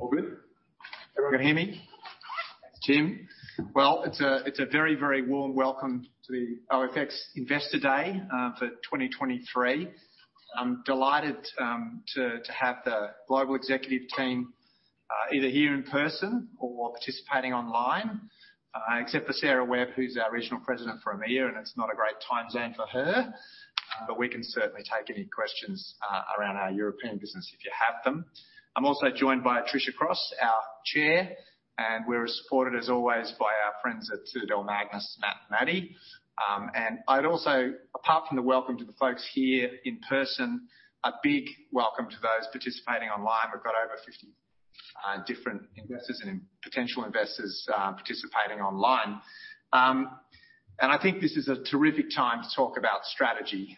All good? Everyone can hear me? Thanks, Jim. Well, it's a very, very warm welcome to the OFX Investor Day for 2023. I'm delighted to have the global executive team either here in person or participating online. Except for Sarah Webb, who's our Regional President for EMEA, and it's not a great time zone for her. We can certainly take any questions around our European business if you have them. I'm also joined by Patricia Cross, our Chair, and we're supported as always by our friends at today, Matt and Maddy. I'd also, apart from the welcome to the folks here in person, a big welcome to those participating online. We've got over 50 different investors and potential investors participating online. I think this is a terrific time to talk about strategy.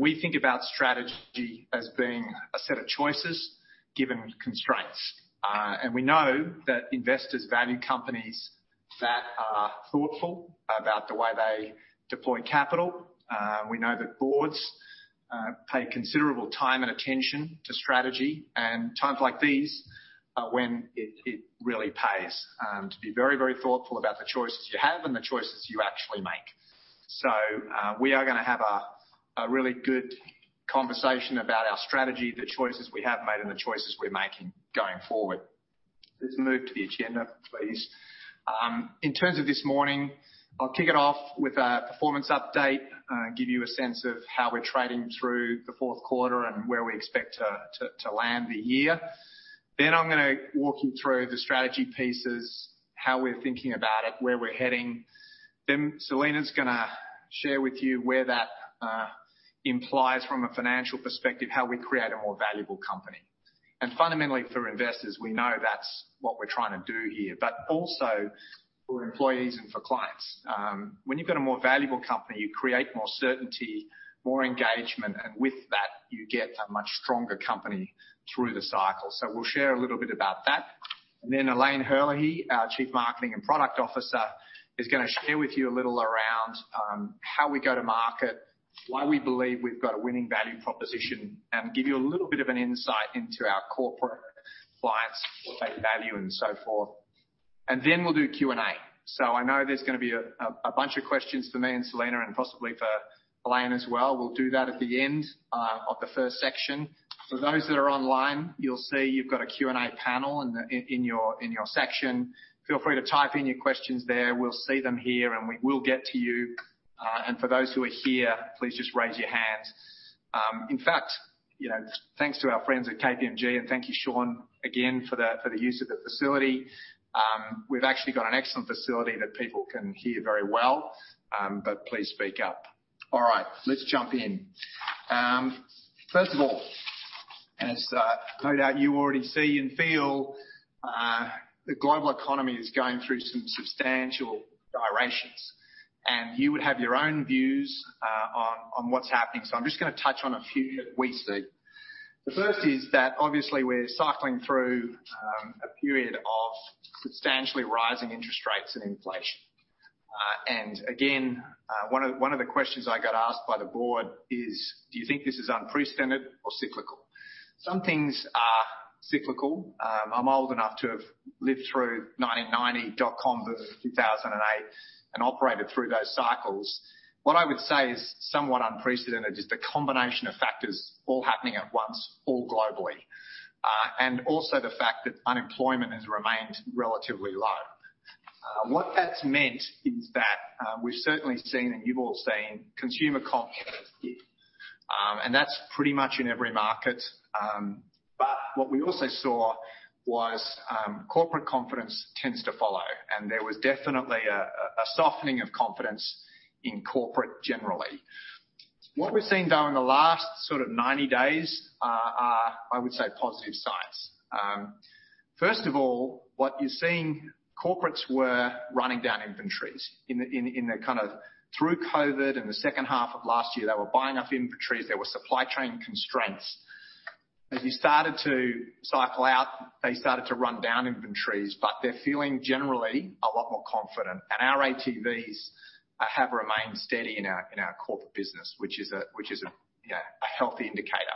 We think about strategy as being a set of choices given constraints. We know that investors value companies that are thoughtful about the way they deploy capital. We know that boards, pay considerable time and attention to strategy. Times like these are when it really pays, to be very thoughtful about the choices you have and the choices you actually make. We are gonna have a really good conversation about our strategy, the choices we have made and the choices we're making going forward. Let's move to the agenda, please. In terms of this morning, I'll kick it off with a performance update, give you a sense of how we're trading through the Q4 and where we expect to land the year. I'm gonna walk you through the strategy pieces, how we're thinking about it, where we're heading. Selena gonna share with you where that implies from a financial perspective, how we create a more valuable company. Fundamentally for investors, we know that's what we're trying to do here, but also for employees and for clients. When you've got a more valuable company, you create more certainty, more engagement, and with that, you get a much stronger company through the cycle. We'll share a little bit about that. Elaine Herlihy, our Chief Marketing and Product Officer, is going to share with you a little around how we go to market, why we believe we have got a winning value proposition, and give you a little bit of an insight into our corporate clients, corporate value, and so forth. We will do Q&A. I know there is going to be a bunch of questions for me and Selena and possibly for Elaine as well. We will do that at the end of the first section. For those that are online, you will see you have got a Q&A panel in your section. Feel free to type in your questions there. We will see them here, and we will get to you. For those who are here, please just raise your hand. In fact, you know, thanks to our friends at KPMG, and thank you, Sean, again for the use of the facility. We've actually got an excellent facility that people can hear very well, but please speak up. All right, let's jump in. First of all, as no doubt you already see and feel, the global economy is going through some substantial gyrations, and you would have your own views on what's happening. I'm just gonna touch on a few that we see. The first is that obviously we're cycling through a period of substantially rising interest rates and inflation. Again, one of the questions I got asked by the board is, do you think this is unprecedented or cyclical? Some things are cyclical. I'm old enough to have lived through 1990, dot com boom, 2008, and operated through those cycles. What I would say is somewhat unprecedented is the combination of factors all happening at once, all globally. Also the fact that unemployment has remained relatively low. What that's meant is that we've certainly seen, and you've all seen consumer confidence dip. That's pretty much in every market. What we also saw was corporate confidence tends to follow. There was definitely a softening of confidence in corporate generally. What we've seen though in the last sort of 90 days are, I would say, positive signs. First of all, what you're seeing, corporates were running down inventories. In the kind of through COVID and the second half of last year, they were buying up inventories. There were supply chain constraints. As you started to cycle out, they started to run down inventories, but they're feeling generally a lot more confident. Our ATVs have remained steady in our corporate business, which is a healthy indicator.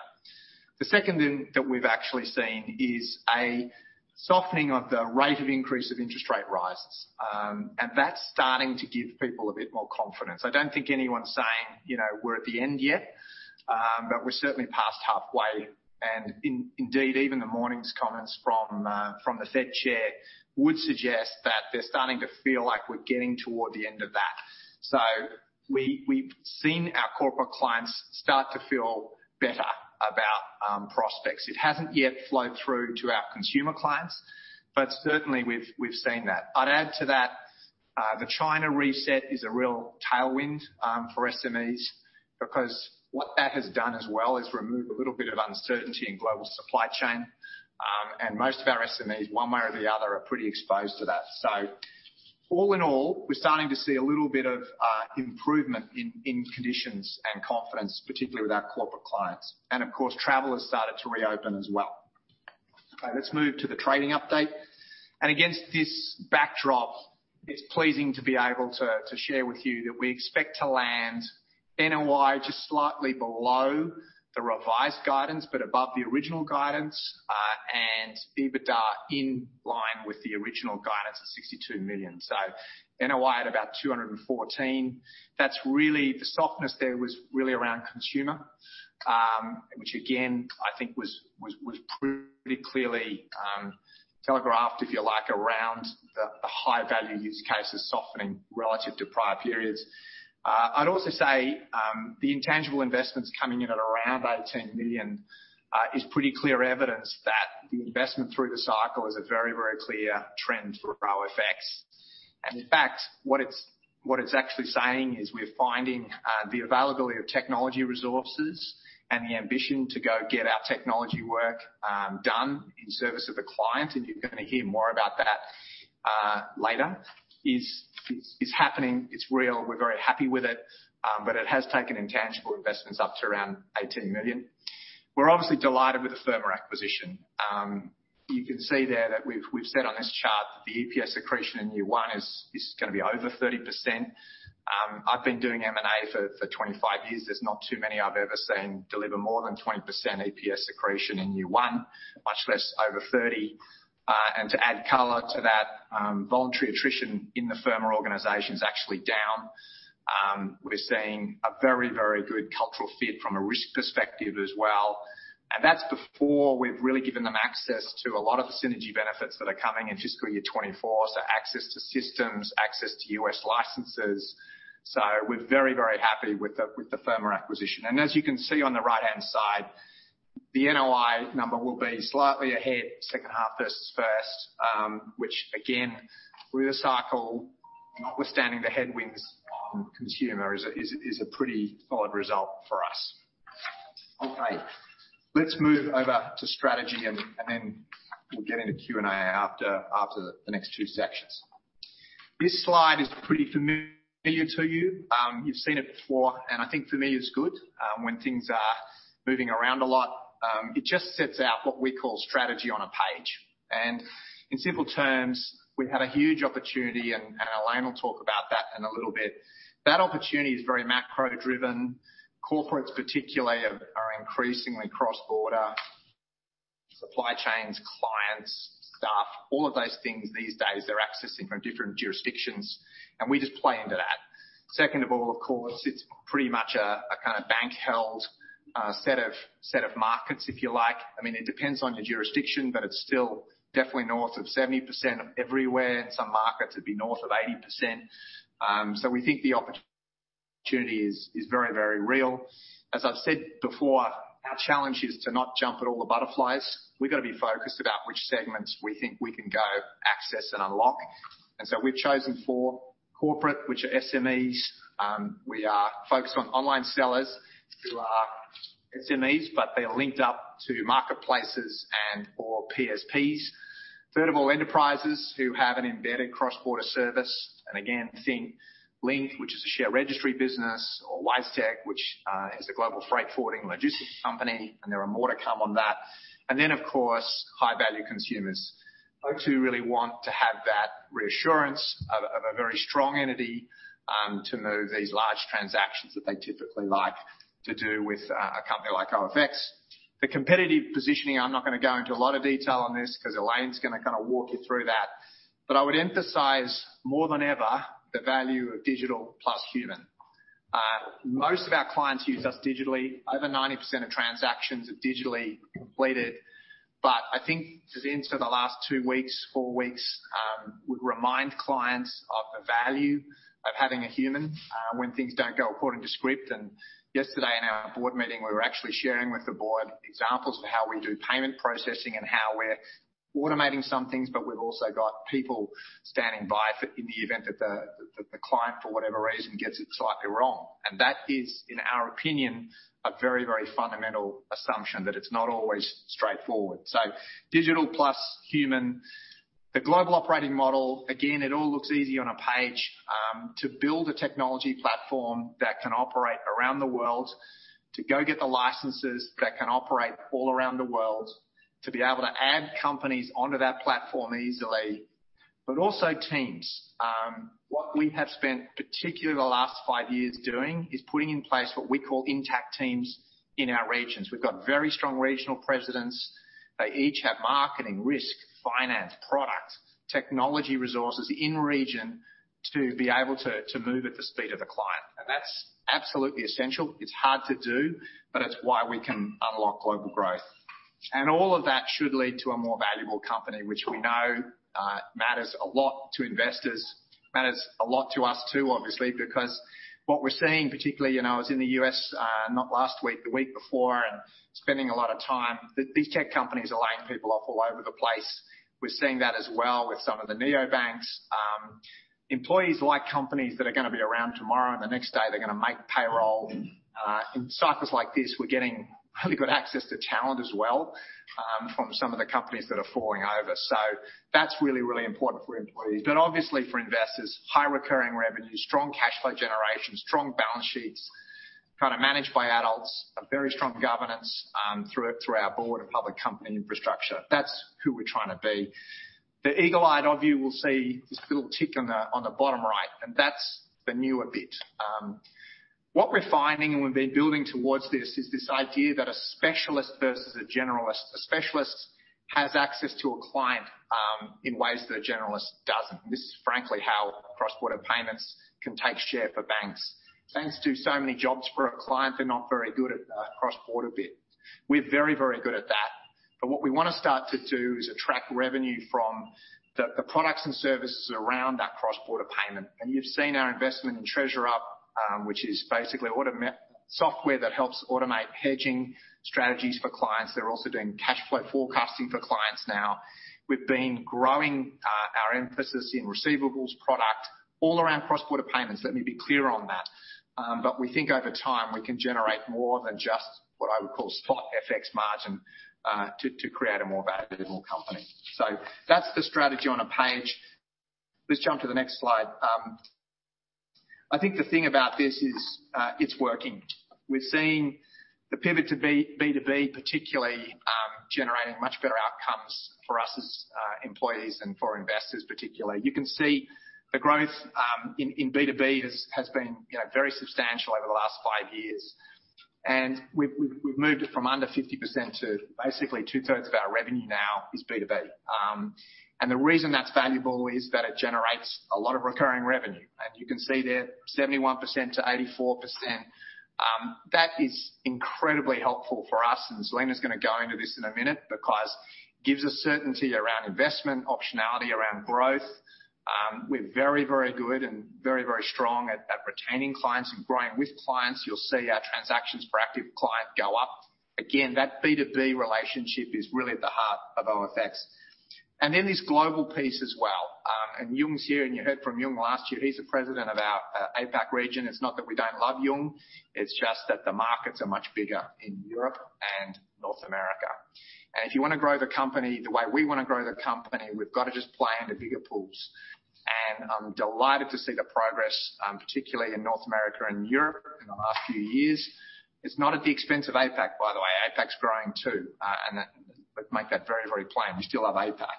The second thing that we've actually seen is a softening of the rate of increase of interest rate rises. That's starting to give people a bit more confidence. I don't think anyone's saying, you know, we're at the end yet, but we're certainly past halfway. Indeed, even the morning's comments from the Fed Chair would suggest that they're starting to feel like we're getting toward the end of that. We've seen our corporate clients start to feel better about prospects. It hasn't yet flowed through to our consumer clients, but certainly we've seen that. I'd add to that, the China reset is a real tailwind for SMEs because what that has done as well is remove a little bit of uncertainty in global supply chain. Most of our SMEs, one way or the other, are pretty exposed to that. All in all, we're starting to see a little bit of improvement in conditions and confidence, particularly with our corporate clients. Of course, travel has started to reopen as well. Okay, let's move to the trading update. Against this backdrop, it's pleasing to be able to share with you that we expect to land NOI just slightly below the revised guidance, but above the original guidance, and EBITDA in line with the original guidance at 62 million. NOI at about 214 million. That's really... The softness there was really around consumer, which again, I think was pretty clearly telegraphed, if you like, around the high-value use cases softening relative to prior periods. I'd also say, the intangible investments coming in at around 18 million, is pretty clear evidence that the investment through the cycle is a very, very clear trend for OFX. In fact, what it's actually saying is we're finding the availability of technology resources and the ambition to go get our technology work done in service of the client, and you're gonna hear more about that later. Is happening. It's real. We're very happy with it. It has taken intangible investments up to around 18 million. We're obviously delighted with the Firma acquisition. You can see there that we've said on this chart that the EPS accretion in year one is gonna be over 30%. I've been doing M&A for 25 years. There's not too many I've ever seen deliver more than 20% EPS accretion in year one, much less over 30. To add color to that, voluntary attrition in the Firma organization is actually down. We're seeing a very, very good cultural fit from a risk perspective as well. That's before we've really given them access to a lot of the synergy benefits that are coming in fiscal year 2024. Access to systems, access to U.S. licenses. We're very, very happy with the Firma acquisition. As you can see on the right-hand side, the NOI number will be slightly ahead second half versus first, which again, through the cycle, notwithstanding the headwinds on consumer is a pretty solid result for us. Let's move over to strategy and then we'll get into Q&A after the next two sections. This slide is pretty familiar to you. You've seen it before, and I think familiar is good when things are moving around a lot. It just sets out what we call strategy on a page. In simple terms, we have a huge opportunity, and Elaine will talk about that in a little bit. That opportunity is very macro-driven. Corporates particularly are increasingly cross-border. Supply chains, clients, staff, all of those things these days, they're accessing from different jurisdictions, and we just play into that. Second of all, of course, it's pretty much a kind of bank-held set of markets, if you like. I mean, it depends on your jurisdiction, but it's still definitely north of 70% of everywhere. In some markets, it'd be north of 80%. We think the opportunity is very real. As I've said before, our challenge is to not jump at all the butterflies. We've got to be focused about which segments we think we can go access and unlock. We've chosen four. Corporate, which are SMEs. We are focused on online sellers who are SMEs, but they're linked up to marketplaces and or PSPs. Third of all, enterprises who have an embedded cross-border service. Think Link, which is a share registry business, or WiseTech, which is a global freight forwarding logistics company, and there are more to come on that. Of course, high-value consumers. Folks who really want to have that reassurance of a very strong entity to move these large transactions that they typically like to do with a company like OFX. The competitive positioning, I'm not gonna go into a lot of detail on this 'cause Elaine's gonna kinda walk you through that. I would emphasize more than ever the value of digital plus human. Most of our clients use us digitally. Over 90% of transactions are digitally completed. I think the events of the last two weeks, four weeks, would remind clients of the value of having a human when things don't go according to script. Yesterday in our board meeting, we were actually sharing with the board examples of how we do payment processing and how we're automating some things, but we've also got people standing by for, in the event that the client, for whatever reason, gets it slightly wrong. That is, in our opinion, a very, very fundamental assumption that it's not always straightforward. Digital plus human. The global operating model. Again, it all looks easy on a page, to build a technology platform that can operate around the world, to go get the licenses that can operate all around the world, to be able to add companies onto that platform easily. Also teams. What we have spent particularly the last five years doing is putting in place what we call intact teams in our regions. We've got very strong regional presidents. They each have marketing, risk, finance, product, technology resources in region to be able to move at the speed of the client. That's absolutely essential. It's hard to do, but it's why we can unlock global growth. All of that should lead to a more valuable company, which we know matters a lot to investors. Matters a lot to us too, obviously, because what we're seeing, particularly, you know, I was in the US, not last week, the week before, and spending a lot of time. These tech companies are laying people off all over the place. We're seeing that as well with some of the neobanks. Employees like companies that are gonna be around tomorrow and the next day. They're gonna make payroll. In cycles like this, we're getting really good access to talent as well, from some of the companies that are falling over. That's really, really important for employees. Obviously for investors, high recurring revenue, strong cash flow generation, strong balance sheets, kind of managed by adults, a very strong governance, through our board of public company infrastructure. That's who we're trying to be. The eagle-eyed of you will see this little tick on the, on the bottom right, that's the newer bit. What we're finding, we've been building towards this, is this idea that a specialist versus a generalist. A specialist has access to a client in ways that a generalist doesn't. This is frankly how cross-border payments can take share for banks. Thanks to so many jobs for a client, they're not very good at that cross-border bit. We're very, very good at that. What we wanna start to do is attract revenue from the products and services around that cross-border payment. You've seen our investment in TreasurUp, which is basically software that helps automate hedging strategies for clients. They're also doing cash flow forecasting for clients now. We've been growing our emphasis in receivables product all around cross-border payments. Let me be clear on that. We think over time, we can generate more than just what I would call spot FX margin to create a more valuable company. That's the strategy on a page. Let's jump to the next slide. I think the thing about this is, it's working. We're seeing the pivot to B2B, particularly, generating much better outcomes for us as employees and for investors particularly. You can see the growth in B2B has been, you know, very substantial over the last five years. We've moved it from under 50% to basically 2/3 of our revenue now is B2B. The reason that's valuable is that it generates a lot of recurring revenue. You can see there 71%-84%. That is incredibly helpful for us, Selena going to go into this in a minute because gives us certainty around investment, optionality around growth. We're very, very good and very, very strong at retaining clients and growing with clients. You'll see our transactions per active client go up. Again, that B2B relationship is really at the heart of OFX. In this global piece as well, Yung's here, and you heard from Yung last year. He's the President of our APAC region. It's not that we don't love Yung, it's just that the markets are much bigger in Europe and North America. If you want to grow the company the way we want to grow the company, we've got to just play in the bigger pools. I'm delighted to see the progress, particularly in North America and Europe in the last few years. It's not at the expense of APAC, by the way. APAC's growing, too. Let's make that very, very plain. We still have APAC.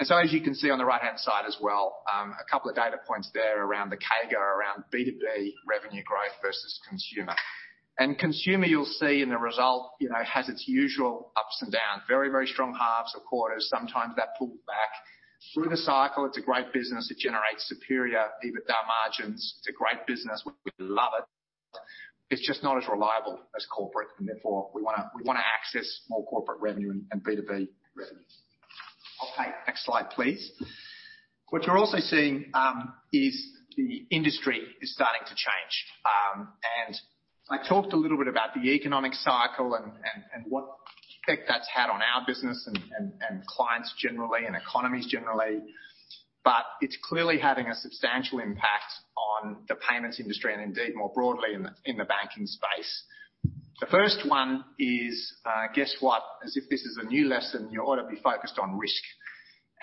As you can see on the right-hand side as well, a couple of data points there around the CAGR, around B2B revenue growth versus consumer. Consumer, you'll see in the result, you know, has its usual ups and downs. Very, very strong halves or quarters. Sometimes that pulls back. Through the cycle, it's a great business. It generates superior EBITDA margins. It's a great business. We love it. It's just not as reliable as corporate, and therefore, we wanna access more corporate revenue and B2B revenue. Next slide, please. What you're also seeing, is the industry is starting to change. I talked a little bit about the economic cycle and what effect that's had on our business and clients generally and economies generally. It's clearly having a substantial impact on the payments industry and indeed more broadly in the banking space. The first one is, guess what? As if this is a new lesson, you ought to be focused on risk.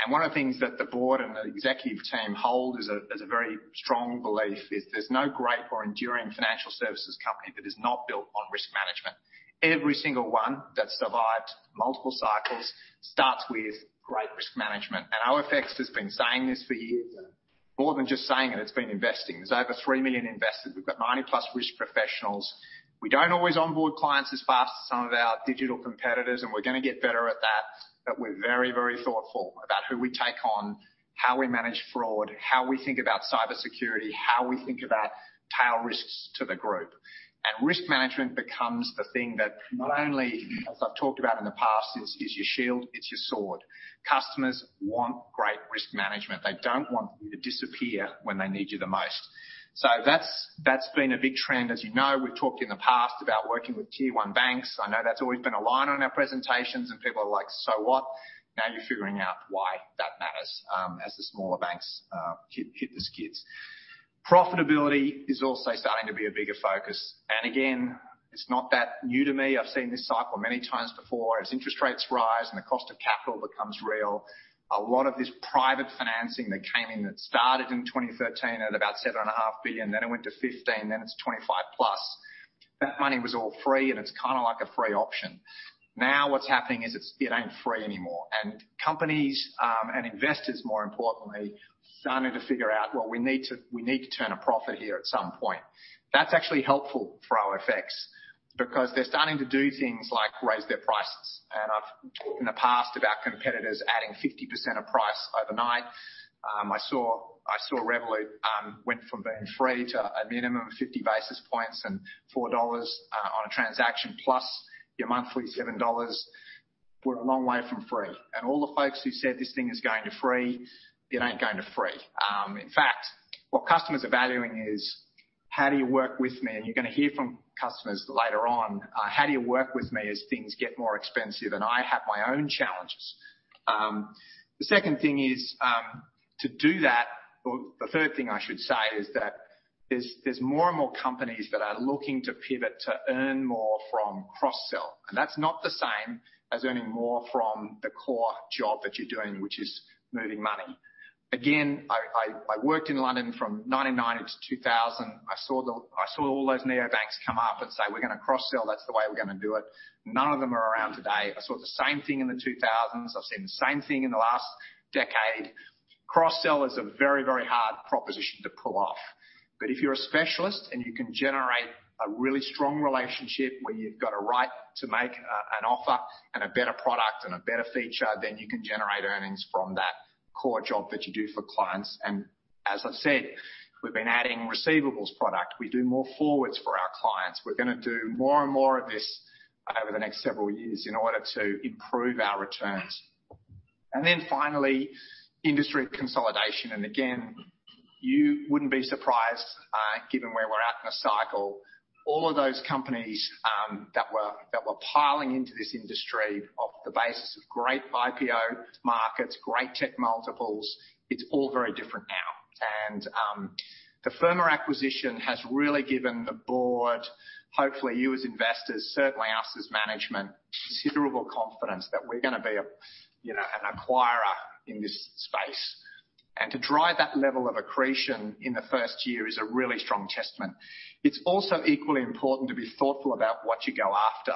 One of the things that the board and the executive team hold as a very strong belief is there's no great or enduring financial services company that is not built on risk management. Every single one that survived multiple cycles starts with great risk management. OFX has been saying this for years. More than just saying it's been investing. There's over 3 million invested. We've got 90-plus risk professionals. We don't always onboard clients as fast as some of our digital competitors, and we're gonna get better at that. We're very, very thoughtful about who we take on, how we manage fraud, how we think about cybersecurity, how we think about tail risks to the group. Risk management becomes the thing that not only, as I've talked about in the past, is your shield, it's your sword. Customers want great risk management. They don't want you to disappear when they need you the most. That's been a big trend. As you know, we've talked in the past about working with tier one banks. I know that's always been a line on our presentations, and people are like, "So what?" Now you're figuring out why that matters, as the smaller banks hit the skids. Profitability is also starting to be a bigger focus. Again, it's not that new to me. I've seen this cycle many times before. As interest rates rise and the cost of capital becomes real, a lot of this private financing that came in, that started in 2013 at about $7.5 billion, then it went to $15 billion, then it's $25 billion+. That money was all free, and it's kinda like a free option. Now what's happening is it ain't free anymore. Companies, and investors, more importantly, starting to figure out, "Well, we need to turn a profit here at some point." That's actually helpful for OFX because they're starting to do things like raise their prices. I've talked in the past about competitors adding 50% of price overnight. I saw Revolut went from being free to a minimum of 50 basis points and $4 on a transaction plus your monthly $7. We're a long way from free. All the folks who said, "This thing is going to free," it ain't going to free. In fact, what customers are valuing is: How do you work with me? You're gonna hear from customers later on, how do you work with me as things get more expensive, and I have my own challenges? The second thing is, or the third thing I should say is that there's more and more companies that are looking to pivot to earn more from cross-sell. That's not the same as earning more from the core job that you're doing, which is moving money. Again, I worked in London from 1990 to 2000. I saw all those neobanks come up and say, "We're gonna cross-sell. That's the way we're gonna do it." None of them are around today. I saw the same thing in the 2000s. I've seen the same thing in the last decade. Cross-sell is a very, very hard proposition to pull off. If you're a specialist, and you can generate a really strong relationship where you've got a right to make an offer and a better product and a better feature, then you can generate earnings from that core job that you do for clients. As I've said, we've been adding receivables product. We do more forwards for our clients. We're gonna do more and more of this over the next several years in order to improve our returns. Finally, industry consolidation. Again, you wouldn't be surprised, given where we're at in the cycle. All of those companies, that were piling into this industry off the basis of great IPO markets, great tech multiples, it's all very different now. The Firma acquisition has really given the board, hopefully you as investors, certainly us as management, considerable confidence that we're gonna be an acquirer in this space. To drive that level of accretion in the first year is a really strong testament. It's also equally important to be thoughtful about what you go after.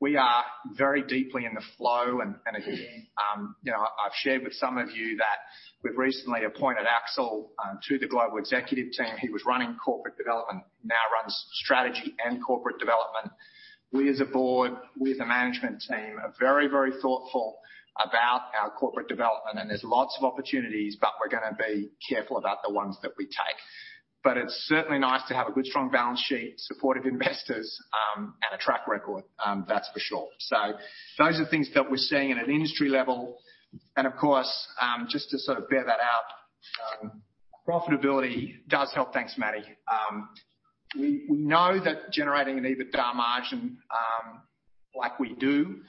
We are very deeply in the flow and again, I've shared with some of you that we've recently appointed Axel to the global executive team. He was running corporate development, now runs strategy and corporate development. We as a board, as a management team are very thoughtful about our corporate development, and there's lots of opportunities, but we're gonna be careful about the ones that we take. It's certainly nice to have a good, strong balance sheet, supportive investors, and a track record, that's for sure. Those are things that we're seeing at an industry level. Of course, just to sort of bear that out, profitability does help. Thanks, Maddy. We know that generating an EBITDA margin, like we do,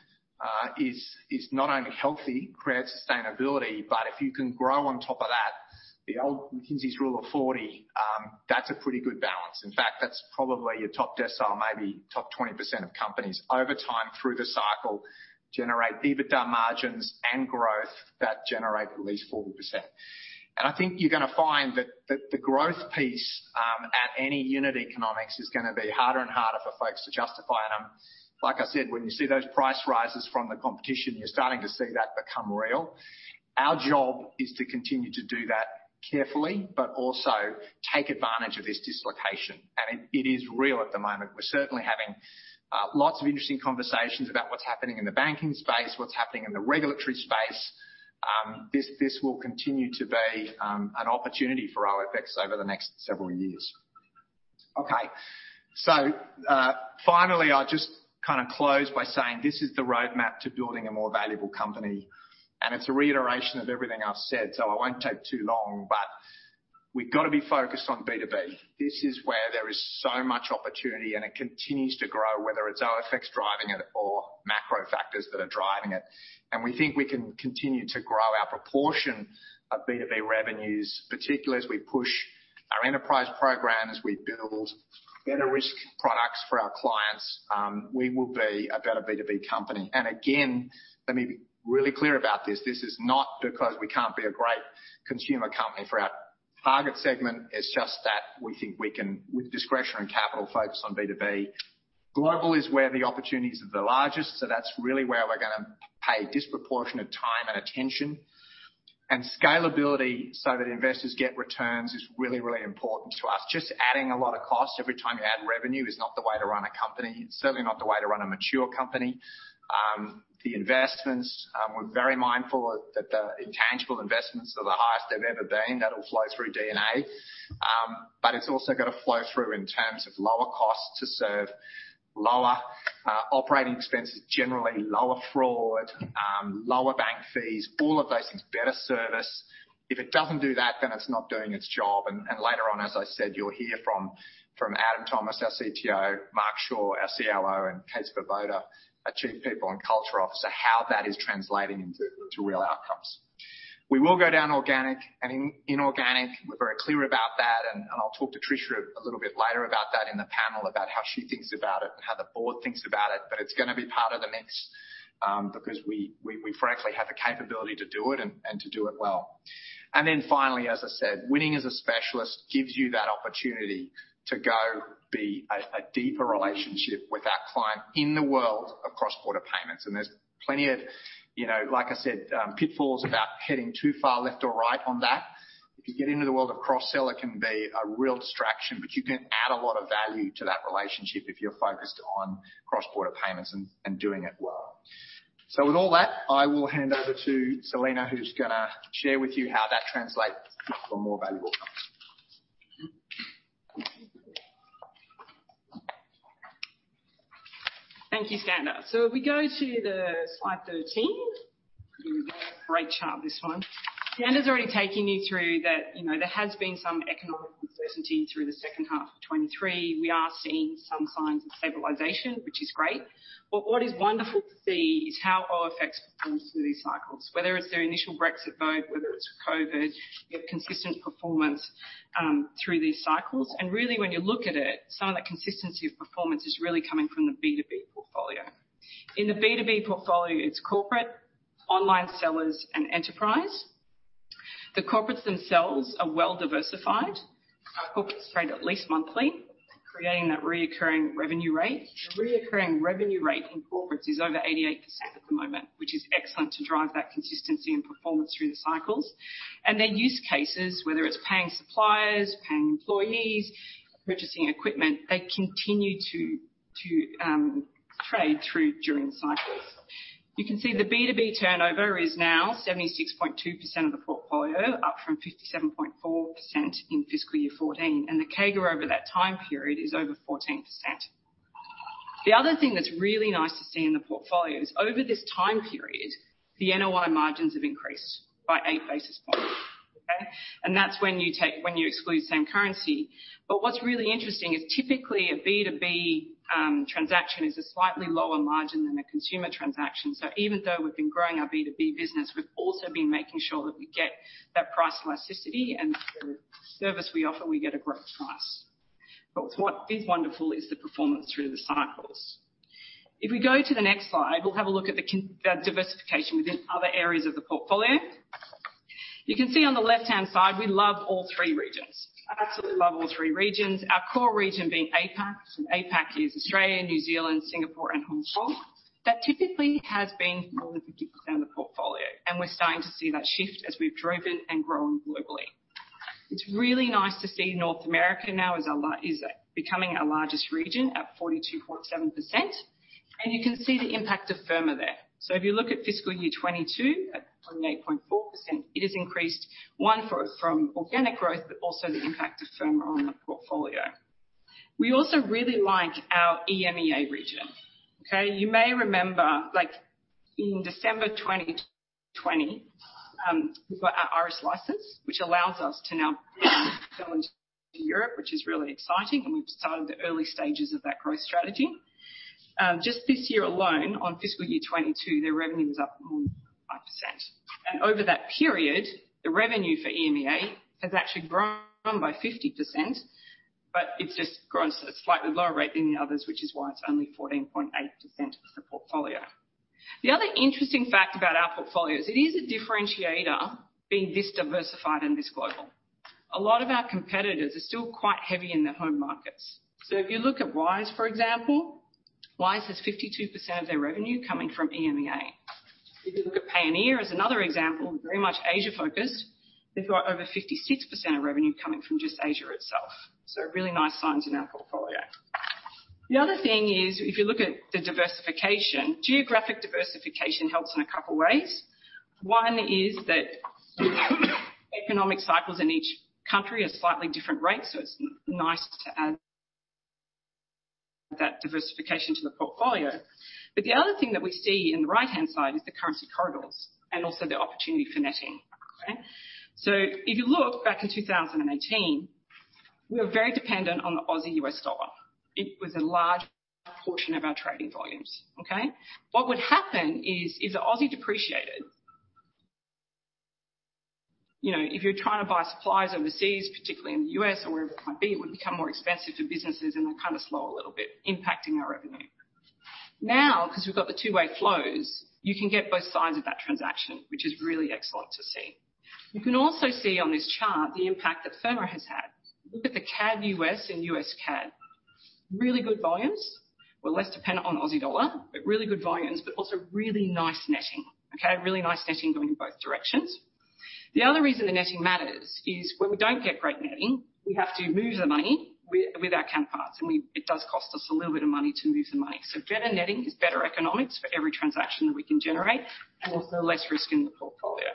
is not only healthy, creates sustainability, but if you can grow on top of that, the old McKinsey's Rule of 40, that's a pretty good balance. In fact, that's probably your top decile, maybe top 20% of companies over time through the cycle generate EBITDA margins and growth that generate at least 40%. I think you're gonna find that the growth piece, at any unit economics is gonna be harder and harder for folks to justify. Like I said, when you see those price rises from the competition, you're starting to see that become real. Our job is to continue to do that carefully, but also take advantage of this dislocation. It is real at the moment. We're certainly having lots of interesting conversations about what's happening in the banking space, what's happening in the regulatory space. This will continue to be an opportunity for OFX over the next several years. Okay. Finally, I'll just kinda close by saying this is the roadmap to building a more valuable company, and it's a reiteration of everything I've said, so I won't take too long. We've got to be focused on B2B. This is where there is so much opportunity, and it continues to grow, whether it's OFX driving it or macro factors that are driving it. We think we can continue to grow our proportion of B2B revenues, particularly as we push our enterprise programs, we build better risk products for our clients, we will be a better B2B company. Again, let me be really clear about this. This is not because we can't be a great consumer company for our target segment. It's just that we think we can, with discretion and capital, focus on B2B. Global is where the opportunities are the largest, so that's really where we're gonna pay disproportionate time and attention. Scalability so that investors get returns is really, really important to us. Just adding a lot of costs every time you add revenue is not the way to run a company. It's certainly not the way to run a mature company. The investments, we're very mindful that the intangible investments are the highest they've ever been. That'll flow through D&A. It's also gonna flow through in terms of lower costs to serve, lower operating expenses, generally lower fraud, lower bank fees, all of those things, better service. If it doesn't do that, then it's not doing its job. Later on, as I said, you'll hear from Adam Thomas, our CTO, Mark Shaw, our COO, and Kate Svoboda, our Chief People and Culture Officer, how that is translating into real outcomes. We will go down organic and inorganic. We're very clear about that, I'll talk to Patricia a little bit later about that in the panel about how she thinks about it and how the board thinks about it. It's gonna be part of the mix, because we frankly have the capability to do it and to do it well. Finally, as I said, winning as a specialist gives you that opportunity to go be a deeper relationship with our client in the world of cross-border payments. There's plenty of, you know, like I said, pitfalls about heading too far left or right on that. If you get into the world of cross-sell, it can be a real distraction, but you can add a lot of value to that relationship if you're focused on cross-border payments and doing it well. With all that, I will hand over to Selena, who's gonna share with you how that translates to a more valuable company. Thank you, Skand. If we go to the slide 13. Great chart, this one. Skand has already taken you through that, you know, there has been some economic uncertainty through the second half of 2023. We are seeing some signs of stabilization, which is great. What is wonderful to see is how OFX performs through these cycles. Whether it's their initial Brexit vote, whether it's COVID, we have consistent performance through these cycles. Really, when you look at it, some of that consistency of performance is really coming from the B2B portfolio. In the B2B portfolio, it's corporate, online sellers, and enterprise. The corporates themselves are well diversified. Our corporates trade at least monthly, creating that reoccurring revenue rate. The reoccurring revenue rate in corporates is over 88% at the moment, which is excellent to drive that consistency and performance through the cycles. Their use cases, whether it's paying suppliers, paying employees, purchasing equipment, they continue to trade through during cycles. You can see the B2B turnover is now 76.2% of the portfolio, up from 57.4% in fiscal year 2014, and the CAGR over that time period is over 14%. The other thing that's really nice to see in the portfolio is over this time period, the NOI margins have increased by 8 basis points. Okay? That's when you exclude same currency. What's really interesting is typically a B2B transaction is a slightly lower margin than a consumer transaction. Even though we've been growing our B2B business, we've also been making sure that we get that price elasticity and for the service we offer, we get a great price. What is wonderful is the performance through the cycles. If we go to the next slide, we'll have a look at the diversification within other areas of the portfolio. You can see on the left-hand side, we love all three regions. Absolutely love all three regions. Our core region being APAC. APAC is Australia, New Zealand, Singapore and Hong Kong. That typically has been more than 50% of the portfolio, and we're starting to see that shift as we've driven and grown globally. It's really nice to see North America now is becoming our largest region at 42.7%. You can see the impact of Firma there. If you look at fiscal year 2022 at 28.4%, it has increased, one, from organic growth, but also the impact of Firma on the portfolio. We also really like our EMEA region. Okay. You may remember, like, in December 2020, we got our Irish EMI licence, which allows us to now go into Europe, which is really exciting, and we've started the early stages of that growth strategy. Just this year alone, on fiscal year 2022, their revenue was up more than 5%. Over that period, the revenue for EMEA has actually grown by 50%, but it's just grown at a slightly lower rate than the others, which is why it's only 14.8% of the portfolio. The other interesting fact about our portfolio is it is a differentiator being this diversified and this global. A lot of our competitors are still quite heavy in their home markets. If you look at Wise, for example, Wise has 52% of their revenue coming from EMEA. If you look at Payoneer as another example, very much Asia-focused. They've got over 56% of revenue coming from just Asia itself. Really nice signs in our portfolio. The other thing is, if you look at the diversification, geographic diversification helps in a couple of ways. One is that economic cycles in each country are slightly different rates, it's nice to add that diversification to the portfolio. The other thing that we see in the right-hand side is the currency corridors and also the opportunity for netting. Okay? If you look back in 2018, we were very dependent on the Aussie/US dollar. It was a large portion of our trading volumes. Okay? What would happen is the Aussie depreciated. You know, if you're trying to buy supplies overseas, particularly in the U.S. or wherever it might be, it would become more expensive for businesses, and they kind of slow a little bit, impacting our revenue. 'Cause we've got the two-way flows, you can get both sides of that transaction, which is really excellent to see. You can also see on this chart the impact that Firma has had. Look at the CAD/U.S. and U.S./CAD. Really good volumes. We're less dependent on Aussie dollar, but really good volumes, but also really nice netting. Okay? Really nice netting going in both directions. The other reason the netting matters is when we don't get great netting, we have to move the money with our counterparts, and it does cost us a little bit of money to move the money. Better netting is better economics for every transaction that we can generate and also less risk in the portfolio.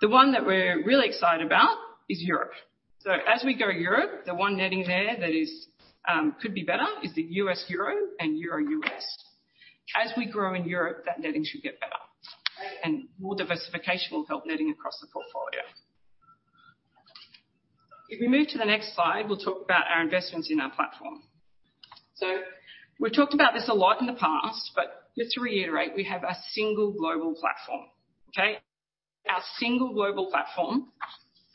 The one that we're really excited about is Europe. As we go Europe, the one netting there that could be better is the US/Euro and Euro/US. As we grow in Europe, that netting should get better, and more diversification will help netting across the portfolio. If we move to the next slide, we'll talk about our investments in our platform. We've talked about this a lot in the past, but just to reiterate, we have a single global platform. Okay? Our single global platform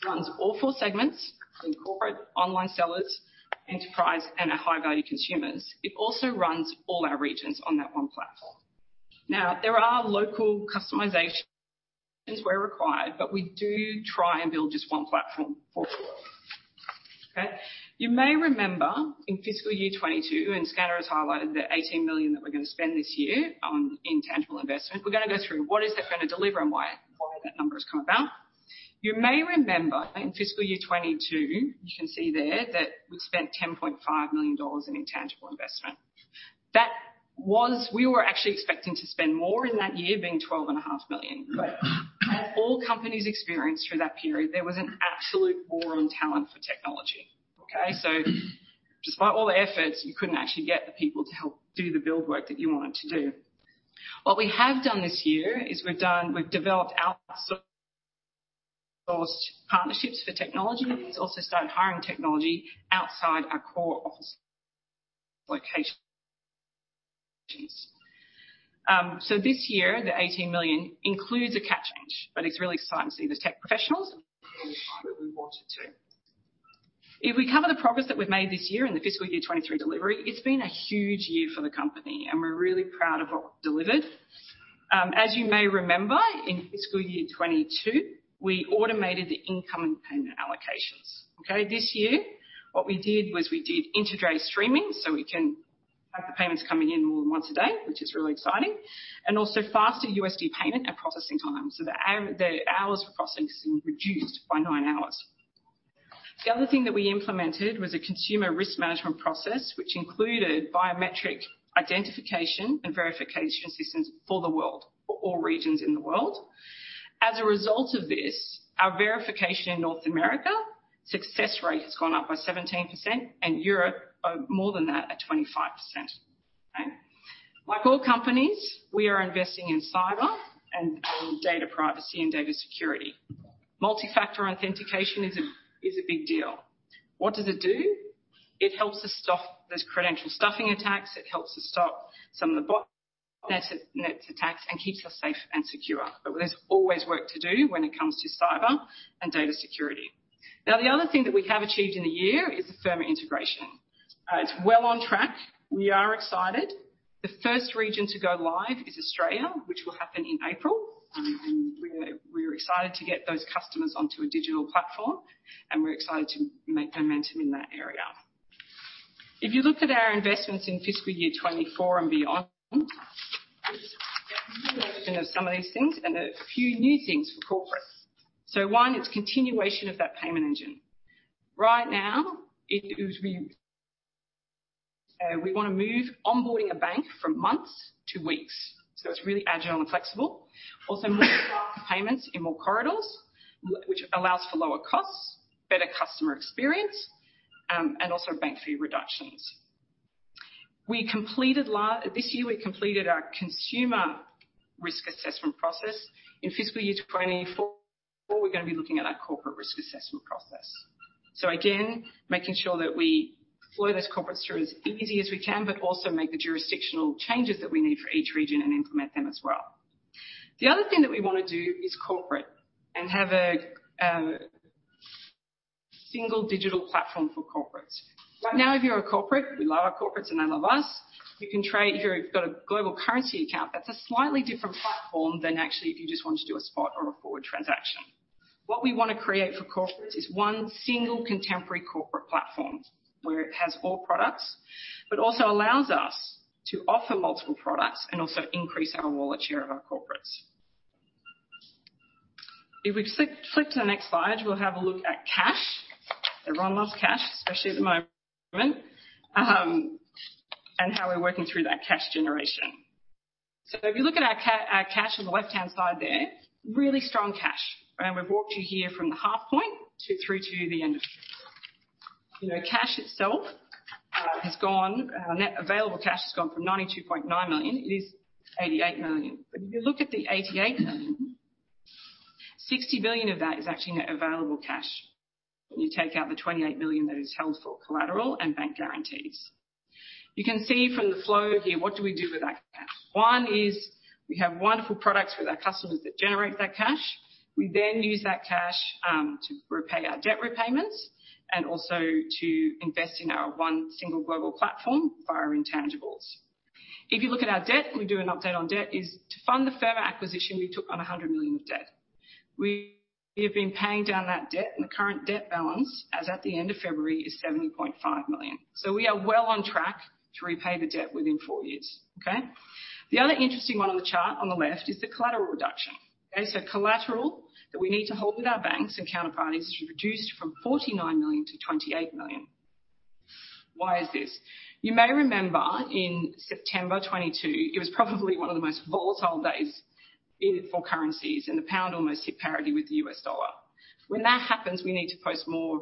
runs all four segments in corporate, online sellers, enterprise, and our high-value consumers. It also runs all our regions on that one platform. There are local customizations where required, but we do try and build just one platform for four. Okay? You may remember in fiscal year 2022, Skander has highlighted the 18 million that we're gonna spend this year on intangible investment. We're gonna go through what is that gonna deliver and why that number has come about. You may remember in fiscal year 2022, you can see there that we spent 10.5 million dollars in intangible investment. We were actually expecting to spend more in that year being 12.5 million. As all companies experienced through that period, there was an absolute war on talent for technology. Okay. Despite all the efforts, you couldn't actually get the people to help do the build work that you wanted to do. What we have done this year is we've developed outsourced partnerships for technology. We've also started hiring technology outside our core office locations. This year, the 18 million includes a catch change, but it's really exciting to see the tech professionals that we wanted to. We cover the progress that we've made this year in the fiscal year 2023 delivery. It's been a huge year for the company, and we're really proud of what we've delivered. As you may remember, in fiscal year 2022, we automated the incoming payment allocations. This year, what we did was we did integrated streaming, so we can have the payments coming in more than once a day, which is really exciting, and also faster USD payment and processing time. The hours for processing reduced by 9 hours. The other thing that we implemented was a consumer risk management process, which included biometric identification and verification systems for the world, for all regions in the world. As a result of this, our verification in North America, success rate has gone up by 17%, and Europe by more than that at 25%. Okay. Like all companies, we are investing in cyber and data privacy and data security. Multi-factor authentication is a big deal. What does it do? It helps us stop those credential stuffing attacks. It helps us stop some of the botnet attacks and keeps us safe and secure. There's always work to do when it comes to cyber and data security. The other thing that we have achieved in a year is the Firma integration. It's well on track. We are excited. The first region to go live is Australia, which will happen in April. We're excited to get those customers onto a digital platform, and we're excited to make momentum in that area. If you look at our investments in fiscal year 2024 and beyond, you get an indication of some of these things and a few new things for corporate. One, it's continuation of that payment engine. Right now we wanna move onboarding a bank from months to weeks, so it's really agile and flexible. More payments in more corridors, which allows for lower costs, better customer experience, and also bank fee reductions. We completed This year, we completed our consumer risk assessment process. In fiscal year 2024, we're gonna be looking at our corporate risk assessment process. Again, making sure that we flow those corporates through as easy as we can, but also make the jurisdictional changes that we need for each region and implement them as well. The other thing that we wanna do is corporate and have a single digital platform for corporates. Right now, if you're a corporate, we love our corporates, and they love us. You can trade. If you've got a Global Currency Account, that's a slightly different platform than actually if you just want to do a spot or a forward transaction. What we wanna create for corporates is one single contemporary corporate platform where it has all products, but also allows us to offer multiple products and also increase our wallet share of our corporates. If we flip to the next slide, we'll have a look at cash. Everyone loves cash, especially at the moment. And how we're working through that cash generation. If you look at our cash on the left-hand side there, really strong cash. We've walked you here from the half point to through to the end. You know, cash itself has gone. Net available cash has gone from 92.9 million. It is 88 million. If you look at the 88 million, 60 million of that is actually net available cash. When you take out the 28 million that is held for collateral and bank guarantees. You can see from the flow here, what do we do with that cash? One is we have wonderful products with our customers that generate that cash. We use that cash to repay our debt repayments and also to invest in our one single global platform via our intangibles. If you look at our debt, we do an update on debt, is to fund the Firma acquisition we took on 100 million of debt. We have been paying down that debt and the current debt balance, as at the end of February, is 70.5 million. We are well on track to repay the debt within four years. Okay. The other interesting one on the chart on the left is the collateral reduction. Okay. Collateral that we need to hold with our banks and counterparties is reduced from 49 million to 28 million. Why is this? You may remember in September 2022, it was probably one of the most volatile days for currencies, and the pound almost hit parity with the US dollar. When that happens, we need to post more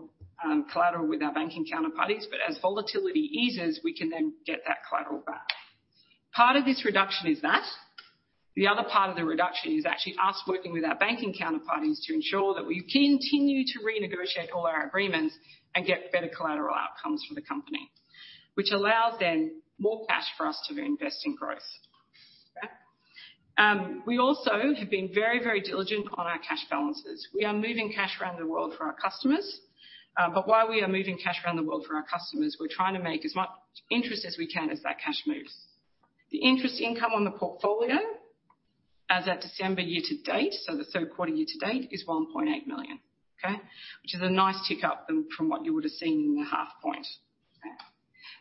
collateral with our banking counterparties. As volatility eases, we can then get that collateral back. Part of this reduction is that. The other part of the reduction is actually us working with our banking counterparties to ensure that we continue to renegotiate all our agreements and get better collateral outcomes for the company, which allows then more cash for us to invest in growth. Okay. We also have been very, very diligent on our cash balances. We are moving cash around the world for our customers. While we are moving cash around the world for our customers, we're trying to make as much interest as we can as that cash moves. The interest income on the portfolio as at December year-to-date, so the Q3 year-to-date, is 1.8 million. Okay. Which is a nice tick up from what you would have seen in the half point. Okay.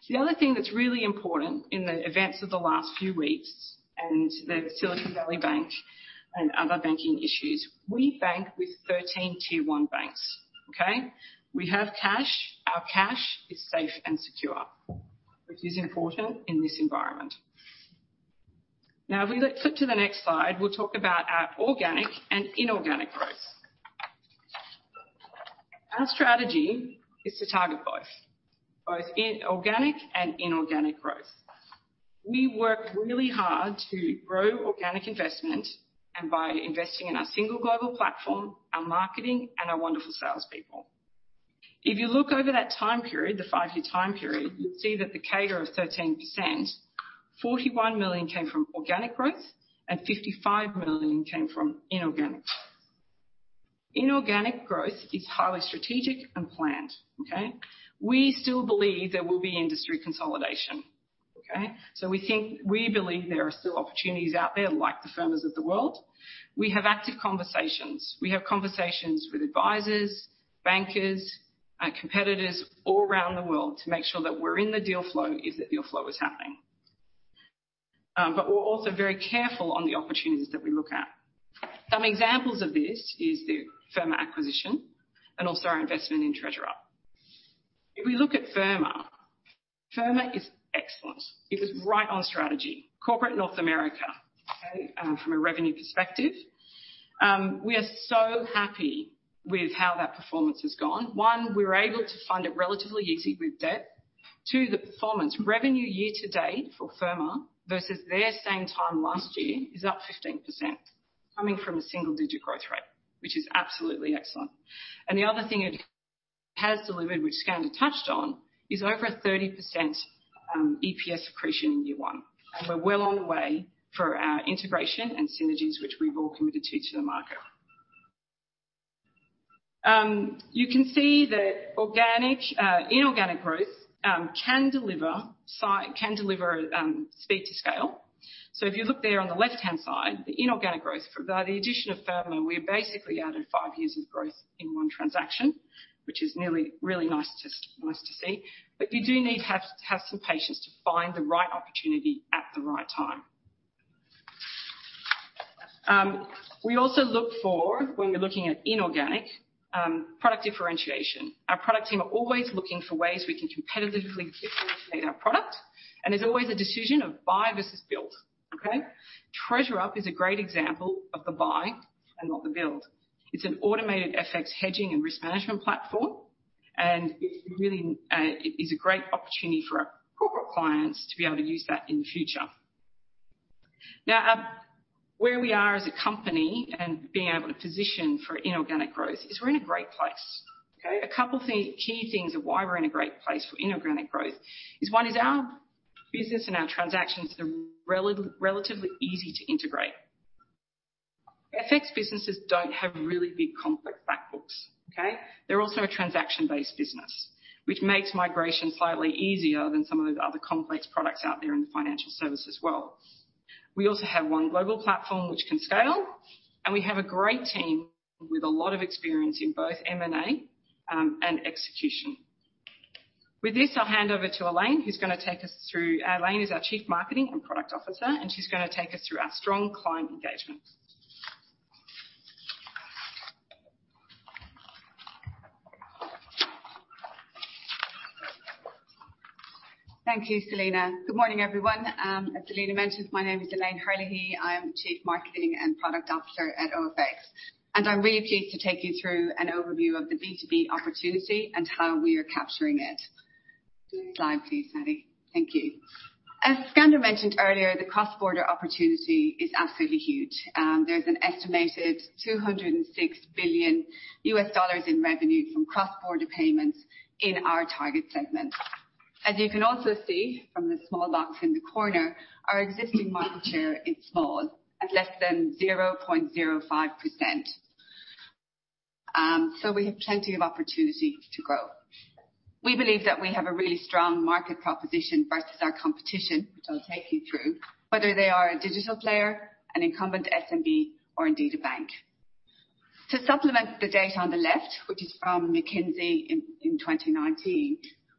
The other thing that's really important in the events of the last few weeks and the Silicon Valley Bank and other banking issues, we bank with 13 tier one banks. Okay. We have cash. Our cash is safe and secure, which is important in this environment. If we flip to the next slide, we'll talk about our organic and inorganic growth. Our strategy is to target both organic and inorganic growth. We work really hard to grow organic investment and by investing in our single global platform, our marketing, and our wonderful salespeople. If you look over that time period, the five-year time period, you'll see that the CAGR of 13%-AUD 41 million came from organic growth and 55 million came from inorganic. Inorganic growth is highly strategic and planned. Okay? We still believe there will be industry consolidation. Okay? We think, we believe there are still opportunities out there like the Firmas of the world. We have active conversations. We have conversations with advisors, bankers, and competitors all around the world to make sure that we're in the deal flow if the deal flow is happening. We're also very careful on the opportunities that we look at. Some examples of this is the Firma acquisition and also our investment in TreasurUp. If we look at Firma is excellent. It was right on strategy. Corporate North America, okay, from a revenue perspective. We are so happy with how that performance has gone. One, we were able to fund it relatively easy with debt. Two, the performance. Revenue year to date for Firma versus their same time last year is up 15% coming from a single-digit growth rate, which is absolutely excellent. The other thing it has delivered, which Skander touched on, is over a 30% EPS accretion in year one. We're well on the way for our integration and synergies, which we've all committed to the market. You can see that inorganic growth can deliver speed to scale. If you look there on the left-hand side, the inorganic growth. By the addition of Firma, we basically added five years of growth in one transaction, which is nearly really nice to see. You do need to have some patience to find the right opportunity at the right time. We also look for when we're looking at inorganic product differentiation. Our product team are always looking for ways we can competitively differentiate our product, and there's always a decision of buy versus build. Okay? TreasurUp is a great example of the buy and not the build. It's an automated FX hedging and risk management platform, and it's really, is a great opportunity for our corporate clients to be able to use that in the future. Where we are as a company and being able to position for inorganic growth is we're in a great place. Okay? A couple thing, key things of why we're in a great place for inorganic growth is, one is our business and our transactions are relatively easy to integrate. FX businesses don't have really big, complex back books. Okay? They're also a transaction-based business, which makes migration slightly easier than some of the other complex products out there in the financial service as well. We also have one global platform which can scale. We have a great team with a lot of experience in both M&A and execution. With this, I'll hand over to Elaine, who's gonna take us through. Elaine is our Chief Marketing and Product Officer. She's gonna take us through our strong client engagement. Thank you, Selena. Good morning, everyone. As Selena mentioned, my name is Elaine Herlihy. I am the Chief Marketing and Product Officer at OFX, and I'm really pleased to take you through an overview of the B2B opportunity and how we are capturing it. Slide please, Maddy. Thank you. As Skander mentioned earlier, the cross-border opportunity is absolutely huge. There's an estimated $206 billion in revenue from cross-border payments in our target segment. As you can also see from the small box in the corner, our existing market share is small, at less than 0.05%. We have plenty of opportunity to grow. We believe that we have a really strong market proposition versus our competition, which I'll take you through, whether they are a digital player, an incumbent SMB, or indeed a bank. To supplement the data on the left, which is from McKinsey in 2019,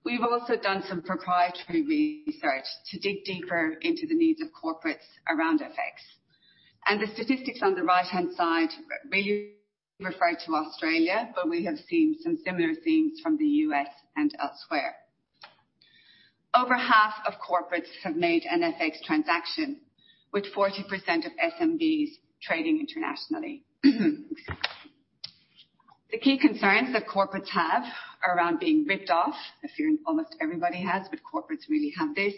we've also done some proprietary research to dig deeper into the needs of corporates around FX. The statistics on the right-hand side refer to Australia, but we have seen some similar themes from the US and elsewhere. Over half of corporates have made an FX transaction, with 40% of SMBs trading internationally. The key concerns that corporates have are around being ripped off. A fear almost everybody has, but corporates really have this,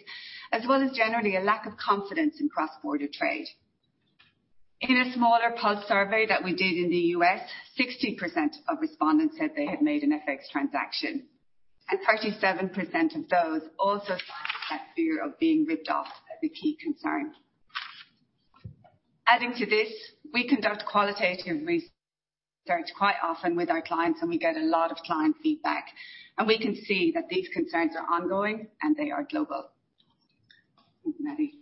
as well as generally a lack of confidence in cross-border trade. In a smaller pulse survey that we did in the US, 60% of respondents said they had made an FX transaction, and 37% of those also cite that fear of being ripped off as a key concern. Adding to this, we conduct qualitative research quite often with our clients, and we get a lot of client feedback, and we can see that these concerns are ongoing, and they are global. Thanks, Maddy.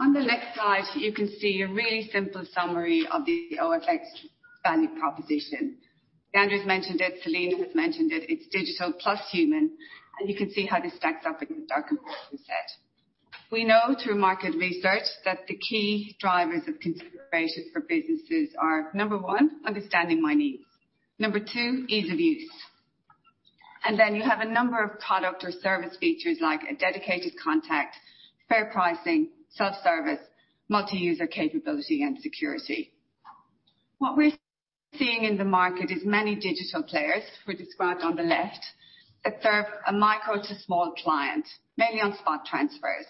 On the left side, you can see a really simple summary of the OFX value proposition. Skander's mentioned it. Selena has mentioned it. It's digital plus human, and you can see how this stacks up against our competitive set. We know through market research that the key drivers of consideration for businesses are, number one, understanding my needs. Number two, ease of use. You have a number of product or service features like a dedicated contact, fair pricing, self-service, multi-user capability and security. What we're seeing in the market is many digital players, who are described on the left, that serve a micro to small client, mainly on spot transfers.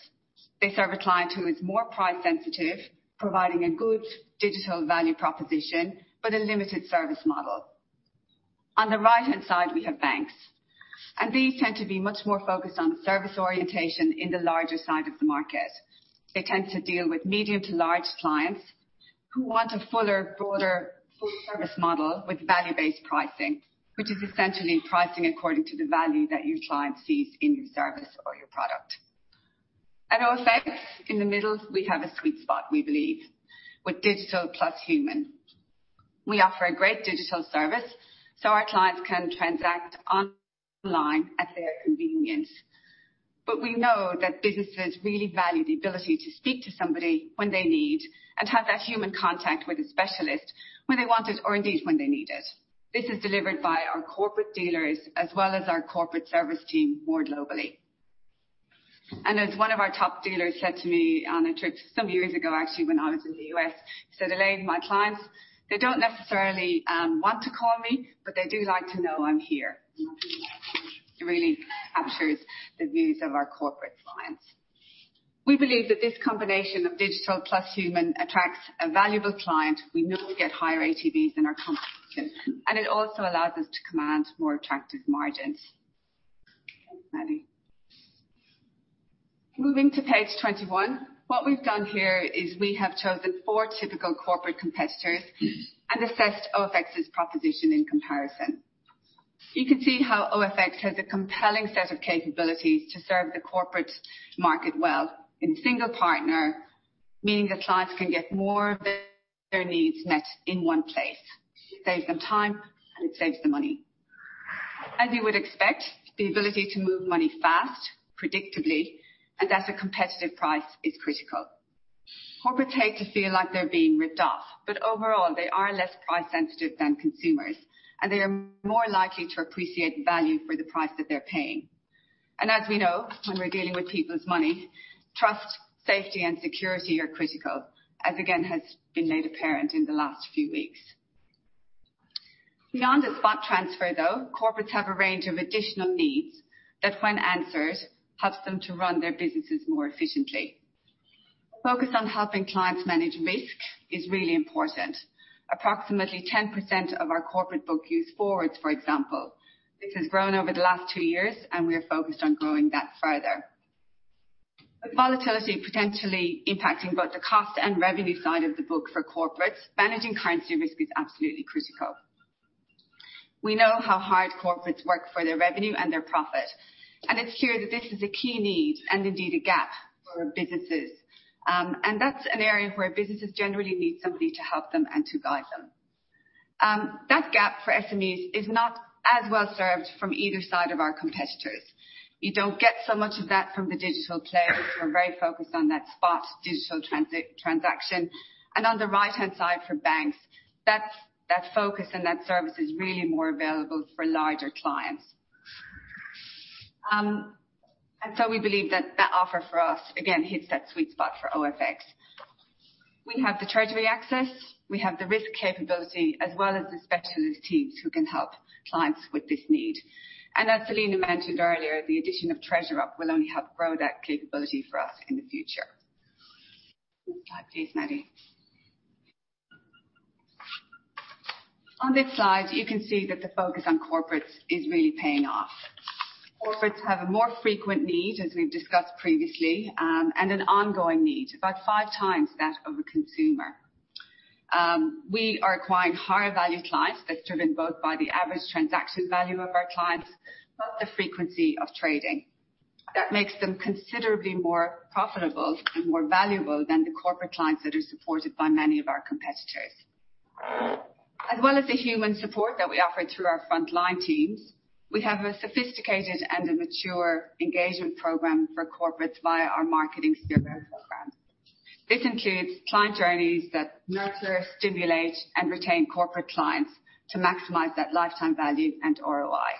They serve a client who is more price sensitive, providing a good digital value proposition but a limited service model. On the right-hand side, we have banks. These tend to be much more focused on service orientation in the larger side of the market. They tend to deal with medium to large clients who want a fuller, broader, full service model with value-based pricing, which is essentially pricing according to the value that your client sees in your service or your product. At OFX, in the middle, we have a sweet spot we believe, with digital plus human. We offer a great digital service, so our clients can transact online at their convenience. We know that businesses really value the ability to speak to somebody when they need and have that human contact with a specialist when they want it or indeed when they need it. This is delivered by our corporate dealers as well as our corporate service team more globally. As one of our top dealers said to me on a trip some years ago, actually when I was in the U.S. He said, "Elaine, my clients, they don't necessarily want to call me, but they do like to know I'm here." It really captures the views of our corporate clients. We believe that this combination of digital plus human attracts a valuable client. We know we get higher ATVs than our competition, and it also allows us to command more attractive margins. Maddy. Moving to page 21. What we've done here is we have chosen four typical corporate competitors and assessed OFX's proposition in comparison. You can see how OFX has a compelling set of capabilities to serve the corporate market well. In single partner, meaning that clients can get more of their needs met in one place. It saves them time, it saves them money. As you would expect, the ability to move money fast, predictably, and at a competitive price is critical. Overall, they are less price sensitive than consumers, and they are more likely to appreciate value for the price that they're paying. As we know, when we're dealing with people's money, trust, safety and security are critical, as again has been made apparent in the last few weeks. Beyond a spot transfer, though, corporates have a range of additional needs that when answered, helps them to run their businesses more efficiently. Focus on helping clients manage risk is really important. Approximately 10% of our corporate book use forwards, for example. This has grown over the last two years. We are focused on growing that further. With volatility potentially impacting both the cost and revenue side of the book for corporates, managing currency risk is absolutely critical. We know how hard corporates work for their revenue and their profit. It's clear that this is a key need and indeed a gap for businesses. That's an area where businesses generally need somebody to help them and to guide them. That gap for SMEs is not as well served from either side of our competitors. You don't get so much of that from the digital players who are very focused on that spot digital transaction. On the right-hand side for banks, that focus and that service is really more available for larger clients. We believe that that offer for us again hits that sweet spot for OFX. We have the treasury access, we have the risk capability as well as the specialist teams who can help clients with this need. As Selena mentioned earlier, the addition of TreasurUp will only help grow that capability for us in the future. Next slide, please, Maddy. On this slide, you can see that the focus on corporates is really paying off. Corporates have a more frequent need, as we've discussed previously, and an ongoing need, about five times that of a consumer. We are acquiring higher value clients that's driven both by the average transaction value of our clients, but the frequency of trading. That makes them considerably more profitable and more valuable than the corporate clients that are supported by many of our competitors. As well as the human support that we offer through our frontline teams, we have a sophisticated and a mature engagement program for corporates via our marketing program. This includes client journeys that nurture, stimulate, and retain corporate clients to maximize that lifetime value and ROI.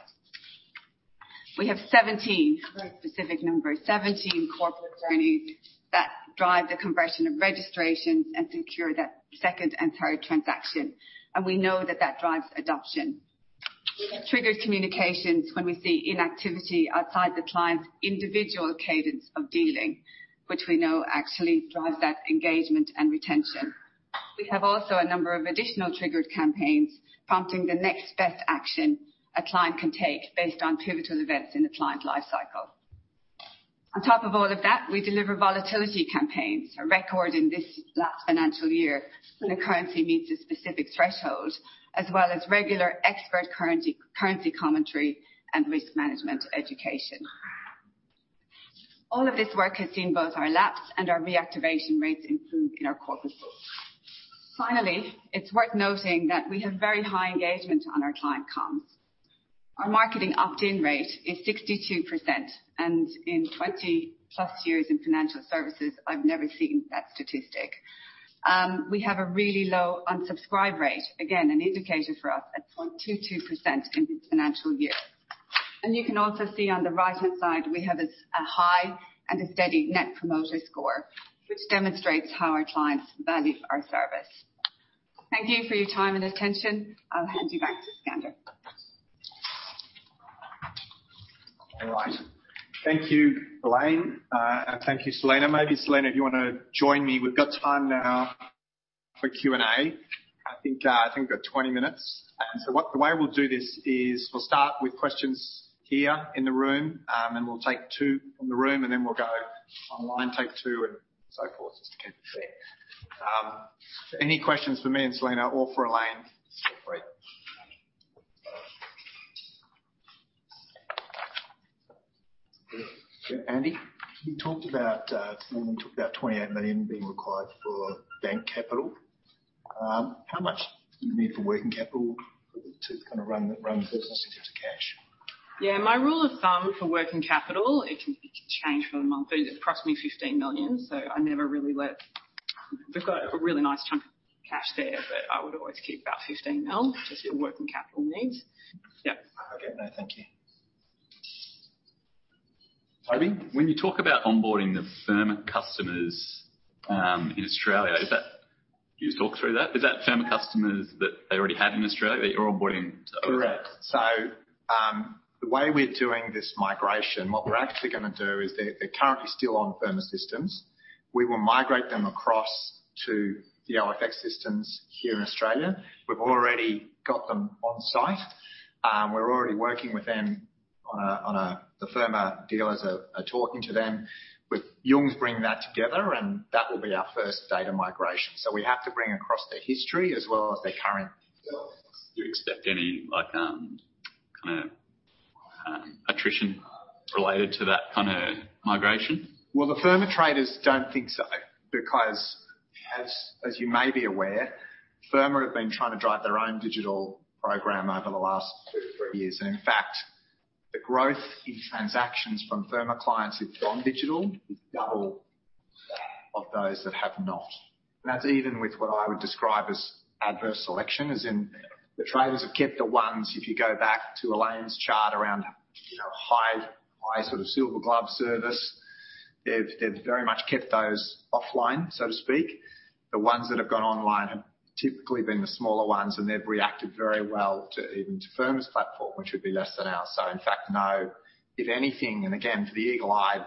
We have 17, very specific number, 17 corporate journeys that drive the conversion of registrations and secure that second and third transaction. We know that that drives adoption. We have triggered communications when we see inactivity outside the client's individual cadence of dealing, which we know actually drives that engagement and retention. We have also a number of additional triggered campaigns prompting the next best action a client can take based on pivotal events in the client life cycle. On top of all of that, we deliver volatility campaigns, a record in this last financial year when the currency meets a specific threshold, as well as regular expert currency commentary and risk management education. All of this work has seen both our lapse and our reactivation rates improve in our corporate book. Finally, it's worth noting that we have very high engagement on our client comms. Our marketing opt-in rate is 62%. In 20+ years in financial services, I've never seen that statistic. We have a really low unsubscribe rate. Again, an indicator for us at 0.22% in this financial year. You can also see on the right-hand side, we have a high and a steady Net Promoter Score, which demonstrates how our clients value our service. Thank you for your time and attention. I'll hand you back to Skander. All right. Thank you, Elaine. Thank you, Selena. Maybe Selena, if you wanna join me. We've got time now for Q&A. I think, I think we've got 20 minutes. The way we'll do this is we'll start with questions here in the room. We'll take two from the room, and then we'll go online, take two and so forth, just to keep it fair. Any questions for me and Selena or for Elaine separately? Andy, you talked about today took about 28 million being required for bank capital. How much do you need for working capital to kinda run the business in terms of cash? Yeah. My rule of thumb for working capital, it can change from approximately 15 million. We've got a really nice chunk of cash there, I would always keep about 15 million just for working capital needs. Yeah. Okay. No, thank you. Tony, when you talk about onboarding the Firma customers in Australia, can you just talk through that? Is that Firma customers that they already have in Australia that you're onboarding? Correct. The way we're doing this migration, what we're actually gonna do is they're currently still on Firma systems. We will migrate them across to the OFX systems here in Australia. We've already got them on-site. We're already working with them. The Firma dealers are talking to them. With Yung bringing that together and that will be our first data migration. We have to bring across their history as well as their current details. Do you expect any like, kinda, attrition related to that kinda migration? Well, the Firma traders don't think so because as you may be aware, Firma have been trying to drive their own digital program over the last two to three years. In fact, the growth in transactions from Firma clients who've gone digital is double of those that have not. That's even with what I would describe as adverse selection, as in the traders have kept the ones, if you go back to Elaine's chart around, you know, high sort of silver glove service, they've very much kept those offline, so to speak. The ones that have gone online have typically been the smaller ones, and they've reacted very well to, even to Firma's platform, which would be less than ours. In fact, no. If anything, again, for the eagle-eyed,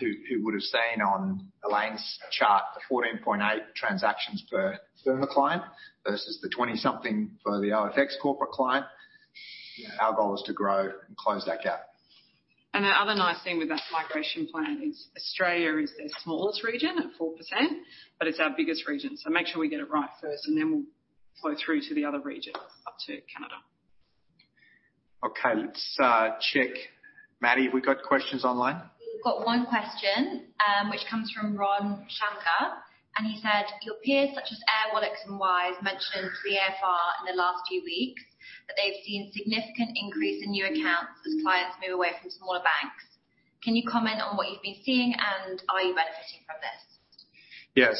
who would've seen on Elaine's chart, the 14.8 transactions per Firma client versus the 20 something for the OFX corporate client, our goal is to grow and close that gap. The other nice thing with that migration plan is Australia is their smallest region at 4%, but it's our biggest region. Make sure we get it right first, and then we'll flow through to the other regions up to Canada. Okay. Let's check. Maddy, have we got questions online? We've got one question, which comes from Ron Shamgar. He said, "Your peers such as Airwallex and Wise mentioned to the AFR in the last few weeks that they've seen significant increase in new accounts as clients move away from smaller banks. Can you comment on what you've been seeing and are you benefiting from this? Yeah.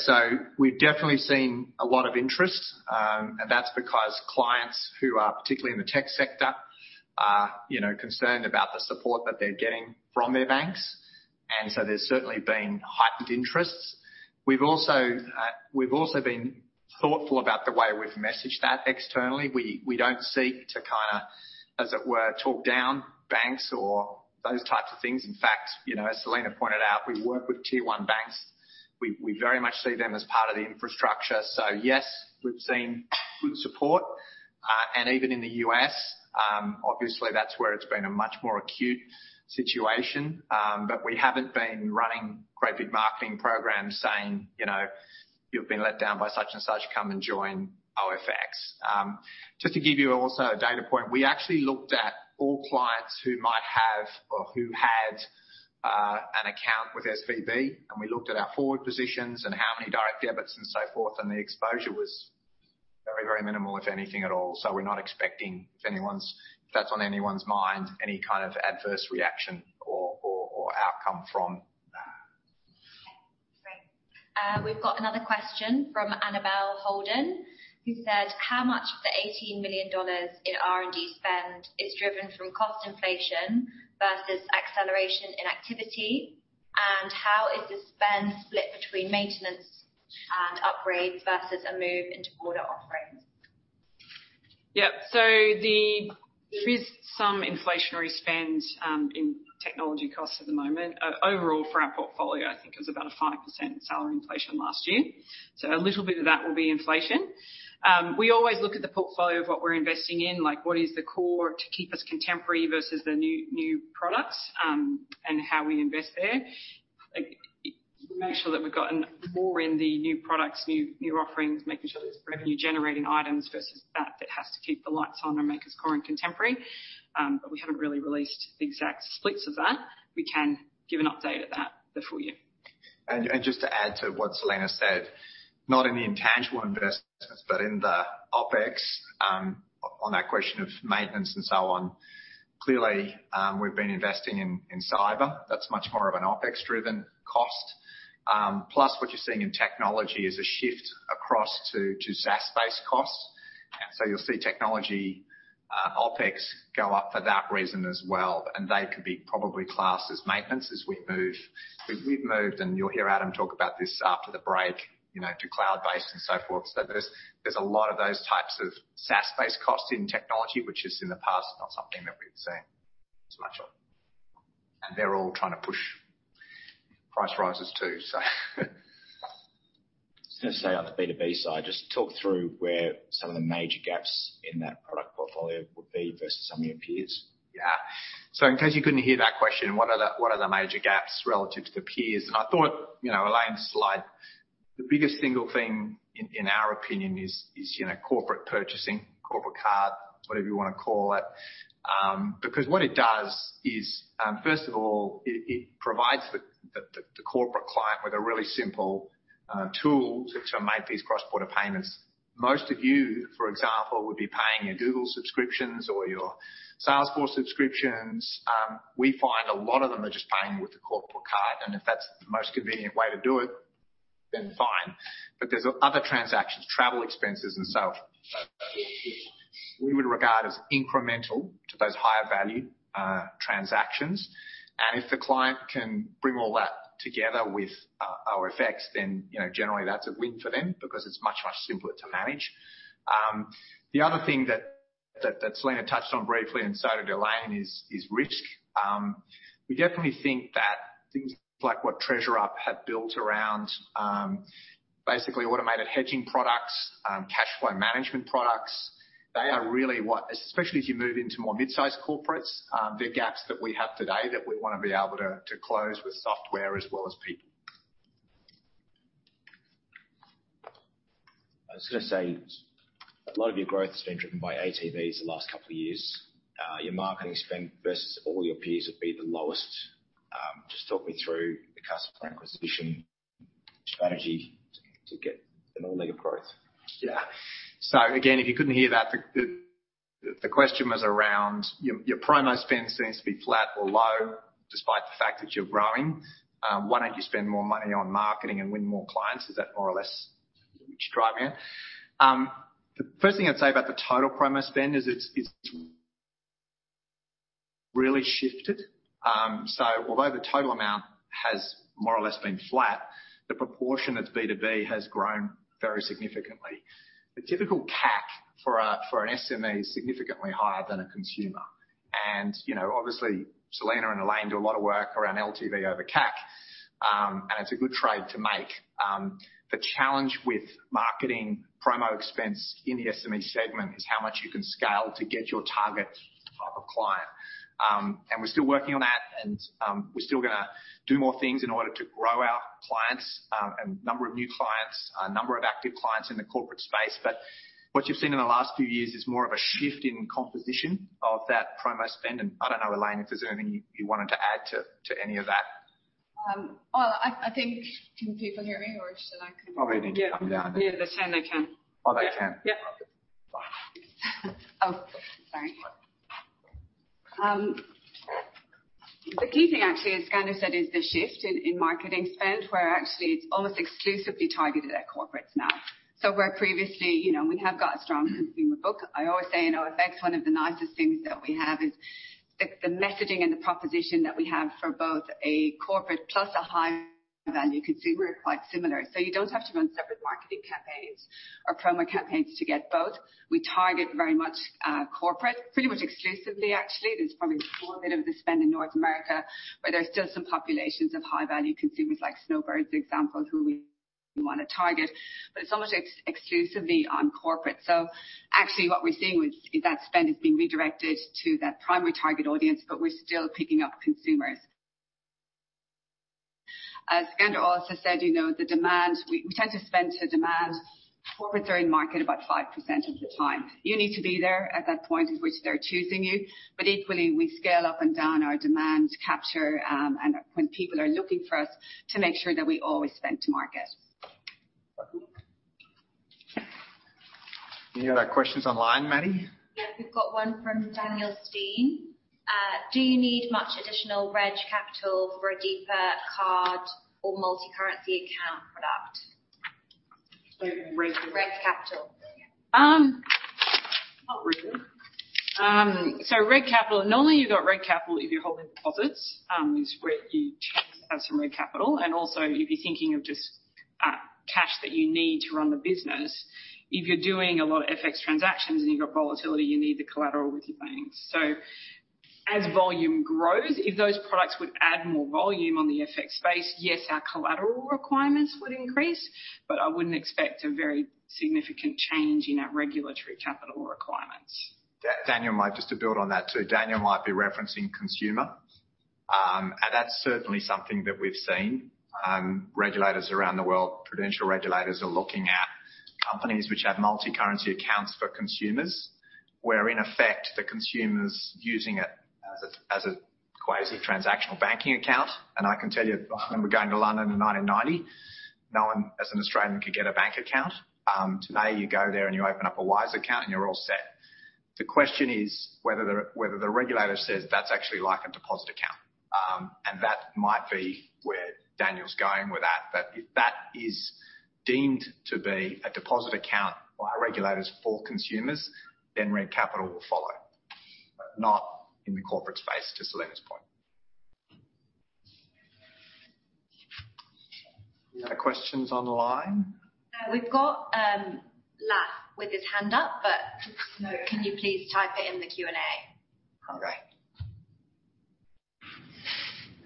We've definitely seen a lot of interest, and that's because clients who are particularly in the tech sector are, you know, concerned about the support that they're getting from their banks. There's certainly been heightened interests. We've also been thoughtful about the way we've messaged that externally. We don't seek to kinda, as it were, talk down banks or those types of things. In fact, you know, as Selena pointed out, we work with tier one banks. We very much see them as part of the infrastructure. Yes, we've seen good support. Even in the US, obviously that's where it's been a much more acute situation. We haven't been running great big marketing programs saying, you know, "You've been let down by such and such, come and join OFX." Just to give you also a data point, we actually looked at all clients who might have or who had an account with SVB, and we looked at our forward positions and how many direct debits and so forth, and the exposure was very, very minimal, if anything at all. We're not expecting if that's on anyone's mind, any kind of adverse reaction or outcome from that. Okay, great. We've got another question from Annabel Holden who said, "How much of the 18 million dollars in R&D spend is driven from cost inflation versus acceleration in activity? How is the spend split between maintenance and upgrades versus a move into broader offerings? Yep. There is some inflationary spend in technology costs at the moment. Overall for our portfolio, I think it was about a 5% salary inflation last year. A little bit of that will be inflation. We always look at the portfolio of what we're investing in, like what is the core to keep us contemporary versus the new products, and how we invest there. Like, we make sure that we've got more in the new products, new offerings, making sure there's revenue generating items versus that has to keep the lights on and make us current contemporary. We haven't really released the exact splits of that. We can give an update of that the full year. Just to add to what Selena said, not in the intangible investments, but in the OpEx, on that question of maintenance and so on. Clearly, we've been investing in cyber, that's much more of an OpEx-driven cost. Plus what you're seeing in technology is a shift across to SaaS-based costs. You'll see technology OpEx go up for that reason as well. They could be probably classed as maintenance as we move. We've moved, and you'll hear Adam talk about this after the break, you know, to cloud-based and so forth. There's a lot of those types of SaaS-based costs in technology, which is in the past, not something that we've seen as much of. They're all trying to push price rises too. Just say on the B2B side, just talk through where some of the major gaps in that product portfolio would be versus some of your peers. In case you couldn't hear that question, what are the major gaps relative to the peers? I thought, you know, Elaine's slide, the biggest single thing in our opinion is, you know, corporate purchasing, corporate card, whatever you wanna call it. Because what it does is, first of all, it provides the corporate client with a really simple tool to make these cross-border payments. Most of you, for example, would be paying your Google subscriptions or your Salesforce subscriptions. We find a lot of them are just paying with a corporate card, and if that's the most convenient way to do it, then fine. There's other transactions, travel expenses and so forth, that we would regard as incremental to those higher value transactions. If the client can bring all that together with OFX, then, you know, generally that's a win for them because it's much, much simpler to manage. The other thing that Selena touched on briefly and so did Elaine is risk. We definitely think that things like what TreasurUp have built around basically automated hedging products, cash flow management products, they are really what... Especially as you move into more mid-sized corporates, they're gaps that we have today that we wanna be able to close with software as well as people. I was gonna say, a lot of your growth has been driven by ATVs the last couple of years. Your marketing spend versus all your peers would be the lowest. Just talk me through the customer acquisition strategy to get an organic growth. Again, if you couldn't hear that, the question was around your promo spend seems to be flat or low despite the fact that you're growing. Why don't you spend more money on marketing and win more clients? Is that more or less what you're driving at? The first thing I'd say about the total promo spend is it's really shifted. Although the total amount has more or less been flat, the proportion of B2B has grown very significantly. The typical CAC for an SME is significantly higher than a consumer. You know, obviously, Selena and Elaine do a lot of work around LTV over CAC, and it's a good trade to make. The challenge with marketing promo expense in the SME segment is how much you can scale to get your target type of client. We're still working on that and, we're still gonna do more things in order to grow our clients, and number of new clients, number of active clients in the corporate space. What you've seen in the last few years is more of a shift in composition of that promo spend, and I don't know, Elaine, if there's anything you wanted to add to any of that. Well, I think. Can people hear me? Oh, you need to come down. Yeah. They're saying they can. Oh, they can. Yeah. Okay. Oh, sorry. The key thing actually, as Skander said, is the shift in marketing spend, where actually it's almost exclusively targeted at corporates now. Where previously, you know, we have got a strong consumer book. I always say, in OFX, one of the nicest things that we have is the messaging and the proposition that we have for both a corporate plus a high-value consumer are quite similar. You don't have to run separate marketing campaigns or promo campaigns to get both. We target very much corporate, pretty much exclusively actually. There's probably more a bit of the spend in North America, where there's still some populations of high-value consumers like snowbirds, for example, who we wanna target. It's almost exclusively on corporate. Actually what we're seeing is that spend is being redirected to that primary target audience, but we're still picking up consumers. As Skander also said, you know, the demand, we tend to spend to demand. Corporates are in market about 5% of the time. You need to be there at that point at which they're choosing you. Equally, we scale up and down our demand capture, and when people are looking for us, to make sure that we always spend to market. Any other questions online, Maddy? Yeah. We've got one from Daniel Stein. "Do you need much additional reg capital for a deeper card or multi-currency account product? Sorry, reg what? Reg capital. Not really. Reg capital. Normally, you've got reg capital if you're holding deposits, is where you check to have some reg capital. Also if you're thinking of just cash that you need to run the business. If you're doing a lot of FX transactions and you've got volatility, you need the collateral with your banks. As volume grows, if those products would add more volume on the FX space, yes, our collateral requirements would increase, but I wouldn't expect a very significant change in our regulatory capital requirements. Daniel might. Just to build on that, too. Daniel might be referencing consumer. That's certainly something that we've seen, regulators around the world, prudential regulators are looking at companies which have multi-currency accounts for consumers. Where in effect, the consumer's using it as a quasi transactional banking account. I can tell you, I remember going to London in 1990, no one as an Australian could get a bank account. Today you go there and you open up a Wise account, and you're all set. The question is whether the regulator says that's actually like a deposit account. That might be where Daniel's going with that. If that is deemed to be a deposit account by regulators for consumers, then reg capital will follow. Not in the corporate space, to Selena point. Any other questions online? We've got Lach with his hand up. No. Can you please type it in the Q&A? All right.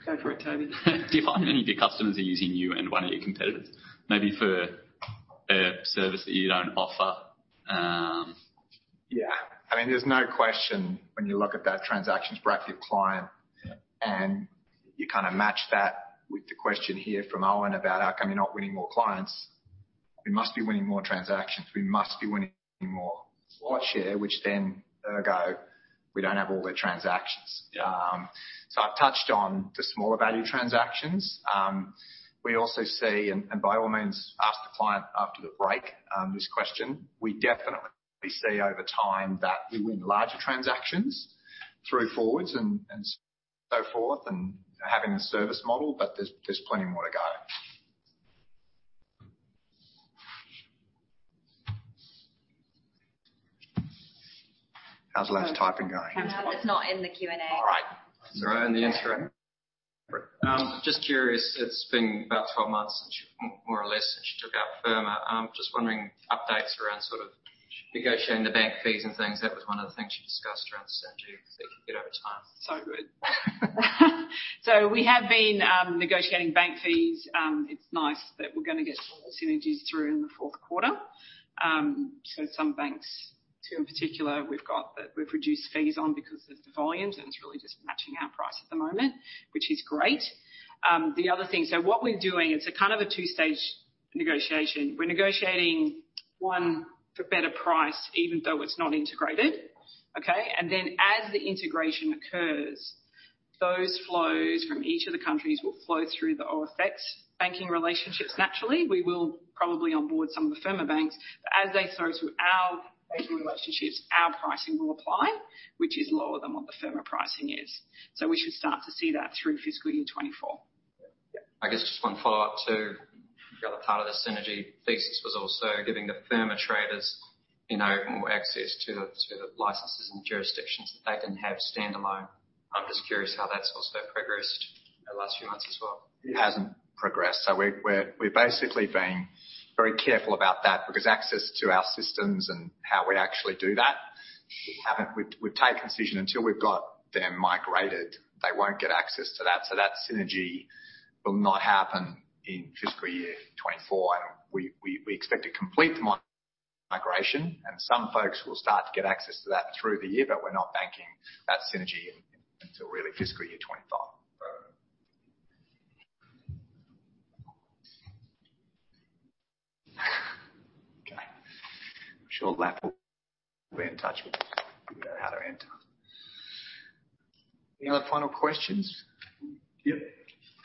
Go for it, Toby. Do you find any of your customers are using you and one of your competitors, maybe for a service that you don't offer? Yeah. I mean, there's no question when you look at that transactions per active client- Yeah. You kinda match that with the question here from Owen about how come you're not winning more clients. We must be winning more transactions. We must be winning more share, which then, ergo, we don't have all their transactions. Yeah. I've touched on the smaller value transactions. We also see and by all means ask the client after the break, this question. We definitely see over time that we win larger transactions through Forwards and so forth, and having the service model, but there's plenty more to go. How's Lach's typing going? It's not in the Q&A. All right. Is it in the external? Yeah. Just curious. It's been about 12 months More or less since you took out Firma. Just wondering updates around sort of negotiating the bank fees and things? That was one of the things you discussed around synergy that you could get over time. We have been negotiating bank fees. It's nice that we're gonna get some synergies through in the Q4. Some banks, two in particular we've got that we've reduced fees on because of the volume, and it's really just matching our price at the moment, which is great. The other thing. What we're doing, it's a kind of a two-stage negotiation. We're negotiating, one, for better price even though it's not integrated, okay. Then as the integration occurs, those flows from each of the countries will flow through the OFX banking relationships naturally. We will probably onboard some of the Firma banks. As they flow through our banking relationships, our pricing will apply, which is lower than what the Firma pricing is. We should start to see that through fiscal year 2024. Yeah. I guess just one follow-up to the other part of the synergy thesis was also giving the Firma traders, you know, more access to the licenses and jurisdictions that they didn't have standalone. I'm just curious how that's also progressed the last few months as well. It hasn't progressed. We're basically being very careful about that because access to our systems and how we actually do that. We've taken decision until we've got them migrated, they won't get access to that. That synergy will not happen in fiscal year 24. We expect to complete the migration, and some folks will start to get access to that through the year, but we're not banking that synergy until really fiscal year 25. Okay. I'm sure Lach will be in touch with how to enter. Any other final questions? Yep.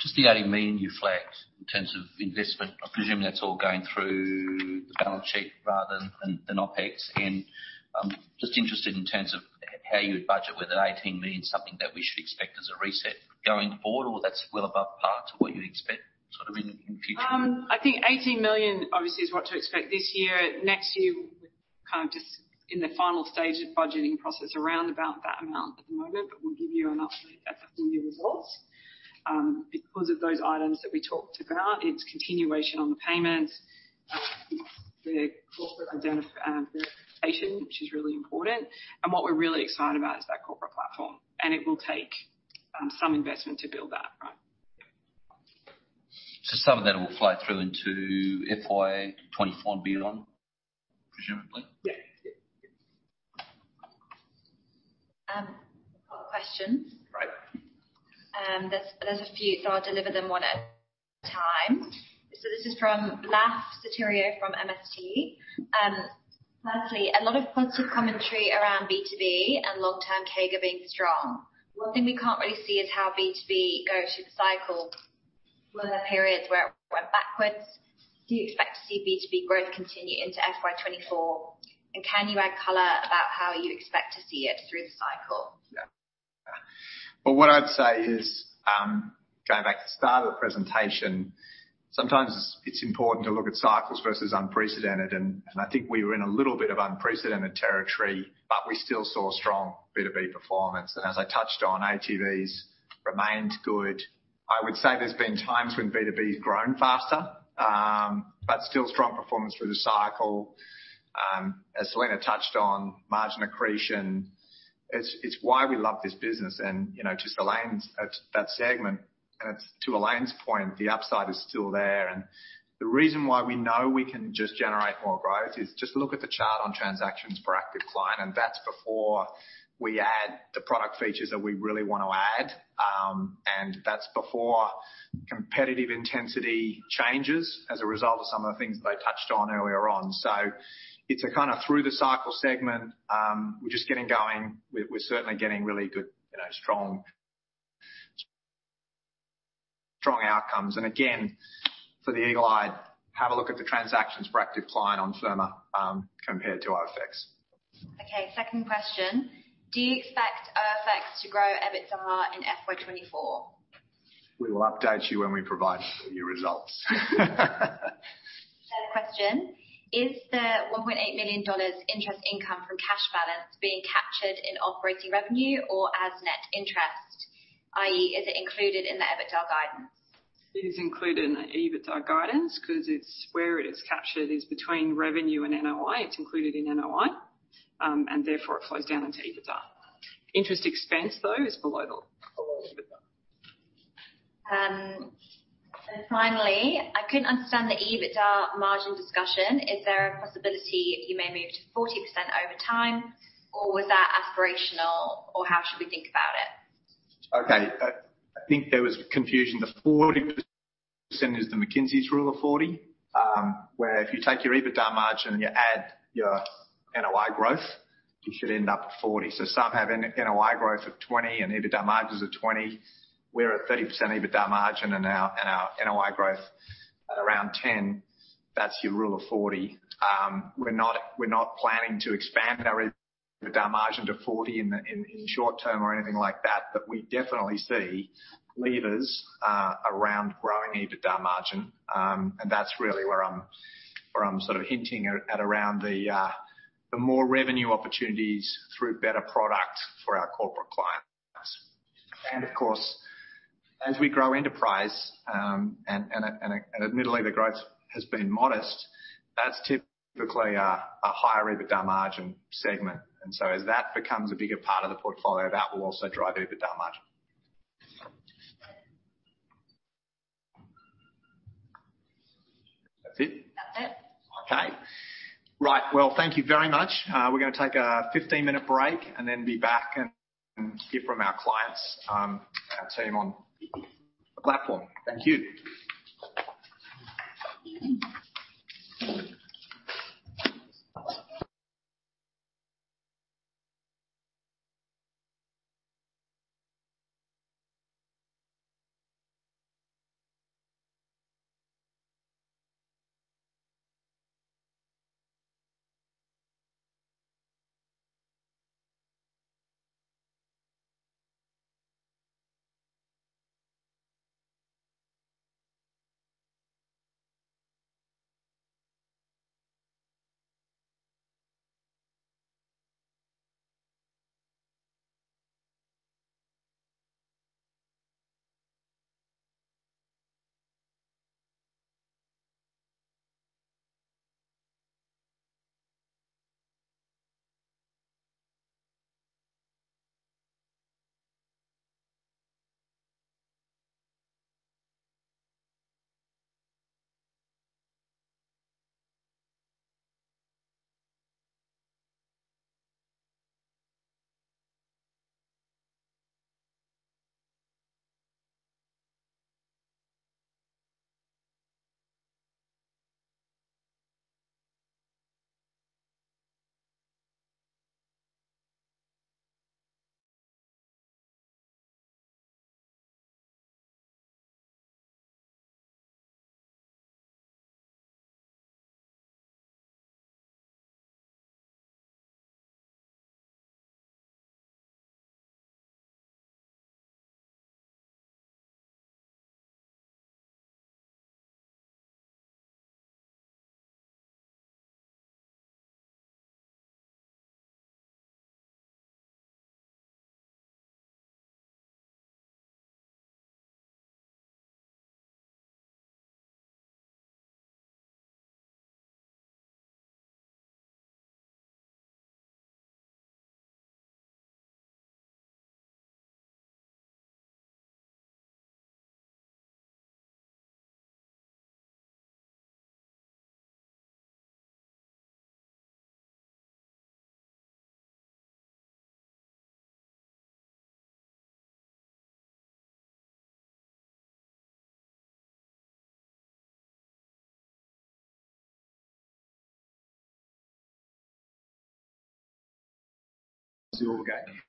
Just the 80 million you flagged in terms of investment. I presume that's all going through the balance sheet rather than OpEx. I'm just interested in terms of how you would budget, whether the 18 million is something that we should expect as a reset going forward or that's well above par to what you'd expect sort of in future. I think 18 million obviously is what to expect this year. Next year, we're kind of just in the final stage of budgeting process around about that amount at the moment, but we'll give you an update at the full year results. Because of those items that we talked about, it's continuation on the payments, the corporate verification, which is really important. What we're really excited about is that corporate platform, and it will take some investment to build that, right? Some of that will flow through into FY 2024 and beyond, presumably? Yeah. Yeah. A question. Right. There's a few, I'll deliver them l at a time. This is from Lach Ceterio from MST. Lastly, a lot of positive commentary around B2B and long-term CAGR are being strong. One thing we can't really see is how B2B goes through the cycle. Were there periods where it went backwards? Do you expect to see B2B growth continue into FY 2024? Can you add color about how you expect to see it through the cycle? Yeah. Well, what I'd say is, going back to the start of the presentation, sometimes it's important to look at cycles versus unprecedented, and I think we were in a little bit of unprecedented territory, but we still saw strong B2B performance. As I touched on, ATVs remained good. I would say there's been times when B2B has grown faster, but still strong performance through the cycle. As Selena touched on, margin accretion, it's why we love this business and, you know, just that segment. To Elaine's point, the upside is still there. The reason why we know we can just generate more growth is just look at the chart on transactions per active client, and that's before we add the product features that we really want to add. That's before competitive intensity changes as a result of some of the things that I touched on earlier on. It's a kinda through the cycle segment, we're just getting going. We're certainly getting really good, you know, strong outcomes. Again, for the eagle-eyed, have a look at the transactions per active client on Firma, compared to OFX. Okay, second question: Do you expect OFX to grow EBITDA in FY 2024? We will update you when we provide you results. Question. Is the 1.8 million dollars interest income from cash balance being captured in operating revenue or as net interest? i.e., is it included in the EBITDA guidance? It is included in the EBITDA guidance because it's where it is captured is between revenue and NOI. It's included in NOI, therefore it flows down into EBITDA. Interest expense, though, is below EBITDA. Finally, I couldn't understand the EBITDA margin discussion. Is there a possibility you may move to 40% over time, or was that aspirational, or how should we think about it? I think there was confusion. The 40% is the McKinsey's Rule of 40, where if you take your EBITDA margin and you add your NOI growth, you should end up at 40. Some have an NOI growth of 20 and EBITDA margins of 20. We're at 30% EBITDA margin and our NOI growth at around 10. That's your Rule of 40. We're not planning to expand our EBITDA margin to 40 in the short term or anything like that. We definitely see levers around growing EBITDA margin. That's really where I'm sort of hinting at around the more revenue opportunities through better product for our corporate clients. Of course, as we grow enterprise, and admittedly the growth has been modest, that's typically a higher EBITDA margin segment. As that becomes a bigger part of the portfolio, that will also drive EBITDA margin. That's it? That's it. Okay. Right. Well, thank you very much. We're gonna take a 15-minute break and then be back and hear from our clients, our team on the platform. Thank you. Right.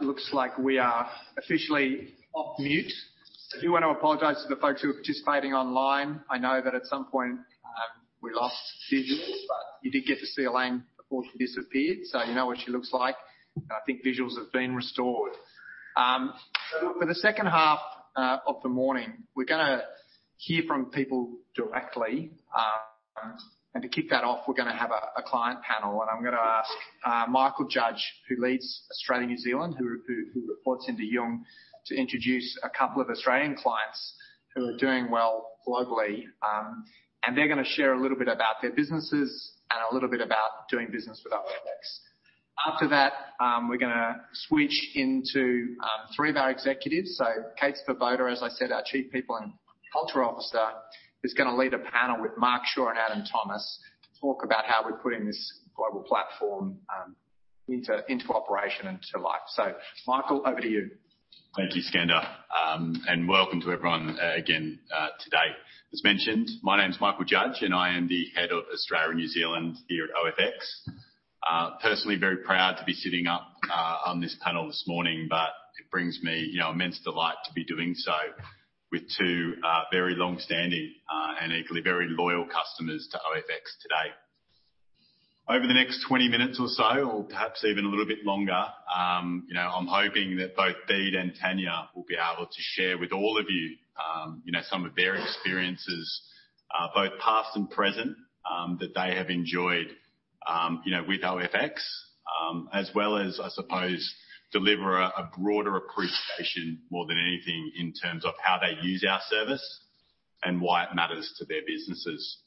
It looks like we are officially off mute. I do want to apologize to the folks who are participating online. I know that at some point, we lost visuals, but you did get to see Elaine before she disappeared, so you know what she looks like. I think visuals have been restored. For the 2nd half of the morning, we're gonna hear from people directly. To kick that off, we're gonna have a client panel. I'm gonna ask Michael Judge, who leads Australia, New Zealand, who reports into Yung, to introduce a couple of Australian clients who are doing well globally. They're gonna share a little bit about their businesses and a little bit about doing business with OFX. After that, we're gonna switch into three of our executives. Kate Svoboda, as I said, our Chief People and Culture Officer, is gonna lead a panel with Mark Shaw and Adam Thomas to talk about how we're putting this global platform into operation and to life. Michael, over to you. Thank you, Skander. Welcome to everyone again today. As mentioned, my name is Michael Judge, and I am the Head of Australia and New Zealand here at OFX. Personally very proud to be sitting up on this panel this morning, but it brings me, you know, immense delight to be doing so with two very long-standing and equally very loyal customers to OFX today. Over the next 20 minutes or so, or perhaps even a little bit longer, you know, I'm hoping that both Bede and Tanya will be able to share with all of you know, some of their experiences, both past and present, that they have enjoyed, you know, with OFX. As well as, I suppose, deliver a broader appreciation more than anything in terms of how they use our service and why it matters to their businesses.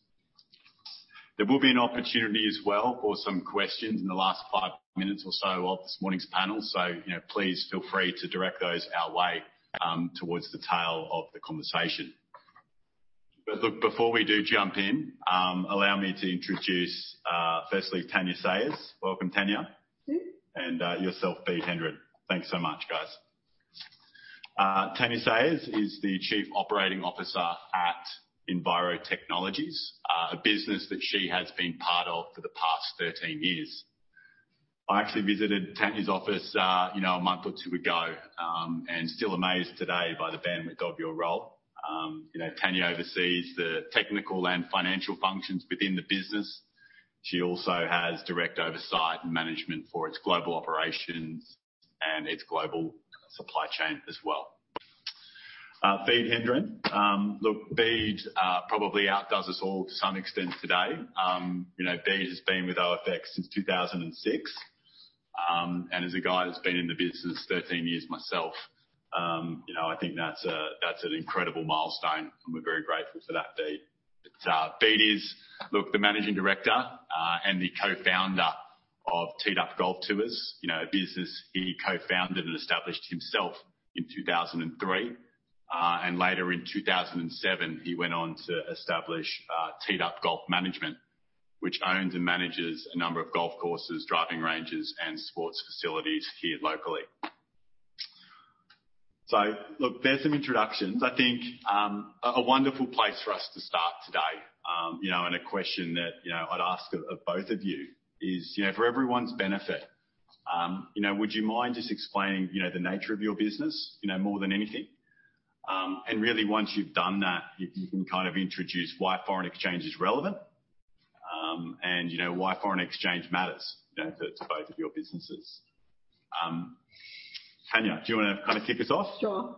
There will be an opportunity as well for some questions in the last five minutes or so of this morning's panel. You know, please feel free to direct those our way towards the tail of the conversation. Look, before we do jump in, allow me to introduce, firstly, Tanya Sayers. Welcome, Tanya. Thank you. Yourself, Bede Hendren. Thanks so much, guys. Tanya Sayers is the Chief Operating Officer at Enviro Technologies, a business that she has been part of for the past 13 years. I actually visited Tanya's office, you know, a month or two ago, still amazed today by the bandwidth of your role. You know, Tanya oversees the technical and financial functions within the business. She also has direct oversight and management for its global operations and its global supply chain as well. Bede Hendren. Look, Bede, probably outdoes us all to some extent today. You know, Bede has been with OFX since 2006. As a guy that's been in the business 13 years myself, you know, I think that's an incredible milestone, and we're very grateful for that, Bede. Bede is, look, the Managing Director, and the Co-founder of Teed Up Golf Tours. You know, a business he co-founded and established himself in 2003. And later in 2007, he went on to establish Teed Up Golf Management, which owns and manages a number of golf courses, driving ranges, and sports facilities here locally. Look, there's some introductions. I think, a wonderful place for us to start today, you know, and a question that, you know, I'd ask of both of you is, you know, for everyone's benefit, you know, would you mind just explaining, you know, the nature of your business, you know, more than anything? Really once you've done that, you can kind of introduce why foreign exchange is relevant, and you know why foreign exchange matters, you know, to both of your businesses. Tanya, do you wanna kinda kick us off? Sure.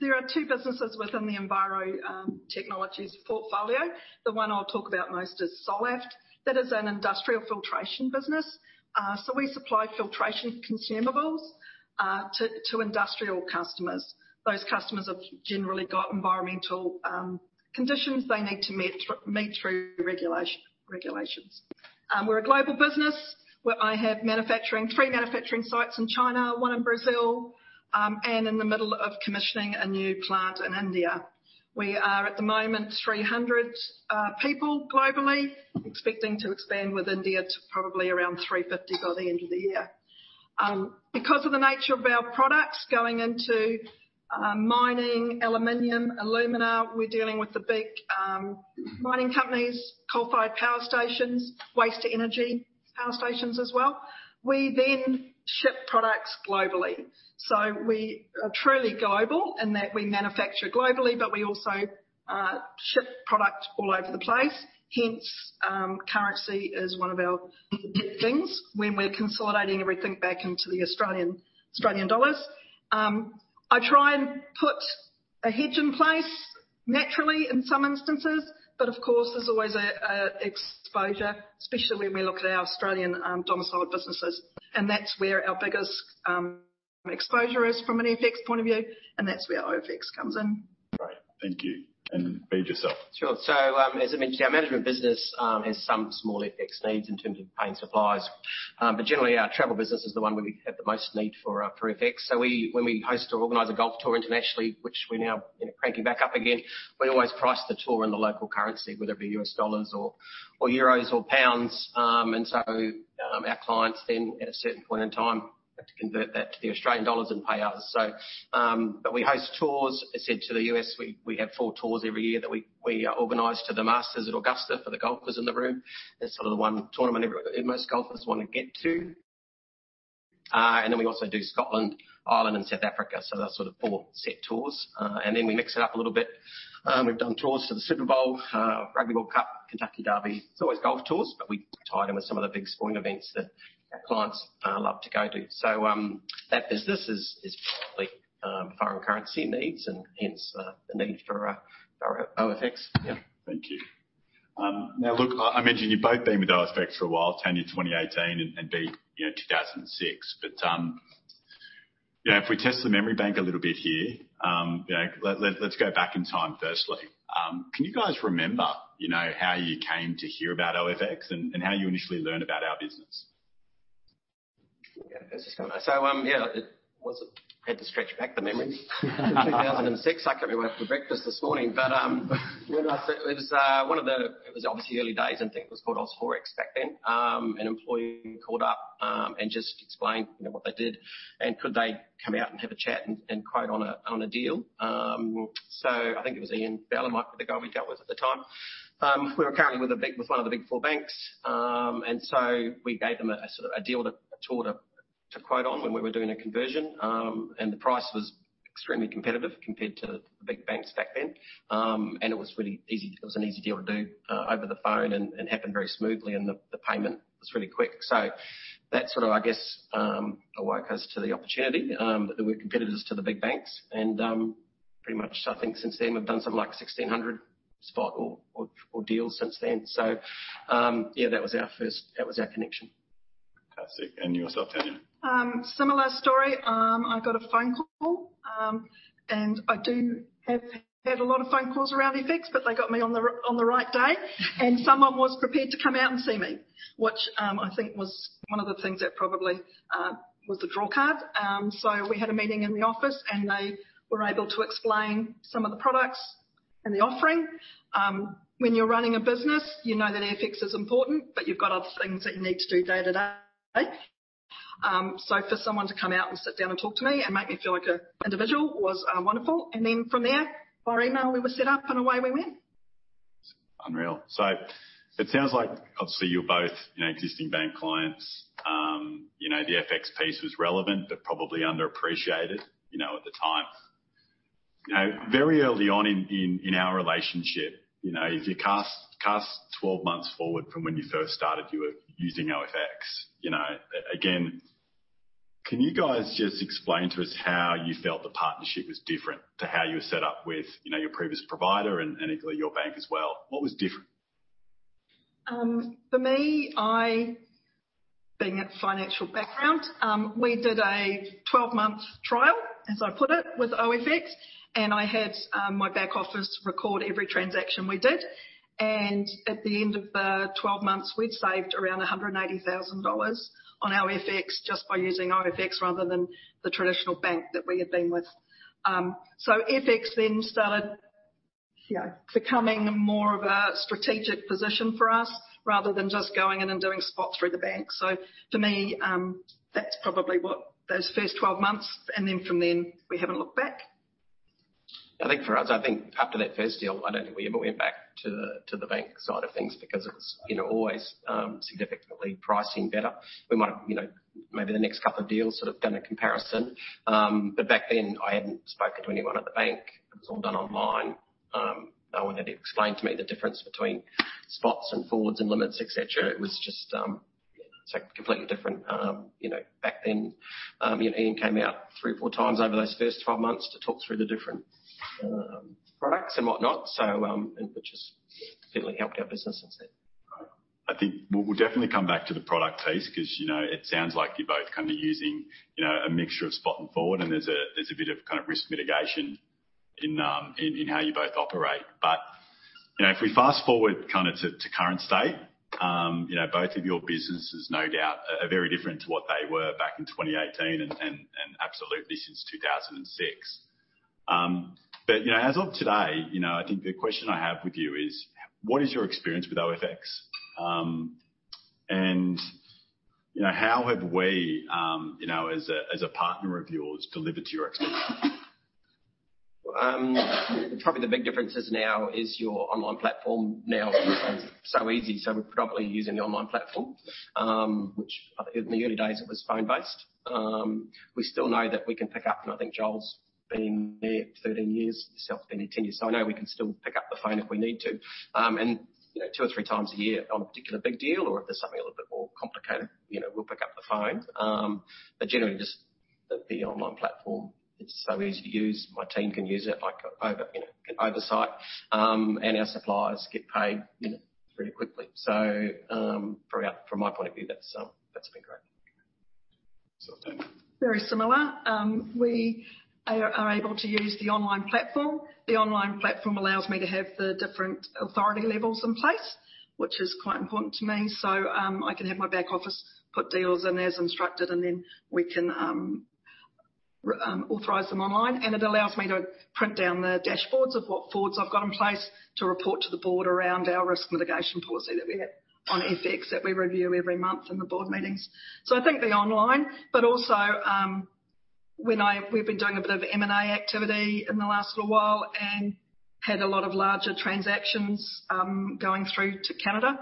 There are two businesses within the Enviro Technologies portfolio. The one I'll talk about most is SOLAFT. That is an industrial filtration business. We supply filtration consumables to industrial customers. Those customers have generally got environmental conditions they need to meet through regulations. We're a global business where I have manufacturing, three manufacturing sites in China, one in Brazil, and in the middle of commissioning a new plant in India. We are at the moment 300 people globally, expecting to expand with India to probably around 350 by the end of the year. Because of the nature of our products going into mining, aluminum, alumina, we're dealing with the big mining companies, coal-fired power stations, waste-to-energy power stations as well. We ship products globally. We are truly global in that we manufacture globally, but we also ship product all over the place. Hence, currency is one of our big things when we're consolidating everything back into the Australian dollars. I try and put a hedge in place naturally in some instances, but of course, there's always a exposure, especially when we look at our Australian domiciled businesses. That's where our biggest exposure is from an FX point of view, and that's where OFX comes in. Great. Thank you. Bea yourself. Sure. As I mentioned, our management business has some small FX needs in terms of paying suppliers. But generally our travel business is the one where we have the most need for FX. When we host or organize a golf tour internationally, which we're now, you know, cranking back up again, we always price the tour in the local currency, whether it be USD or EUR or GBP. Our clients then at a certain point in time have to convert that to the AUD and pay us. We host tours, as said, to the U.S. We have four tours every year that we organize to the Masters at Augusta for the golfers in the room. That's sort of the one tournament most golfers wanna get to. We also do Scotland, Ireland, and South Africa. That's sort of four set tours. We mix it up a little bit. We've done tours to the Super Bowl, Rugby World Cup, Kentucky Derby. It's always golf tours, but we tie it in with some of the big sporting events that our clients love to go to. That business is probably foreign currency needs and hence the need for our OFX. Yeah. Thank you. Now look, I mentioned you've both been with OFX for a while, Tanya 2018 and Bea, you know, 2006. You know, if we test the memory bank a little bit here, you know, let's go back in time firstly. Can you guys remember, you know, how you came to hear about OFX and how you initially learned about our business? Had to stretch back the memories. 2006. I couldn't be woke for breakfast this morning. It was obviously early days, and I think it was called OzForex back then. An employee called up and just explained, you know, what they did and could they come out and have a chat and quote on a deal. I think it was Ian Ballan, the guy we dealt with at the time. We were currently with one of the Big Four banks. We gave them a sort of a tour to quote on when we were doing a conversion. The price was extremely competitive compared to the big banks back then. It was really easy. It was an easy deal to do over the phone and happened very smoothly, and the payment was really quick. That sort of, I guess, awoke us to the opportunity that we're competitors to the big banks. Pretty much I think since then we've done something like 1,600 spot or deals since then. Yeah, that was our first. That was our connection. Fantastic. Yourself, Tanya? Similar story. I got a phone call, and I do have had a lot of phone calls around FX, but they got me on the right day. Someone was prepared to come out and see me, which, I think was one of the things that probably was the draw card. We had a meeting in the office, and they were able to explain some of the products and the offering. When you're running a business, you know that FX is important, but you've got other things that you need to do day to day. For someone to come out and sit down and talk to me and make me feel like an individual was wonderful. Then from there, via email, we were set up and away we went. Unreal. It sounds like obviously you're both, you know, existing bank clients. You know, the FX piece was relevant but probably underappreciated, you know, at the time. You know, very early on in, in our relationship, you know, if you cast 12 months forward from when you first started, you were using OFX, you know. Again, can you guys just explain to us how you felt the partnership was different to how you were set up with, you know, your previous provider and equally your bank as well? What was different? For me, I, being a financial background, we did a 12-month trial, as I put it, with OFX, and I had my back office record every transaction we did. At the end of the 12 months, we'd saved around 180,000 dollars on our FX just by using OFX rather than the traditional bank that we had been with. FX then started, you know, becoming more of a strategic position for us rather than just going in and doing spots through the bank. To me, that's probably what those first 12 months and then from then we haven't looked back. I think for us, I think after that first deal, I don't think we ever went back to the, to the bank side of things because it's, you know, always significantly pricing better. We might have, you know, maybe the next couple of deals sort of done a comparison. Back then I hadn't spoken to anyone at the bank. It was all done online. No one had explained to me the difference between Spots and Forwards and Limits, et cetera. It was just, it's like completely different. You know, back then, you know, Ian came out three or four times over those first 12 months to talk through the different products and whatnot, so, which has definitely helped our business since then. I think we'll definitely come back to the product piece 'cause, you know, it sounds like you're both kind of using, you know, a mixture of spot and forward, and there's a bit of kind of risk mitigation in how you both operate. You know, if we fast-forward kinda to current state, you know, both of your businesses no doubt are very different to what they were back in 2018 and absolutely since 2006. You know, as of today, you know, I think the question I have with you is: what is your experience with OFX? And, you know, how have we, you know, as a partner of yours delivered to your expectations? Probably the big difference is now is your online platform now is so easy, so we're probably using the online platform. Which I think in the early days it was phone-based. We still know that we can pick up, and I think Joel's been there 13 years, yourself maybe 10 years. I know we can still pick up the phone if we need to. You know, two or three times a year on a particular big deal or if there's something a little bit more complicated, you know, we'll pick up the phone. Generally just the online platform, it's so easy to use. My team can use it, like over, you know, can oversight. Our suppliers get paid, you know, pretty quickly. From my, from my point of view, that's been great. Tanya. Very similar. We are able to use the online platform. The online platform allows me to have the different authority levels in place, which is quite important to me. I can have my back office put deals in as instructed, and then we can authorize them online. It allows me to print down the dashboards of what forwards I've got in place to report to the board around our risk mitigation policy that we have on FX that we review every month in the board meetings. I think the online, but also, when we've been doing a bit of M&A activity in the last little while and had a lot of larger transactions going through to Canada.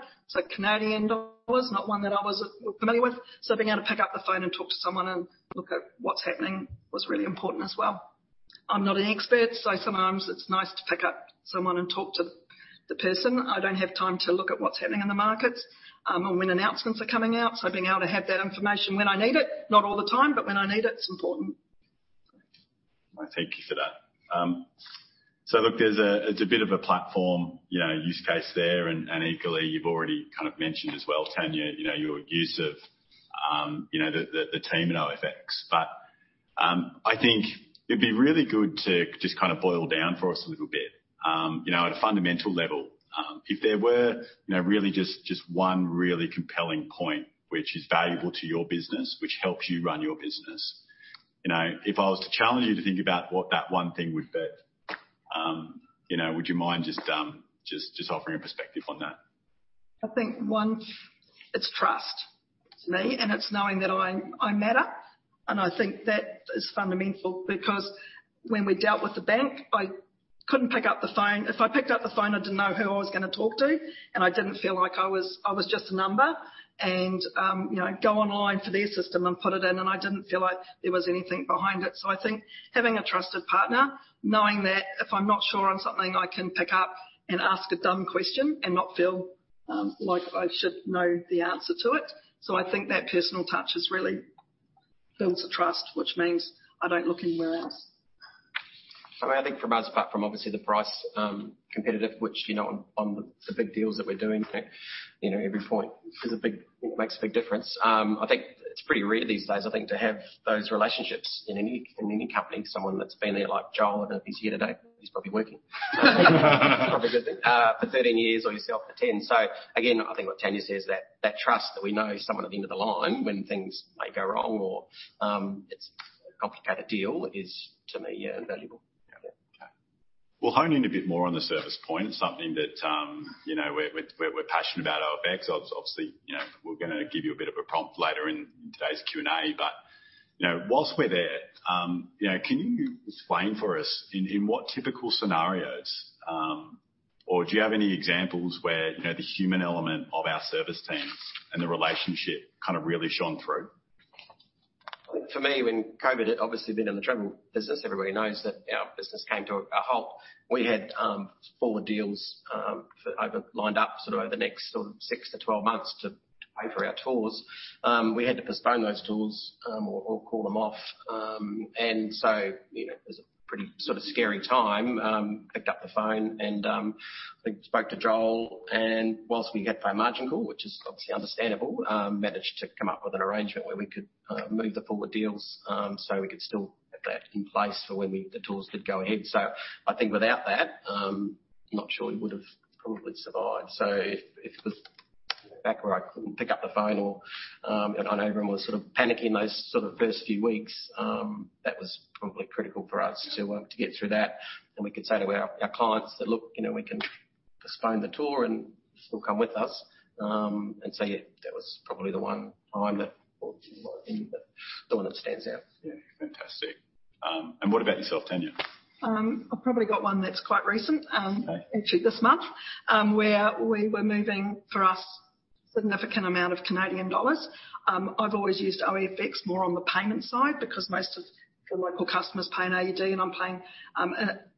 Canadian dollar is not one that I was familiar with. Being able to pick up the phone and talk to someone and look at what's happening was really important as well. I'm not an expert, so sometimes it's nice to pick up someone and talk to the person. I don't have time to look at what's happening in the markets, and when announcements are coming out. Being able to have that information when I need it, not all the time, but when I need it's important. Thank you for that. Look, there's it's a bit of a platform, you know, use case there and equally you've already kind of mentioned as well, Tanya, you know, your use of, you know, the, the team at OFX. I think it'd be really good to just kind of boil down for us a little bit. You know, at a fundamental level, if there were, you know, really just one really compelling point which is valuable to your business, which helps you run your business. You know, if I was to challenge you to think about what that one thing would be, you know, would you mind just offering a perspective on that? I think one, it's trust to me, and it's knowing that I matter. I think that is fundamental because when we dealt with the bank, I couldn't pick up the phone. If I picked up the phone, I didn't know who I was gonna talk to, and I didn't feel like I was just a number. You know, go online for their system and put it in, and I didn't feel like there was anything behind it. I think having a trusted partner, knowing that if I'm not sure on something, I can pick up and ask a dumb question and not feel like I should know the answer to it. I think that personal touch is really builds the trust, which means I don't look anywhere else. I mean, I think for us, apart from obviously the price, competitive, which, you know, on the big deals that we're doing, you know, every point makes a big difference. I think it's pretty rare these days, I think, to have those relationships in any, in any company, someone that's been there like Joel, I don't know if he's here today. He's probably working. Probably a good thing, for 13 years or yourself for 10. Again, I think what Tanya says, that trust that we know someone at the end of the line when things may go wrong or, it's a complicated deal is to me, yeah, invaluable. Okay. We'll hone in a bit more on the service point. It's something that, you know, we're passionate about OFX. Obviously, you know, we're gonna give you a bit of a prompt later in today's Q&A. Whilst we're there, you know, can you explain for us in what typical scenarios, or do you have any examples where, you know, the human element of our service teams and the relationship kind of really shone through? For me, when COVID had obviously been in the travel business, everybody knows that our business came to a halt. We had forward deals for over lined up sort of over the next six to 12 months to pay for our tours. We had to postpone those tours, or call them off. You know, it was a pretty sort of scary time. Picked up the phone and spoke to Joel. Whilst we get by margin call, which is obviously understandable, managed to come up with an arrangement where we could move the forward deals, so we could still have that in place for when the tours could go ahead. I think without that, not sure we would have probably survived. If it was back where I couldn't pick up the phone or, and everyone was sort of panicking those sort of first few weeks, that was probably critical for us to get through that. We could say to our clients that, "Look, you know, we can postpone the tour and still come with us." Yeah, that was probably the one time that the one that stands out. Yeah. Fantastic. What about yourself, Tanya? I've probably got one that's quite recent, actually this month, where we were moving for us significant amount of Canadian dollars. I've always used OFX more on the payment side because most of the local customers pay in AUD and I'm paying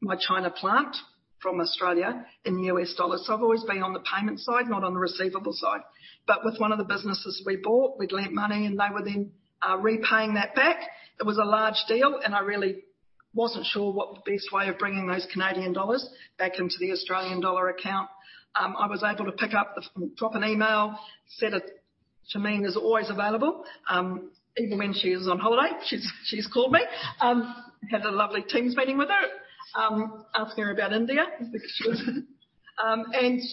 my China plant from Australia in US dollars. I've always been on the payment side, not on the receivable side. With one of the businesses we bought, we'd lent money and they were then repaying that back. It was a large deal, and I really wasn't sure what the best way of bringing those Canadian dollars back into the Australian dollar account. I was able to pick up, drop an email, said it. Shameem is always available. Even when she is on holiday, she's called me. had a lovely Teams meeting with her, asking her about India because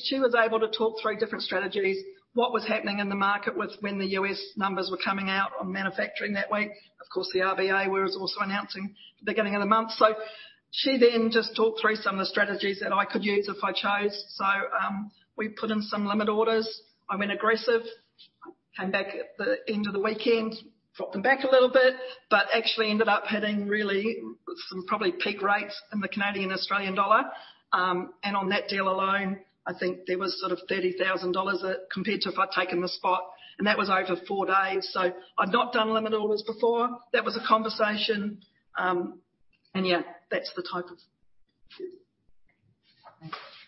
she was able to talk through different strategies, what was happening in the market with when the U.S. numbers were coming out on manufacturing that week. Of course, the RBA was also announcing beginning of the month. She then just talked through some of the strategies that I could use if I chose. we put in some limit orders. I went aggressive, came back at the end of the weekend, dropped them back a little bit, but actually ended up hitting really some probably peak rates in the Canadian, Australian dollar. on that deal alone, I think there was sort of $30,000 compared to if I'd taken the spot, and that was over four days. I'd not done limit orders before. That was a conversation. Yeah, that's the type of.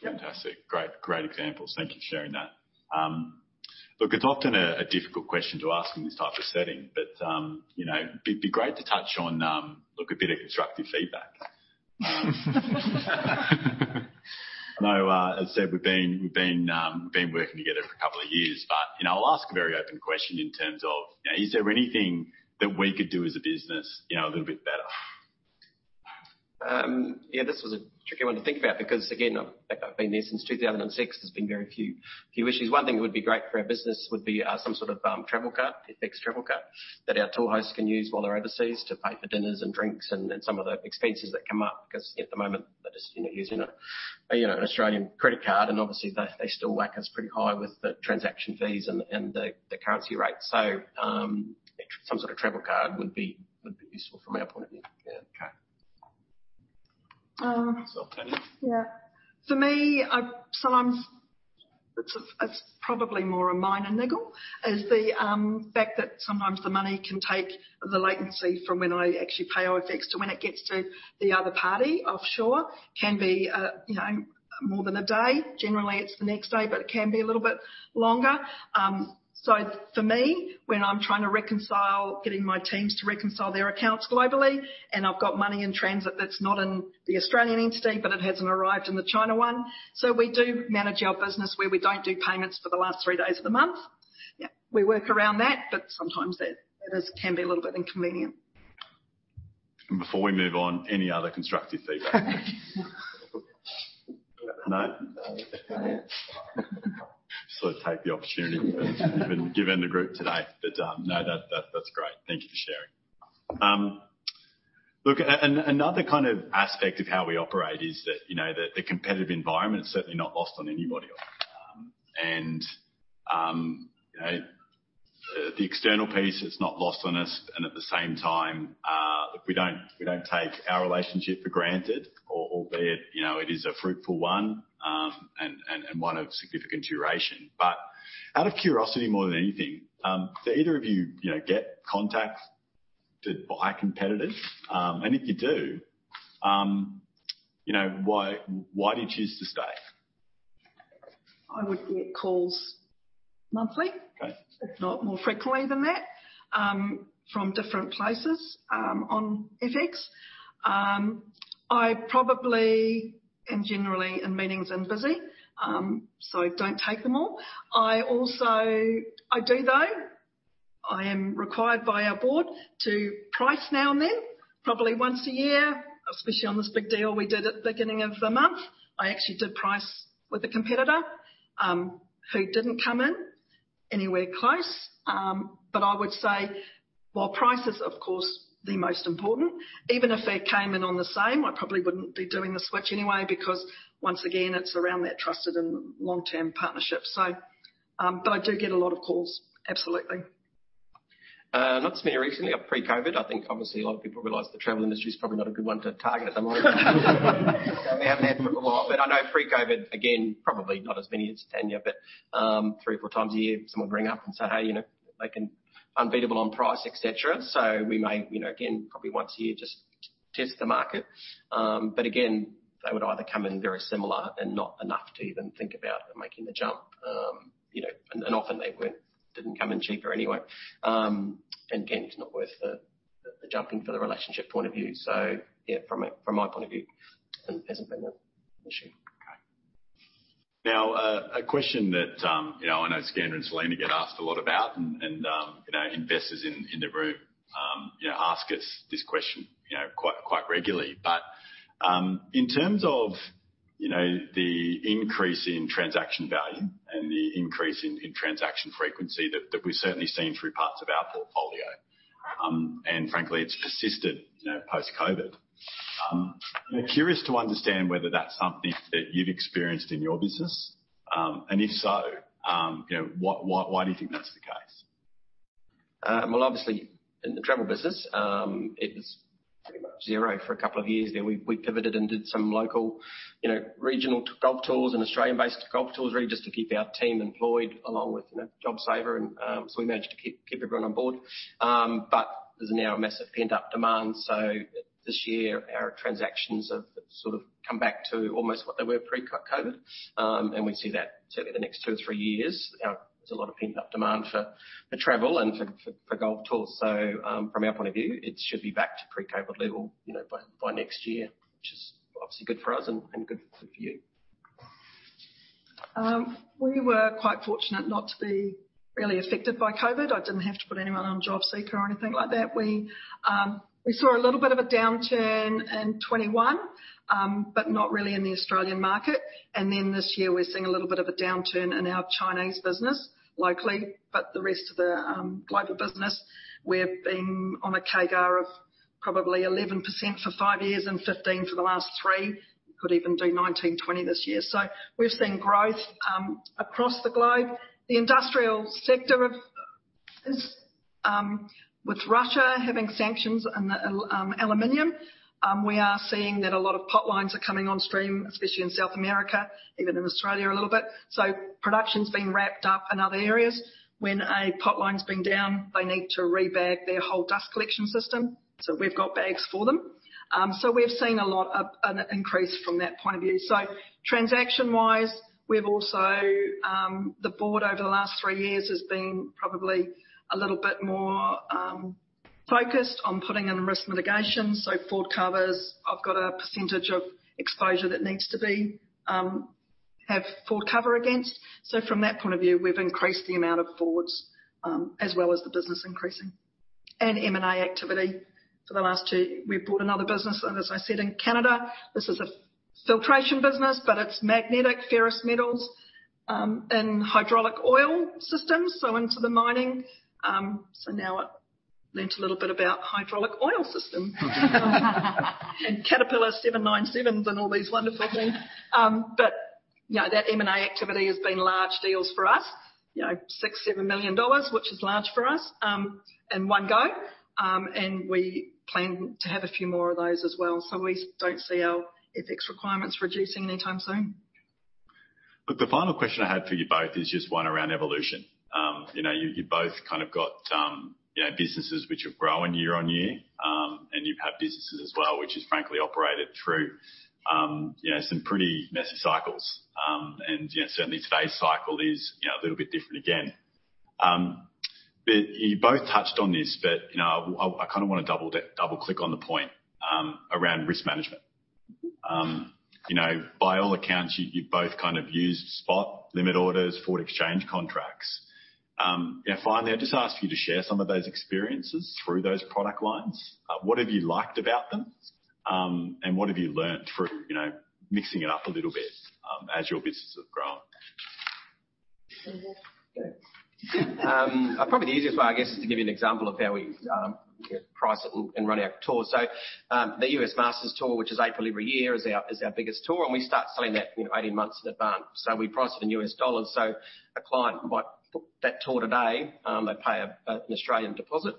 Fantastic. Great examples. Thank you for sharing that. Look, it's often a difficult question to ask in this type of setting, you know, be great to touch on, look, a bit of constructive feedback. I know, as I said, we've been working together for a couple of years, you know, I'll ask a very open question in terms of, you know, is there anything that we could do as a business, you know, a little bit better? Yeah, this was a tricky one to think about because, again, I've, like I've been there since 2006. There's been very few issues. One thing that would be great for our business would be some sort of travel card, FX travel card that our tour hosts can use while they're overseas to pay for dinners and drinks and some of the expenses that come up, because at the moment, they're just, you know, using a, you know, an Australian credit card, and obviously they still whack us pretty high with the transaction fees and the currency rates. Some sort of travel card would be useful from our point of view. Yeah. Okay. Tanya. For me, sometimes it's probably more a minor niggle, is the fact that sometimes the money can take the latency from when I actually pay OFX to when it gets to the other party offshore can be, you know, more than one day. Generally, it's the next day, but it can be a little bit longer. For me, when I'm trying to get my teams to reconcile their accounts globally, and I've got money in transit that's not in the Australian entity, but it hasn't arrived in the China one. We do manage our business where we don't do payments for the last three days of the month. We work around that, but sometimes that is, can be a little bit inconvenient. Before we move on, any other constructive feedback? No? Just sort of take the opportunity we've been given the group today. No, that's great. Thank you for sharing. Look, another kind of aspect of how we operate is that, you know, the competitive environment is certainly not lost on anybody. And, you know, the external piece is not lost on us, and at the same time, look, we don't take our relationship for granted, or albeit, you know, it is a fruitful one, and one of significant duration. Out of curiosity more than anything, do either of you know, get contacts to buy competitors? If you do, you know, why do you choose to stay? I would get calls monthly. Okay. If not more frequently than that, from different places on FX. I probably am generally in meetings and busy, so don't take them all. I do, though. I am required by our board to price now and then, probably once a year, especially on this big deal we did at the beginning of the month. I actually did price with a competitor who didn't come in anywhere close. But I would say while price is, of course, the most important, even if they came in on the same, I probably wouldn't be doing the switch anyway, because once again, it's around that trusted and long-term partnership. But I do get a lot of calls. Absolutely. Not to me recently. Pre-COVID, I think obviously a lot of people realized the travel industry is probably not a good one to target at the moment. We haven't had for a while. I know pre-COVID, again, probably not as many as Tanya, but three or four times a year, someone bring up and say, "Hey, you know, they can unbeatable on price," et cetera. We may, you know, again, probably once a year, just test the market. Again, they would either come in very similar and not enough to even think about making the jump. You know, and often they didn't come in cheaper anyway. And again, it's not worth the jumping for the relationship point of view. Yeah, from my point of view, it hasn't been an issue. Okay. Now, a question that, you know, I know Skander and Selena get asked a lot about and, you know, investors in the room, you know, ask us this question, you know, quite regularly. In terms of, you know, the increase in transaction value and the increase in transaction frequency that we've certainly seen through parts of our portfolio, and frankly, it's persisted, you know, post-COVID. I'm curious to understand whether that's something that you've experienced in your business. If so, you know, why, why do you think that's the case? Well, obviously in the travel business, it was pretty much zero fortwo years there. We pivoted and did some local, you know, regional golf tours and Australian-based golf tours, really just to keep our team employed along with, you know, JobSaver. We managed to keep everyone on board. There's now a massive pent-up demand. This year our transactions have sort of come back to almost what they were pre-COVID. We see that certainly the next two or three years, there's a lot of pent-up demand for travel and for golf tours. From our point of view, it should be back to pre-COVID level, you know, by next year, which is obviously good for us and good for you. We were quite fortunate not to be really affected by COVID. I didn't have to put anyone on JobSeeker or anything like that. We saw a little bit of a downturn in 2021, not really in the Australian market. This year we're seeing a little bit of a downturn in our Chinese business locally. The rest of the global business, we've been on a CAGR of probably 11% for five years and 15% for the last three. Could even do 19%-20% this year. We've seen growth across the globe. The industrial sector is, with Russia having sanctions on the aluminum, we are seeing that a lot of pot lines are coming on stream, especially in South America, even in Australia a little bit. Production's been wrapped up in other areas. When a pot line's been down, they need to rebag their whole dust collection system. We've got bags for them. We've seen a lot of an increase from that point of view. Transaction-wise, we've also, the board over the last three years has been probably a little bit more focused on putting in risk mitigation. Forward covers, I've got a percentage of exposure that needs to be, have forward cover against. From that point of view, we've increased the amount of forwards, as well as the business increasing. M&A activity for the last two. We bought another business, and as I said, in Canada. This is a filtration business, but it's magnetic ferrous metals, in hydraulic oil systems, so into the mining. Now I learned a little bit about hydraulic oil systems and Caterpillar 797s and all these wonderful things. You know, that M&A activity has been large deals for us. You know, 6 million-7 million dollars, which is large for us, in one go. We plan to have a few more of those as well. We don't see our FX requirements reducing anytime soon. Look, the final question I had for you both is just one around evolution. you know, you both kind of got, you know, businesses which are growing year-on-year. You have businesses as well, which has frankly operated through, you know, some pretty messy cycles. you know, certainly today's cycle is, you know, a little bit different again. you both touched on this, but, you know, I kinda wanna double click on the point, around risk management. you know, by all accounts, you both kind of used spot limit orders, forward exchange contracts. If I may, I'd just ask you to share some of those experiences through those product lines. What have you liked about them, and what have you learned through, you know, mixing it up a little bit, as your business have grown? You want to go first? Go. Probably the easiest way, I guess, is to give you an example of how we, you know, price it and run our tours. The US Masters Tour, which is April every year, is our biggest tour, and we start selling that, you know, 18 months in advance. We price it in USD. A client might book that tour today, they pay an AUD deposit.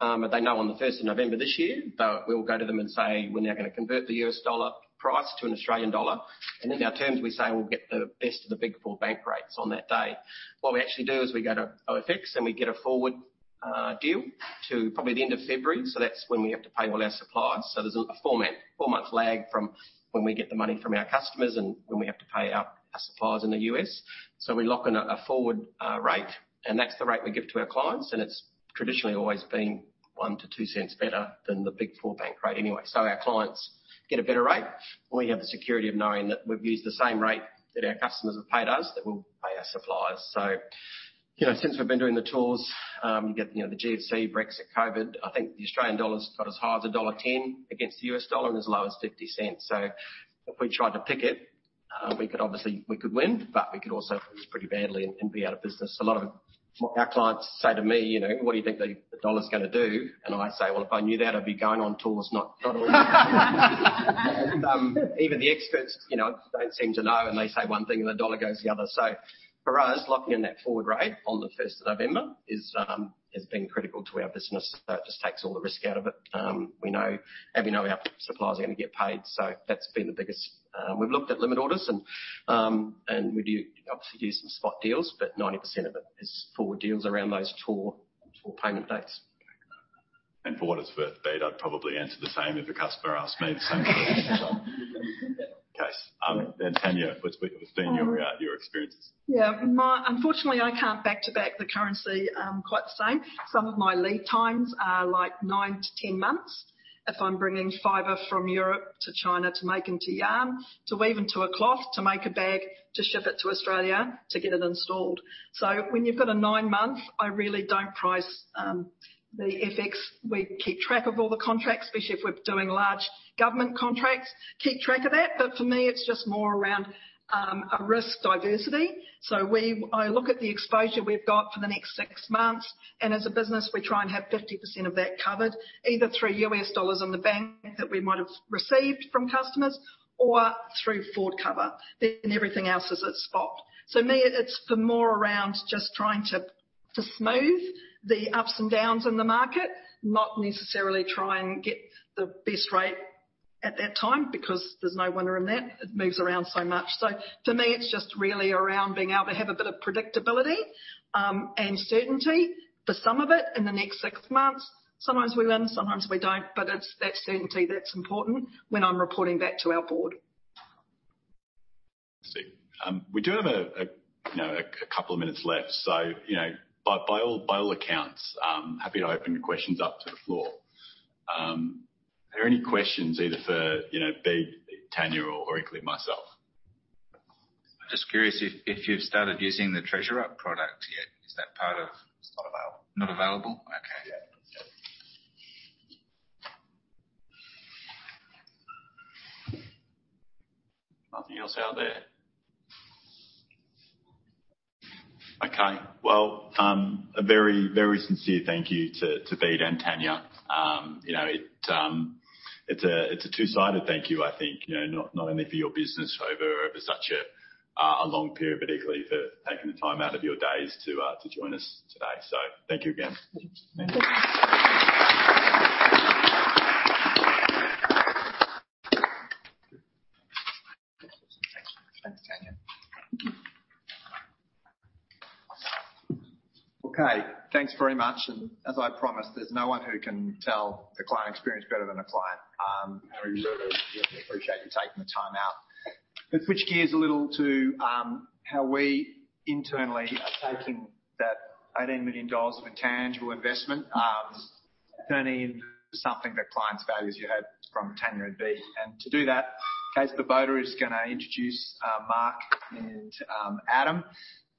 They know on the 1st of November this year, we'll go to them and say, "We're now gonna convert the USD price to an AUD." In our terms, we say we'll get the best of the Big Four bank rates on that day. What we actually do is we go to OFX and we get a forward deal to probably the end of February. That's when we have to pay all our suppliers. There's a four-month lag from when we get the money from our customers and when we have to pay our suppliers in the U.S. We lock in a forward rate, and that's the rate we give to our clients, and it's traditionally always been one to two cents better than the Big Four bank rate anyway. Our clients get a better rate. We have the security of knowing that we've used the same rate that our customers have paid us, that we'll pay our suppliers. You know, since we've been doing the tours, you get, you know, the GFC, Brexit, COVID. I think the Australian dollar's got as high as dollar 1.10 against the US dollar and as low as 0.50. If we tried to pick it, we could obviously, we could win, but we could also lose pretty badly and be out of business. A lot of our clients say to me, you know, "What do you think the US dollar's gonna do?" I say, "Well, if I knew that I'd be going on tours, not touring." Even the experts, you know, don't seem to know, and they say one thing and the US dollar goes the other. For us, locking in that forward rate on the first of November is critical to our business. It just takes all the risk out of it. We know and we know our suppliers are gonna get paid. That's been the biggest... We've looked at limit orders and we've obviously used some spot deals, 90% of it is forward deals around those tour payment dates. For what it's worth, Bede, I'd probably answer the same if a customer asked me the same question. Okay. Tanya, what's been your experiences? Yeah. Unfortunately, I can't back to back the currency quite the same. Some of my lead times are like 9 to 10 months. If I'm bringing fiber from Europe to China to make into yarn, to weave into a cloth, to make a bag, to ship it to Australia, to get it installed. When you've got a nine-month, I really don't price the FX. We keep track of all the contracts, especially if we're doing large government contracts, keep track of that. For me, it's just more around a risk diversity. I look at the exposure we've got for the next six months, and as a business, we try and have 50% of that covered either through US dollars in the bank that we might have received from customers or through forward cover. Everything else is at spot. Me, it's been more around just trying to smooth the ups and downs in the market, not necessarily try and get the best rate at that time because there's no winner in that. It moves around so much. For me, it's just really around being able to have a bit of predictability, and certainty for some of it in the next six months. Sometimes we win, sometimes we don't, but it's that certainty that's important when I'm reporting back to our board. I see. We do have, you know, a couple of minutes left. You know, by all accounts, I'm happy to open the questions up to the floor. Are there any questions either for, you know, Bea, Tanya, or equally myself? Just curious if you've started using the TreasurUp product yet. Is that part of? It's not available. Not available? Okay. Yeah. Nothing else out there. Okay. Well, a very, very sincere thank you to Bede and Tanya. You know, it's a two-sided thank you, I think, you know, not only for your business over such a long period, but equally for taking the time out of your days to join us today. Thank you again. Thank you. Thanks, Tanya. Okay. Thanks very much. As I promised, there's no one who can tell the client experience better than a client. We really, really appreciate you taking the time out. Let's switch gears a little to how we internally are taking that $18 million of tangible investment, turning into something that clients value, as you heard from Tanya and Bede. To do that, Kate Svoboda is gonna introduce Mark and Adam,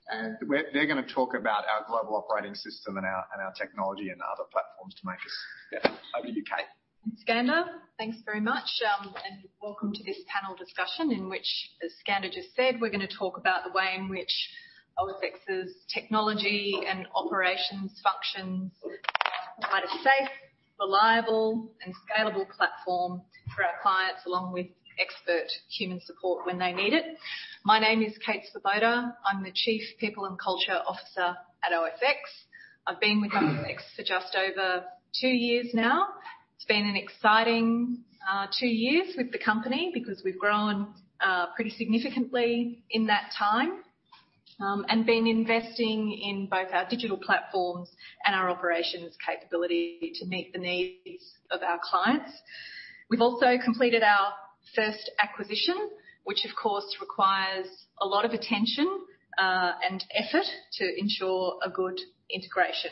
and they're gonna talk about our global operating system and our technology and other platforms to make this. Yeah. Over to you, Kate. Thanks, Skander. Thanks very much, and welcome to this panel discussion in which, as Skander just said, we're gonna talk about the way in which OFX's technology and operations functions provide a safe, reliable and scalable platform for our clients, along with expert human support when they need it. My name is Kate Svoboda. I'm the Chief People and Culture Officer at OFX. I've been with OFX for just over two years now. It's been an exciting two years with the company because we've grown pretty significantly in that time, and been investing in both our digital platforms and our operations capability to meet the needs of our clients. We've also completed our first acquisition, which of course, requires a lot of attention and effort to ensure a good integration.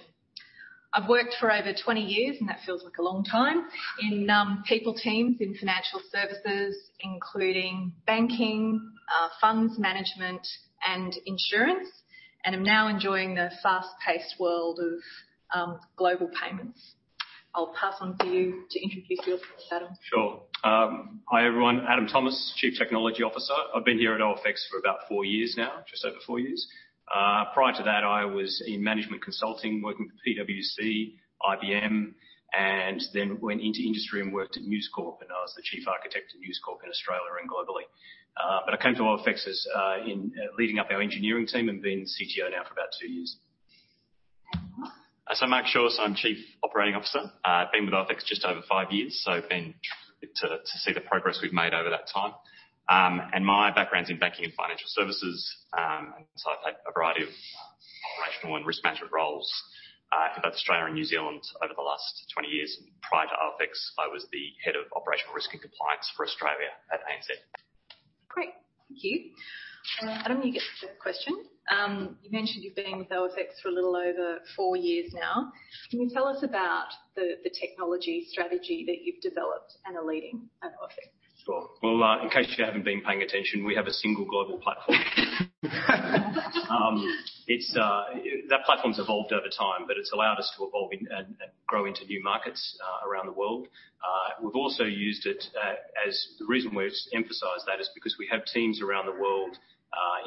I've worked for over 20 years, and that feels like a long time, in, people teams in financial services, including banking, funds management and insurance, and am now enjoying the fast-paced world of, global payments. I'll pass on to you to introduce yourself, Adam. Sure. Hi, everyone. Adam Thomas, chief technology officer. I've been here at OFX for about four years now, just over four years. Prior to that, I was in management consulting, working with PwC, IBM, and then went into industry and worked at News Corp, and I was the chief architect at News Corp in Australia and globally. I came to OFX as leading up our engineering team and been CTO now for about two years. Mark. Mark Shores, I'm Chief Operating Officer. I've been with OFX just over five years, been terrific to see the progress we've made over that time. My background's in banking and financial services. I've had a variety of operational and risk management roles for both Australia and New Zealand over the last 20 years. Prior to OFX, I was the head of operational risk and compliance for Australia at ANZ. Great. Thank you. Adam, you get the first question. You mentioned you've been with OFX for a little over four years now. Can you tell us about the technology strategy that you've developed and are leading at OFX? Sure. Well, in case you haven't been paying attention, we have a single global platform. That platform's evolved over time, but it's allowed us to evolve and grow into new markets around the world. We've also used it. The reason we've emphasized that is because we have teams around the world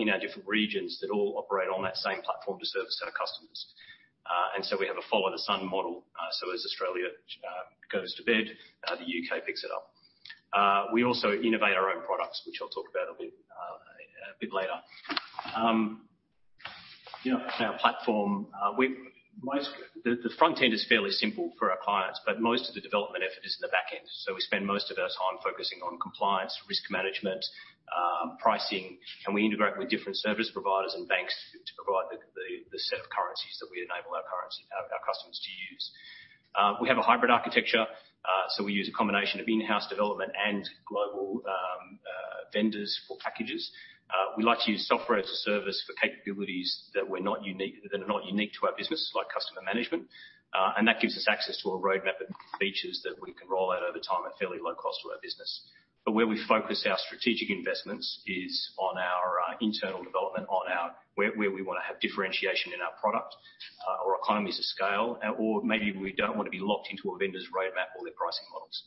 in our different regions that all operate on that same platform to service our customers. We have a follow the sun model. As Australia goes to bed, the UK picks it up. We also innovate our own products, which I'll talk about a bit later. You know, our platform, the front end is fairly simple for our clients, but most of the development effort is in the back end. We spend most of our time focusing on compliance, risk management, pricing, and we integrate with different service providers and banks to provide the set of currencies that we enable our customers to use. We have a hybrid architecture, so we use a combination of in-house development and global vendors for packages. We like to use SaaS for capabilities that are not unique to our business, like customer management. And that gives us access to a roadmap of features that we can roll out over time at fairly low cost to our business. Where we focus our strategic investments is on our internal development, on our... Where we wanna have differentiation in our product, or economies of scale, or maybe we don't wanna be locked into a vendor's roadmap or their pricing models.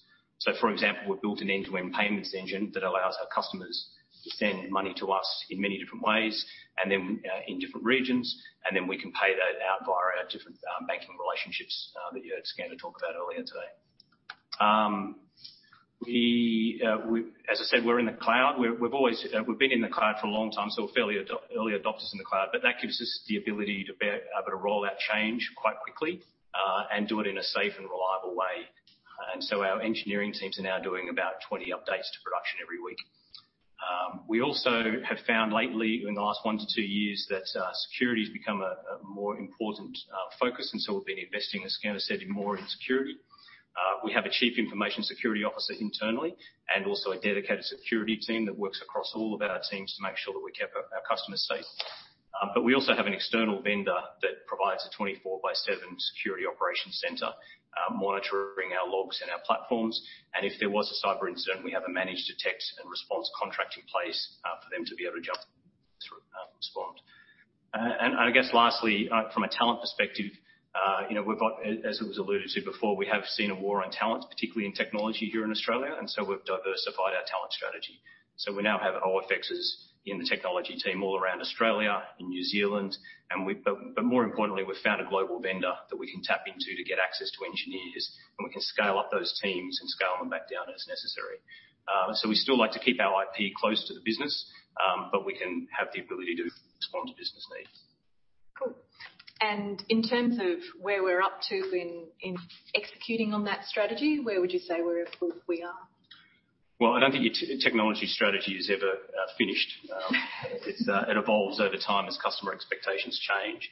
For example, we've built an end-to-end payments engine that allows our customers to send money to us in many different ways, and then in different regions, and then we can pay that out via our different banking relationships that you heard Skander talk about earlier today. As I said, we're in the cloud. We've always been in the cloud for a long time, so we're fairly early adopters in the cloud, but that gives us the ability to be able to roll out change quite quickly, and do it in a safe and reliable way. Our engineering teams are now doing about 20 updates to production every week. We also have found lately, in the last one to two years, that security's become a more important focus, so we've been investing, as Skander said, more in security. We have a Chief Information Security Officer internally and also a dedicated security team that works across all of our teams to make sure that we keep our customers safe. We also have an external vendor that provides a 24 by 7 security operations center, monitoring our logs and our platforms. If there was a cyber incident, we have a managed detection and response contract in place for them to be able to jump inResponded. I guess lastly, you know, from a talent perspective, as it was alluded to before, we have seen a war on talent, particularly in technology here in Australia. We've diversified our talent strategy. We now have OFXers in the technology team all around Australia, in New Zealand. But more importantly, we've found a global vendor that we can tap into to get access to engineers, and we can scale up those teams and scale them back down as necessary. We still like to keep our IP close to the business, but we can have the ability to respond to business needs. Cool. In terms of where we're up to in executing on that strategy, where would you say we are? I don't think your technology strategy is ever finished. It evolves over time as customer expectations change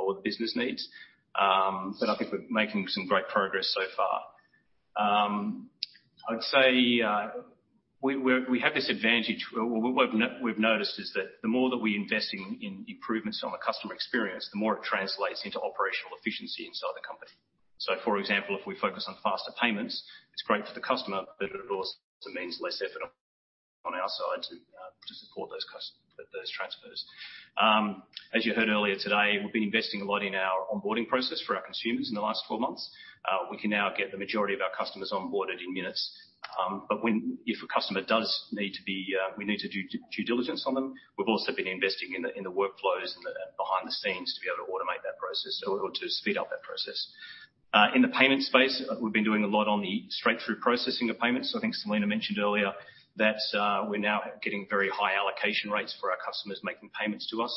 or the business needs. I think we're making some great progress so far. I'd say we have this advantage. What we've noticed is that the more that we invest in improvements on the customer experience, the more it translates into operational efficiency inside the company. For example, if we focus on faster payments, it's great for the customer, but it also means less effort on our side to support those transfers. As you heard earlier today, we've been investing a lot in our onboarding process for our consumers in the last 12 months. We can now get the majority of our customers onboarded in minutes. When... if a customer does need to be, we need to do due diligence on them, we've also been investing in the workflows and the behind the scenes to be able to automate that process or to speed up that process. In the payment space, we've been doing a lot on the straight-through processing of payments. I think Selena mentioned earlier that we're now getting very high allocation rates for our customers making payments to us.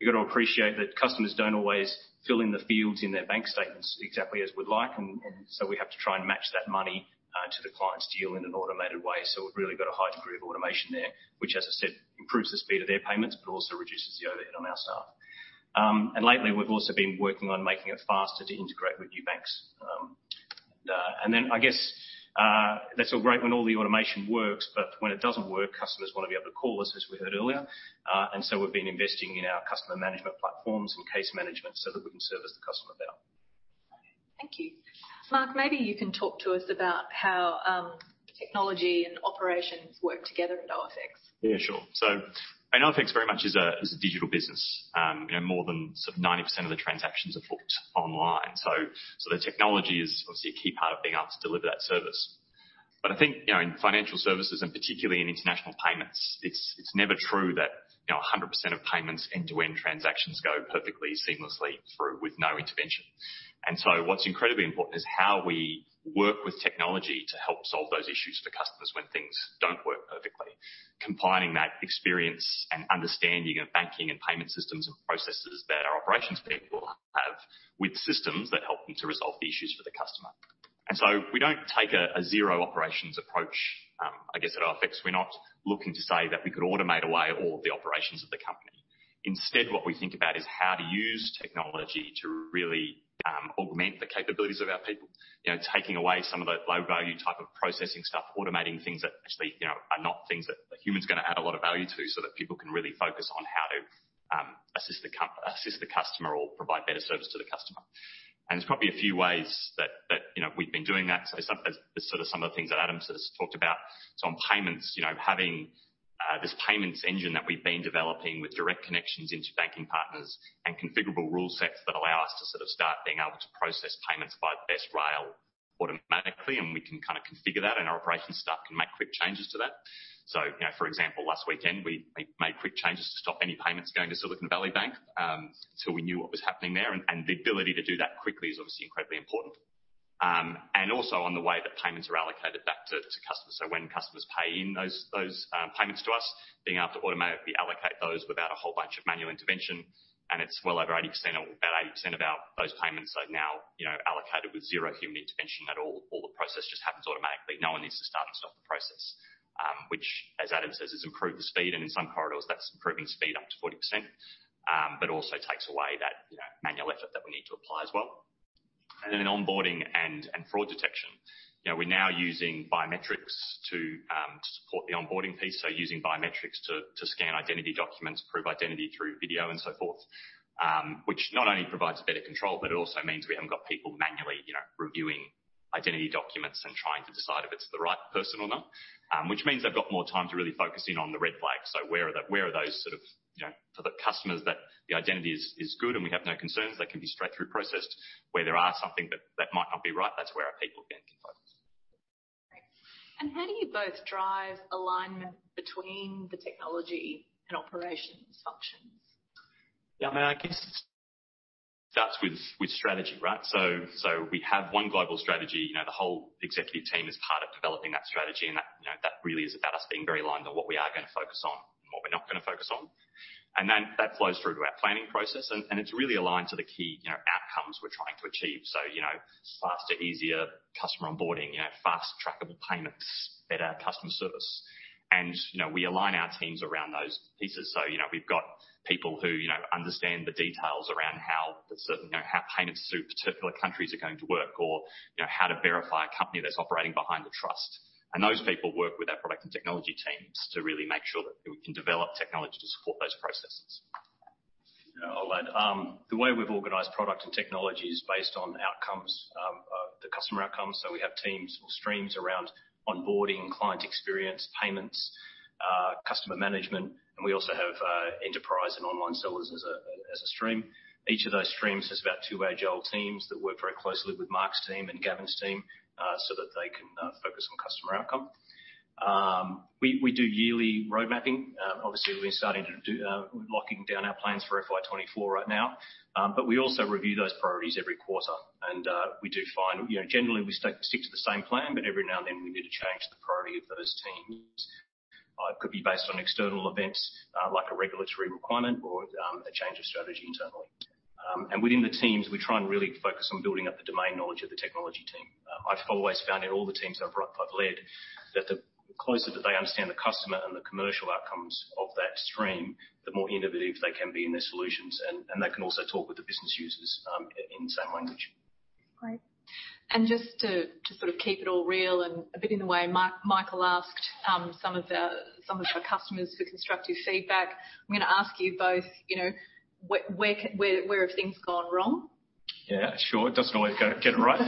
You got to appreciate that customers don't always fill in the fields in their bank statements exactly as we'd like, and so we have to try and match that money to the client's deal in an automated way. We've really got a high degree of automation there, which, as I said, improves the speed of their payments, but also reduces the overhead on our staff. Lately, we've also been working on making it faster to integrate with new banks. Then I guess, that's all great when all the automation works, but when it doesn't work, customers want to be able to call us, as we heard earlier. We've been investing in our customer management platforms and case management so that we can service the customer better. Thank you. Mark, maybe you can talk to us about how technology and operations work together at OFX. Yeah, sure. OFX very much is a digital business. you know, more than sort of 90% of the transactions are booked online. The technology is obviously a key part of being able to deliver that service. I think, you know, in financial services, and particularly in international payments, it's never true that, you know, 100% of payments end-to-end transactions go perfectly seamlessly through with no intervention. What's incredibly important is how we work with technology to help solve those issues for customers when things don't work perfectly. Compiling that experience and understanding of banking and payment systems and processes that our operations people have with systems that help them to resolve the issues for the customer. We don't take a zero-operations approach, I guess, at OFX. We're not looking to say that we could automate away all of the operations of the company. Instead, what we think about is how to use technology to really, augment the capabilities of our people. You know, taking away some of the low-value type of processing stuff, automating things that actually, you know, are not things that a human's gonna add a lot of value to, so that people can really focus on how to, assist the customer or provide better service to the customer. There's probably a few ways that, you know, we've been doing that. Some of the things that Adam sort of talked about. On payments, you know, having this payments engine that we've been developing with direct connections into banking partners and configurable rule sets that allow us to sort of start being able to process payments by the best rail automatically, and we can kinda configure that, and our operations staff can make quick changes to that. You know, for example, last weekend, we made quick changes to stop any payments going to Silicon Valley Bank till we knew what was happening there. The ability to do that quickly is obviously incredibly important. Also on the way that payments are allocated back to customers. When customers pay in those payments to us, being able to automatically allocate those without a whole bunch of manual intervention, and it's well over 80% or about 80% of our... those payments are now, you know, allocated with zero human intervention at all. All the process just happens automatically. No one needs to start and stop the process. Which, as Adam says, has improved the speed, and in some corridors, that's improving speed up to 40%. Also takes away that, you know, manual effort that we need to apply as well. In onboarding and fraud detection, you know, we're now using biometrics to support the onboarding piece. Using biometrics to scan identity documents, prove identity through video, and so forth. Which not only provides better control, but it also means we haven't got people manually, you know, reviewing identity documents and trying to decide if it's the right person or not. Which means they've got more time to really focus in on the red flags. Where are those sort of, you know, for the customers that the identity is good and we have no concerns, they can be straight through processed. Where there are something that might not be right, that's where our people can focus. Great. How do you both drive alignment between the technology and operations functions? Yeah, I mean, I guess it starts with strategy, right? We have one global strategy. You know, the whole executive team is part of developing that strategy and that, you know, that really is about us being very aligned on what we are gonna focus on and what we're not gonna focus on. That flows through to our planning process. It's really aligned to the key, you know, outcomes we're trying to achieve. You know, faster, easier customer onboarding, you know, fast trackable payments, better customer service. You know, we align our teams around those pieces. You know, we've got people who, you know, understand the details around how payments to particular countries are going to work or, you know, how to verify a company that's operating behind the trust. Those people work with our product and technology teams to really make sure that we can develop technology to support those processes. Well, the way we've organized product and technology is based on outcomes, the customer outcomes. We have teams or streams around onboarding, client experience, payments, customer management, and we also have enterprise and online sellers as a stream. Each of those streams has about two agile teams that work very closely with Mark's team and Gavin's team, so that they can focus on customer outcome. We do yearly road mapping. Obviously we're starting to do, we're locking down our plans for FY24 right now. We also review those priorities every quarter. We do find, you know, generally we stick to the same plan, but every now and then we need to change the priority of those teams. It could be based on external events, like a regulatory requirement or a change of strategy internally. Within the teams, we try and really focus on building up the domain knowledge of the technology team. I've always found in all the teams I've led that the closer that they understand the customer and the commercial outcomes of that stream, the more innovative they can be in their solutions. And they can also talk with the business users, in the same language. Great. Just to sort of keep it all real and a bit in the way Michael asked, some of our, some of our customers for constructive feedback, I'm gonna ask you both, you know, where have things gone wrong? Yeah, sure. Doesn't always go, get it right.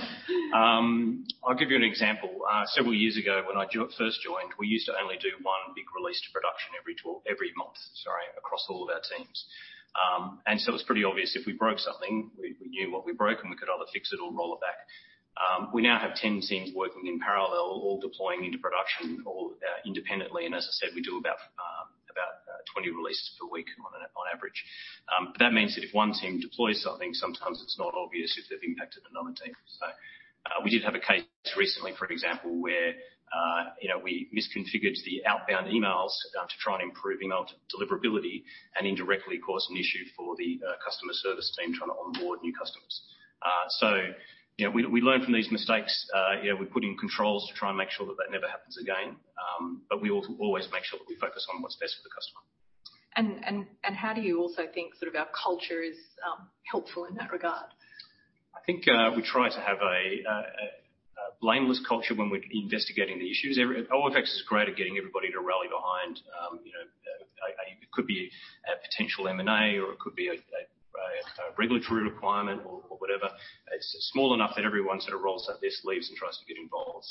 I'll give you an example. Several years ago, when I first joined, we used to only do one big release to production every month, sorry, across all of our teams. It was pretty obvious if we broke something, we knew what we broke, and we could either fix it or roll it back. We now have 10 teams working in parallel, all deploying into production all independently. As I said, we do about 20 releases per week on average. That means that if one team deploys something, sometimes it's not obvious if they've impacted another team. We did have a case recently, for example, where, you know, we misconfigured the outbound emails to try and improve email deliverability and indirectly caused an issue for the customer service team trying to onboard new customers. You know, we learn from these mistakes. You know, we put in controls to try and make sure that that never happens again. We always make sure that we focus on what's best for the customer. How do you also think sort of our culture is helpful in that regard? I think, we try to have a blameless culture when we're investigating the issues. OFX is great at getting everybody to rally behind, you know, a potential M&A or it could be a regulatory requirement or whatever. It's small enough that everyone sort of rolls up their sleeves and tries to get involved.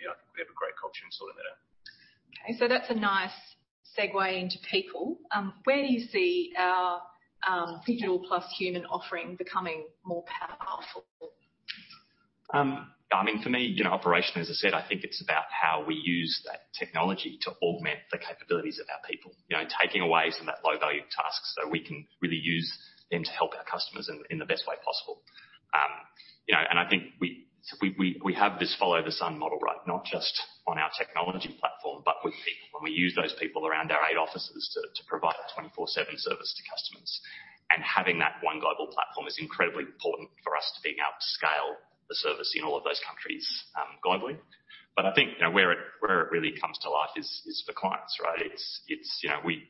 You know, I think we have a great culture in sorting that out. That's a nice segue into people. Where do you see our digital plus human offering becoming more powerful? I mean, for me, you know, operation, as I said, I think it's about how we use that technology to augment the capabilities of our people. You know, taking away some of that low-value tasks, so we can really use them to help our customers in the best way possible. You know, I think we have this follow the sun model, right? Not just on our technology platform, but with people. We use those people around our eight offices to provide a 24/7 service to customers. Having that one global platform is incredibly important for us to being able to scale the service in all of those countries globally. I think, you know, where it really comes to life is for clients, right? It's, you know, we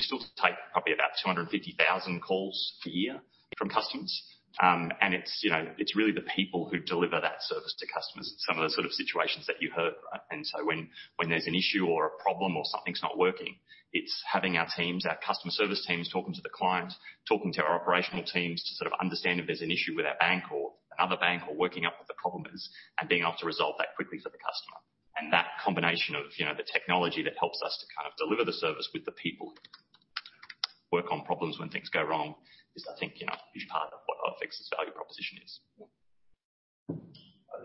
still take probably about 250,000 calls per year from customers. And it's, you know, it's really the people who deliver that service to customers in some of the sort of situations that you heard, right? When there's an issue or a problem or something's not working, it's having our teams, our customer service teams talking to the client, talking to our operational teams to sort of understand if there's an issue with our bank or another bank or working out what the problem is and being able to resolve that quickly for the customer. That combination of, you know, the technology that helps us to kind of deliver the service with the people who work on problems when things go wrong is I think, you know, a huge part of what OFX's value proposition is.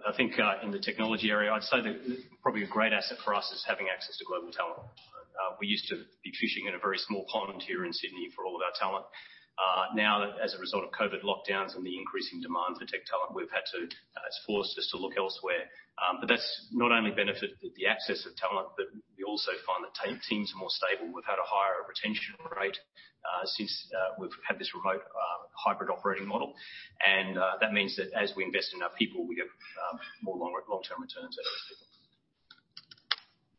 I think, in the technology area, I'd say that probably a great asset for us is having access to global talent. We used to be fishing in a very small pond here in Sydney for all of our talent. Now that as a result of COVID lockdowns and the increasing demand for tech talent, it's forced us to look elsewhere. That's not only benefited the access of talent, but we also find that teams are more stable. We've had a higher retention rate since we've had this remote hybrid operating model. That means that as we invest in our people, we get long-term returns out of people.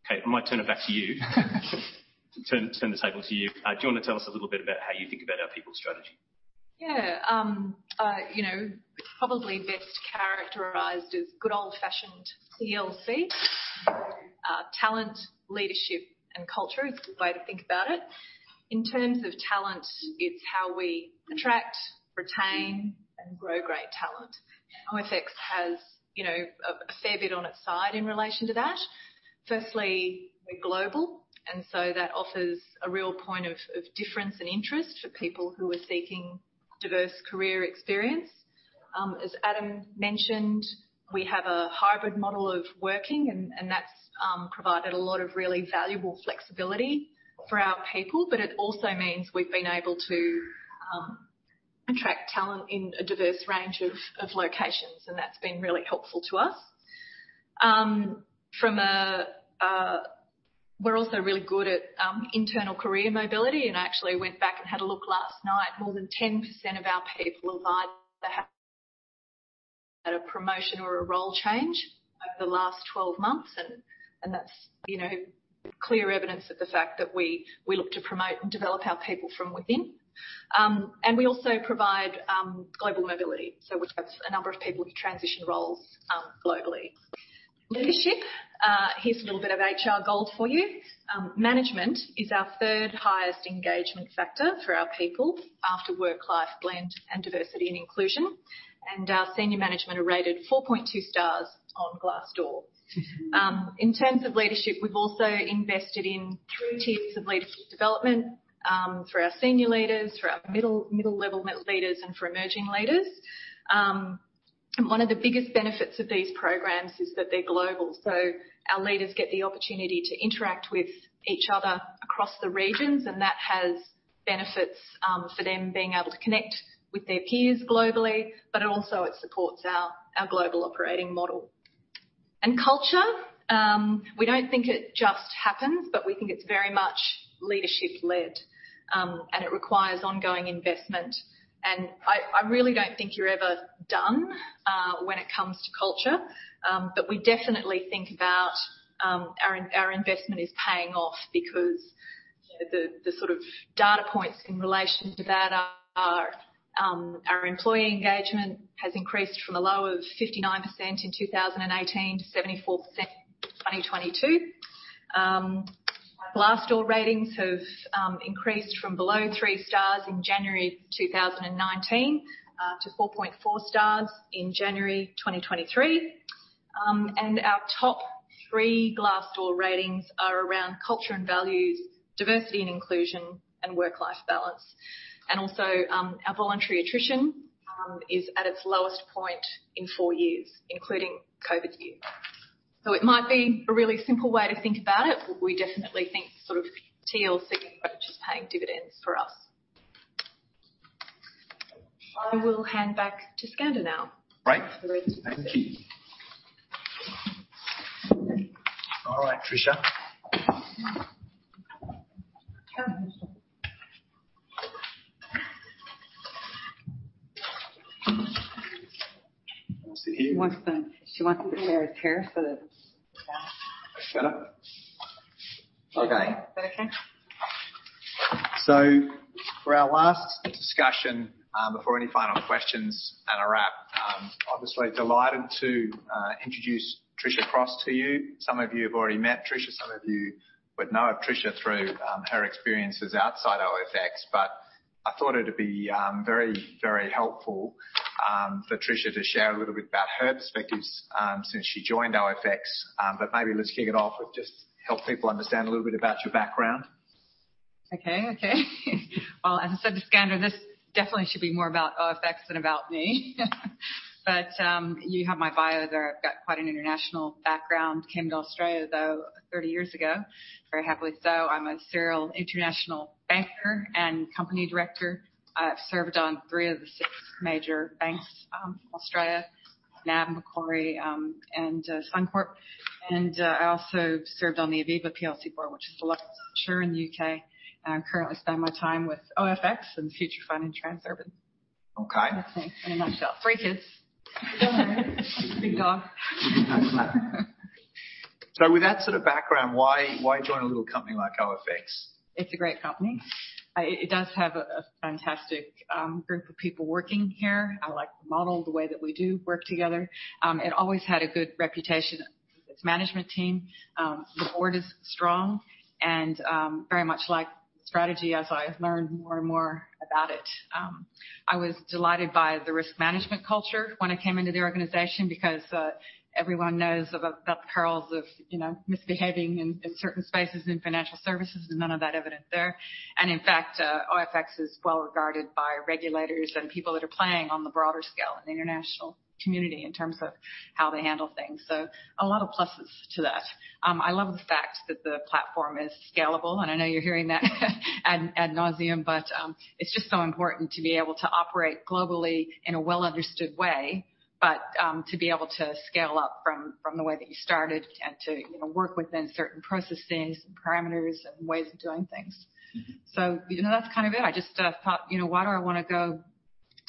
Kate, I might turn it back to you. Turn the table to you. Do you wanna tell us a little bit about how you think about our people strategy? Yeah. You know, probably best characterized as good old-fashioned CLC. Talent, leadership, and culture is a good way to think about it. In terms of talent, it's how we attract, retain, and grow great talent. OFX has, you know, a fair bit on its side in relation to that. Firstly, we're global. That offers a real point of difference and interest for people who are seeking diverse career experience. As Adam mentioned, we have a hybrid model of working and that's provided a lot of really valuable flexibility for our people, but it also means we've been able to attract talent in a diverse range of locations, and that's been really helpful to us. We're also really good at internal career mobility. I actually went back and had a look last night. More than 10% of our people advise they have had a promotion or a role change over the last 12 months, and that's, you know, clear evidence of the fact that we look to promote and develop our people from within. We also provide global mobility, so we've got a number of people who transition roles globally. Leadership. Here's a little bit of HR gold for you. Management is our third highest engagement factor for our people after work-life blend and diversity and inclusion. Our senior management are rated 4.2 stars on Glassdoor. In terms of leadership, we've also invested in three tiers of leadership development for our senior leaders, for our middle level leaders, and for emerging leaders. One of the biggest benefits of these programs is that they're global, so our leaders get the opportunity to interact with each other across the regions, and that has benefits for them being able to connect with their peers globally, but it also it supports our global operating model. Culture, we don't think it just happens, but we think it's very much leadership led, and it requires ongoing investment. I really don't think you're ever done when it comes to culture. We definitely think about our investment is paying off because the sort of data points in relation to that are, our employee engagement has increased from a low of 59% in 2018 to 74% in 2022. Glassdoor ratings have increased from below three stars in January 2019 to 4.4 stars in January 2023. Our top three Glassdoor ratings are around culture and values, diversity and inclusion, and work-life balance. Also, our voluntary attrition is at its lowest point in four years, including COVID year. It might be a really simple way to think about it, we definitely think sort of TLC approach is paying dividends for us. I will hand back to Skander now. Right. For the rest of the presentation. Thank you. All right, Tricia. Oh. Wanna sit here. She wants the chair with Paris, so that's... Better? Okay. Is that okay? For our last discussion, before any final questions and a wrap, obviously delighted to introduce Patricia Cross to you. Some of you have already met Tricia. Some of you would know of Tricia through her experiences outside OFX, but I thought it'd be very, very helpful for Tricia to share a little bit about her perspectives since she joined OFX. Maybe let's kick it off with just help people understand a little bit about your background. As I said to Skander, this definitely should be more about OFX than about me. You have my bio there. I've got quite an international background. Came to Australia, though, 30 years ago, very happily so. I'm a serial international banker and company director. I've served on three of the six major banks, Australia, NAB, Macquarie, and Suncorp. I also served on the Aviva plc board, which is a life insurer in the UK, and I currently spend my time with OFX and Future Fund and Transurban. Okay. That's me in a nutshell. Three kids. Big dog. With that sort of background, why join a little company like OFX? It's a great company. It does have a fantastic group of people working here. I like the model, the way that we do work together. It always had a good reputation with its management team. The board is strong and very much like the strategy as I've learned more and more about it. I was delighted by the risk management culture when I came into the organization because everyone knows about the perils of, you know, misbehaving in certain spaces in financial services. There's none of that evident there. In fact, OFX is well regarded by regulators and people that are playing on the broader scale in the international community in terms of how they handle things. A lot of pluses to that. I love the fact that the platform is scalable, and I know you're hearing that ad nauseam, but it's just so important to be able to operate globally in a well understood way, but to be able to scale up from the way that you started and to, you know, work within certain processes and parameters and ways of doing things. You know, that's kind of it. I just thought, you know, why do I wanna go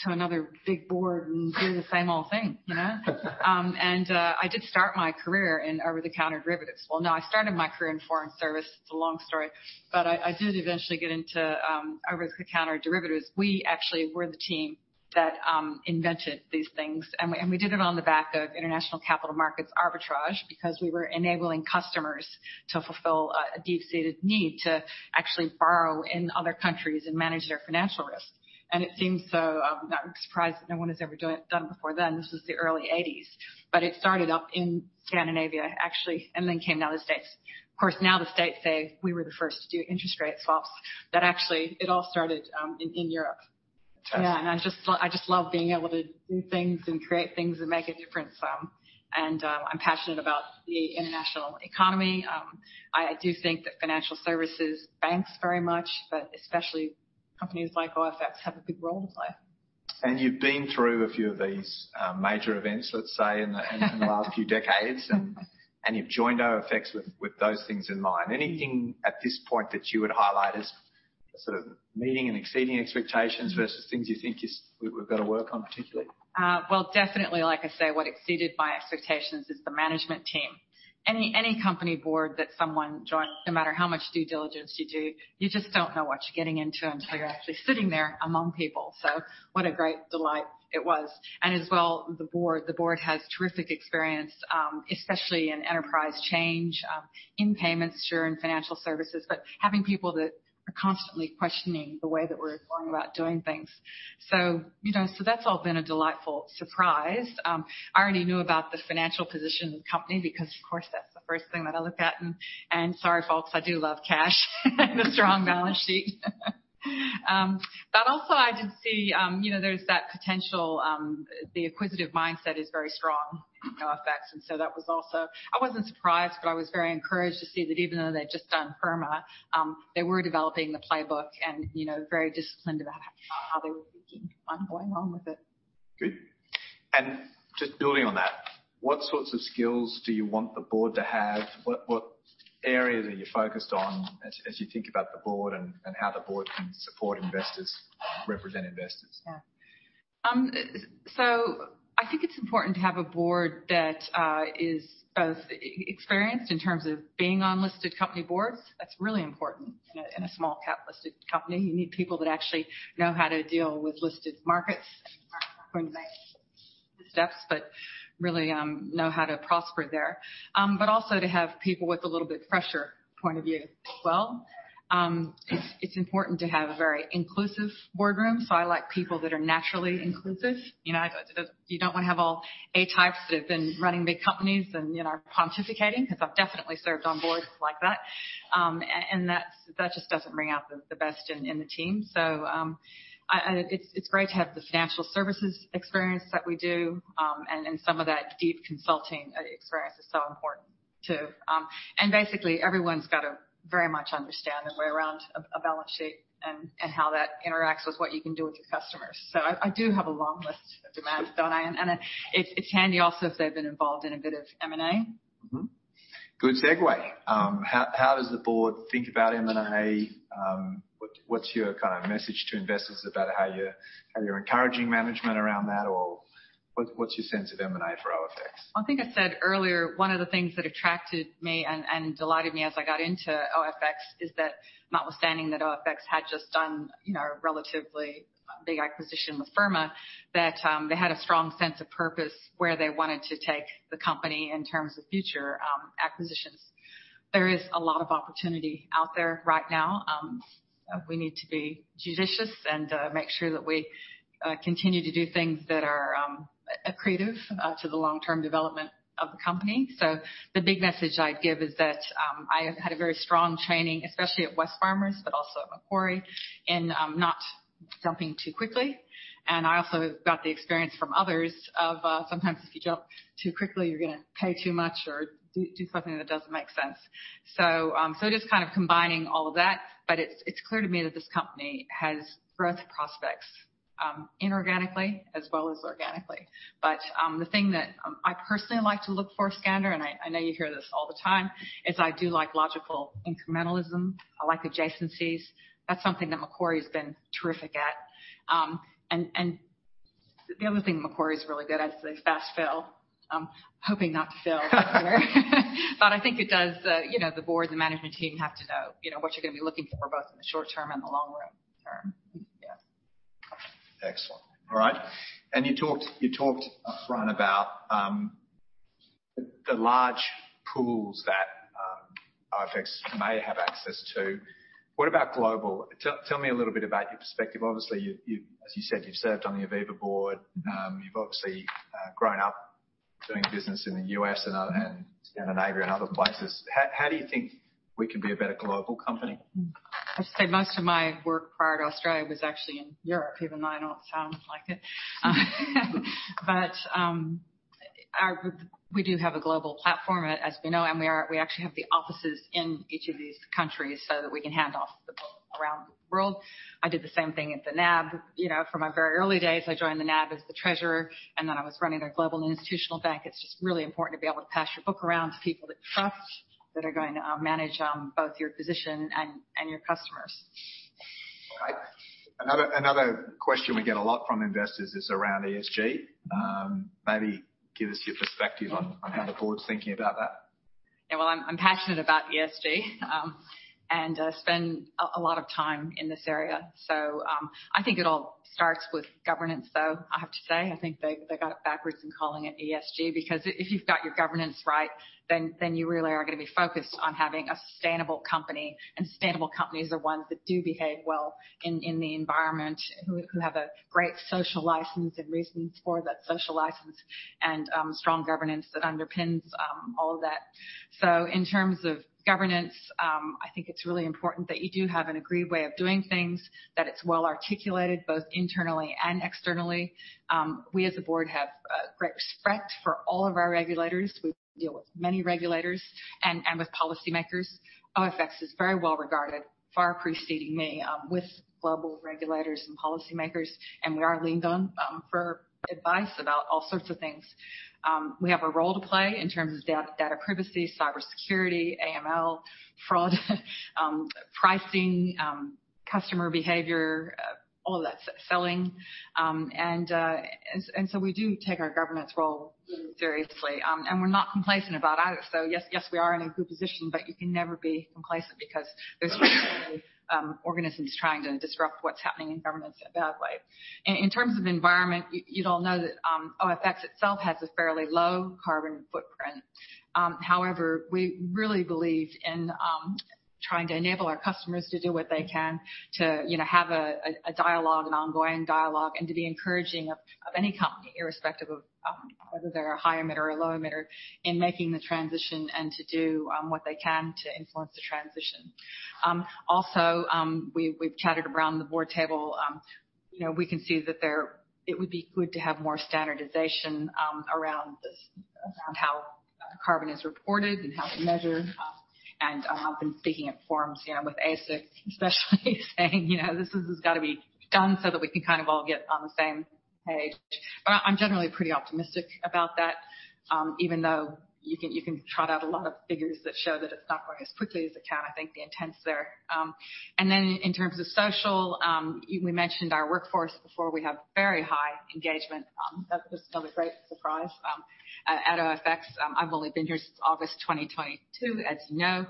to another big board and do the same old thing, you know? I did start my career in over-the-counter derivatives. Well, no, I started my career in foreign service. It's a long story, but I did eventually get into over-the-counter derivatives. We actually were the team that invented these things. We did it on the back of international capital markets arbitrage because we were enabling customers to fulfill a deep-seated need to actually borrow in other countries and manage their financial risk. It seems so not surprised that no one has ever done before then. This was the early eighties. It started up in Scandinavia, actually, and then came down the States. Of course, now the States say we were the first to do interest rate swaps, but actually, it all started in Europe. Interesting. Yeah. I just love being able to do things and create things that make a difference. I'm passionate about the international economy. I do think that financial services banks very much, but especially companies like OFX have a big role to play. You've been through a few of these, major events, let's say, in the last few decades, and you've joined OFX with those things in mind. Anything at this point that you would highlight as sort of meeting and exceeding expectations versus things you think is we've got to work on particularly? Well, definitely, like I say, what exceeded my expectations is the management team. Any company board that someone joins, no matter how much due diligence you do, you just don't know what you're getting into until you're actually sitting there among people. What a great delight it was. As well, the board has terrific experience, especially in enterprise change, in payments, sure, in financial services, but having people that are constantly questioning the way that we're going about doing things. You know, that's all been a delightful surprise. I already knew about the financial position of the company because, of course, that's the first thing that I look at, and sorry, folks, I do love cash and a strong balance sheet. Also I did see, you know, there's that potential, the acquisitive mindset is very strong in OFX. That was also, I wasn't surprised, but I was very encouraged to see that even though they'd just done Firma, they were developing the playbook and, you know, very disciplined about how they were thinking on going on with it. Good. Just building on that, what sorts of skills do you want the board to have? What areas are you focused on as you think about the board and how the board can support investors, represent investors? Yeah. I think it's important to have a board that is both experienced in terms of being on listed company boards. That's really important. In a small cap listed company, you need people that actually know how to deal with listed markets. Aren't going to make steps, but really know how to prosper there. Also to have people with a little bit fresher point of view as well. It's important to have a very inclusive boardroom, so I like people that are naturally inclusive. You know, you don't want to have all A types that have been running big companies and, you know, are pontificating, because I've definitely served on boards like that. That's, that just doesn't bring out the best in the team. It's great to have the financial services experience that we do. And some of that deep consulting experience is so important too. Basically, everyone's got to very much understand their way around a balance sheet and how that interacts with what you can do with your customers. I do have a long list of demands, don't I? It's handy also if they've been involved in a bit of M&A. Good segue. How does the board think about M&A? What's your kind of message to investors about how you're encouraging management around that or what's your sense of M&A for OFX? I think I said earlier, one of the things that attracted me and delighted me as I got into OFX is that notwithstanding that OFX had just done, you know, a relatively big acquisition with Firma, that they had a strong sense of purpose where they wanted to take the company in terms of future acquisitions. There is a lot of opportunity out there right now. We need to be judicious and make sure that we continue to do things that are accretive to the long-term development of the company. The big message I'd give is that I have had a very strong training, especially at Wesfarmers, but also Macquarie, in not jumping too quickly. I also got the experience from others of, sometimes if you jump too quickly, you're gonna pay too much or do something that doesn't make sense. Just kind of combining all of that, but it's clear to me that this company has growth prospects, inorganically as well as organically. The thing that I personally like to look for, Skander, and I know you hear this all the time, is I do like logical incrementalism. I like adjacencies. That's something that Macquarie's been terrific at. And the other thing Macquarie's really good at is they fast fail. I'm hoping not to fail anywhere. I think it does, you know, the board and management team have to know, you know, what you're going to be looking for, both in the short term and the long run term. Yeah. Excellent. All right. You talked upfront about the large pools that OFX may have access to. What about global? Tell me a little bit about your perspective. Obviously, you, as you said, you've served on the AVEVA board. You've obviously grown up doing business in the U.S. and Scandinavia and other places. How do you think we can be a better global company? I'd say most of my work prior to Australia was actually in Europe, even though I don't sound like it. We do have a global platform, as we know, and we actually have the offices in each of these countries so that we can hand off the book around the world. I did the same thing at the NAB. You know, from my very early days, I joined the NAB as the treasurer, and then I was running their global institutional bank. It's just really important to be able to pass your book around to people that you trust that are going to manage both your position and your customers. Okay. Another question we get a lot from investors is around ESG. Maybe give us your perspective on how the board's thinking about that. Yeah. Well, I'm passionate about ESG, and I spend a lot of time in this area. I think it all starts with governance, though. I have to say, I think they got it backwards in calling it ESG because if you've got your governance right, then you really are gonna be focused on having a sustainable company. Sustainable companies are ones that do behave well in the environment, who have a great social license and reasons for that social license and strong governance that underpins all of that. In terms of governance, I think it's really important that you do have an agreed way of doing things, that it's well articulated, both internally and externally. We as a board have a great respect for all of our regulators. We deal with many regulators and with policymakers. OFX is very well-regarded, far preceding me, with global regulators and policymakers, and we are leaned on for advice about all sorts of things. We have a role to play in terms of data privacy, cybersecurity, AML, fraud, pricing, customer behavior, All of that selling. We do take our governance role seriously. We're not complacent about either. We are in a good position, but you can never be complacent because there's organisms trying to disrupt what's happening in governance in a bad way. In terms of environment, you'd all know that OFX itself has a fairly low carbon footprint. However, we really believe in trying to enable our customers to do what they can to, you know, have a dialogue, an ongoing dialogue, and to be encouraging of any company, irrespective of whether they're a high emitter or low emitter, in making the transition and to do what they can to influence the transition. Also, we've chatted around the board table, you know, we can see that it would be good to have more standardization around this, around how carbon is reported and how it's measured. I've been speaking at forums, you know, with ASIC, especially saying, you know, "This has got to be done so that we can kind of all get on the same page." I'm generally pretty optimistic about that, even though you can trot out a lot of figures that show that it's not going as quickly as it can. I think the intent's there. Then in terms of social, we mentioned our workforce before. We have very high engagement. That was another great surprise at OFX. I've only been here since August 2022, as you know.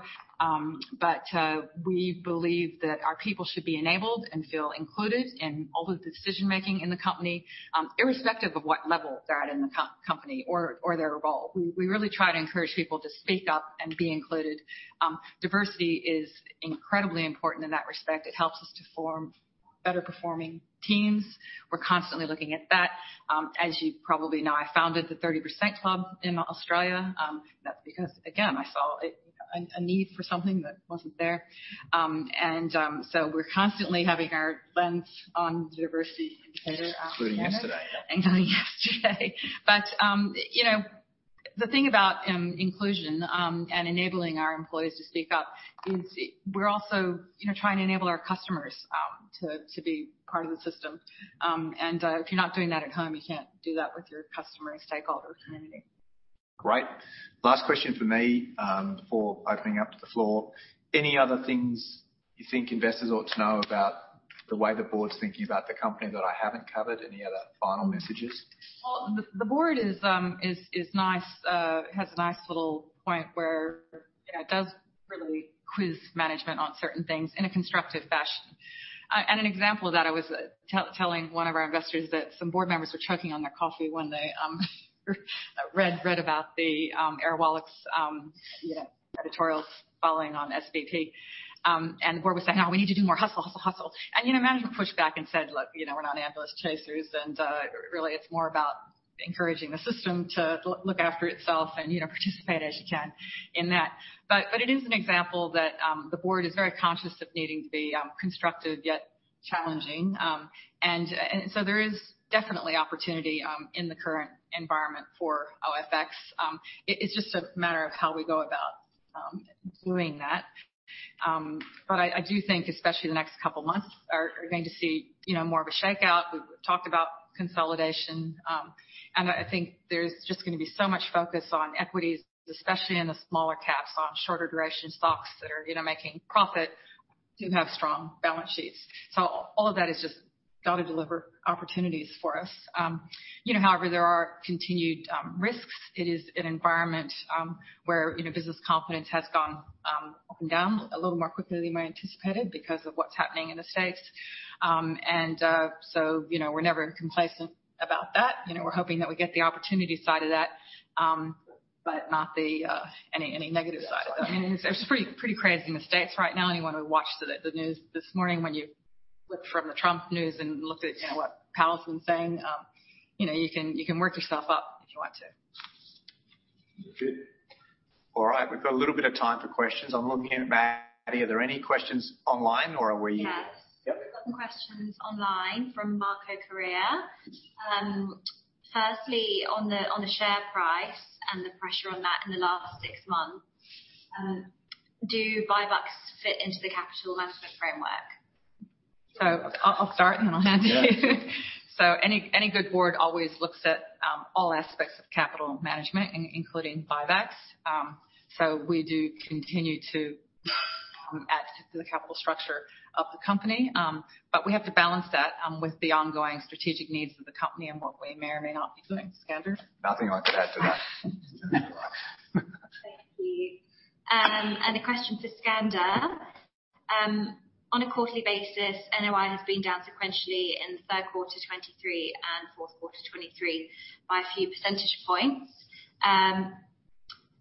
We believe that our people should be enabled and feel included in all of the decision-making in the company, irrespective of what level they're at in the company or their role. We really try to encourage people to speak up and be included. Diversity is incredibly important in that respect. It helps us to form better performing teams. We're constantly looking at that. As you probably know, I founded the 30% Club in Australia. That's because, again, I saw a need for something that wasn't there. We're constantly having our lens on diversity and inclusion. Including yesterday. Including yesterday. you know, the thing about inclusion, and enabling our employees to speak up is we're also, you know, trying to enable our customers, to be part of the system. if you're not doing that at home, you can't do that with your customer and stakeholder community. Great. Last question from me, before opening up to the floor. Any other things you think investors ought to know about the way the board's thinking about the company that I haven't covered? Any other final messages? Well, the board is nice, has a nice little point where, you know, it does really quiz management on certain things in a constructive fashion. An example of that, I was telling one of our investors that some board members were choking on their coffee one day, read about the Airwallex, you know, editorials following on SVP. The board was saying, "Oh, we need to do more hustle, hustle." You know, management pushed back and said, "Look, you know, we're not ambulance chasers," and really it's more about encouraging the system to look after itself and, you know, participate as you can in that. It is an example that the board is very conscious of needing to be constructive, yet challenging. There is definitely opportunity in the current environment for OFX. It's just a matter of how we go about doing that. I do think especially the next couple of months are going to see, you know, more of a shakeout. We've talked about consolidation. I think there's just gonna be so much focus on equities, especially in the smaller caps, on shorter duration stocks that are, you know, making profit, do have strong balance sheets. All of that has just got to deliver opportunities for us. You know, however, there are continued risks. It is an environment where, you know, business confidence has gone up and down a little more quickly than we anticipated because of what's happening in the States. You know, we're never complacent about that. You know, we're hoping that we get the opportunity side of that, but not the, any negative side of that. I mean, it's pretty crazy in the States right now. Anyone who watched the news this morning, when you flipped from the Trump news and looked at, you know, what Palestine's saying, you know, you can work yourself up if you want to. Good. All right. We've got a little bit of time for questions. I'm looking at Maddy. Are there any questions online or are we-? Yes. Yep. We've got some questions online from Marco Correa. On the share price and the pressure on that in the last six months, do buybacks fit into the capital management framework? I'll start and then I'll hand to you. Any good board always looks at all aspects of capital management, including buybacks. We do continue to add to the capital structure of the company. We have to balance that with the ongoing strategic needs of the company and what we may or may not be doing. Skander? Nothing I could add to that. Thank you. A question for Skander. On a quarterly basis, NOI has been down sequentially in Q3 2023 and Q4 2023 by a few percentage points,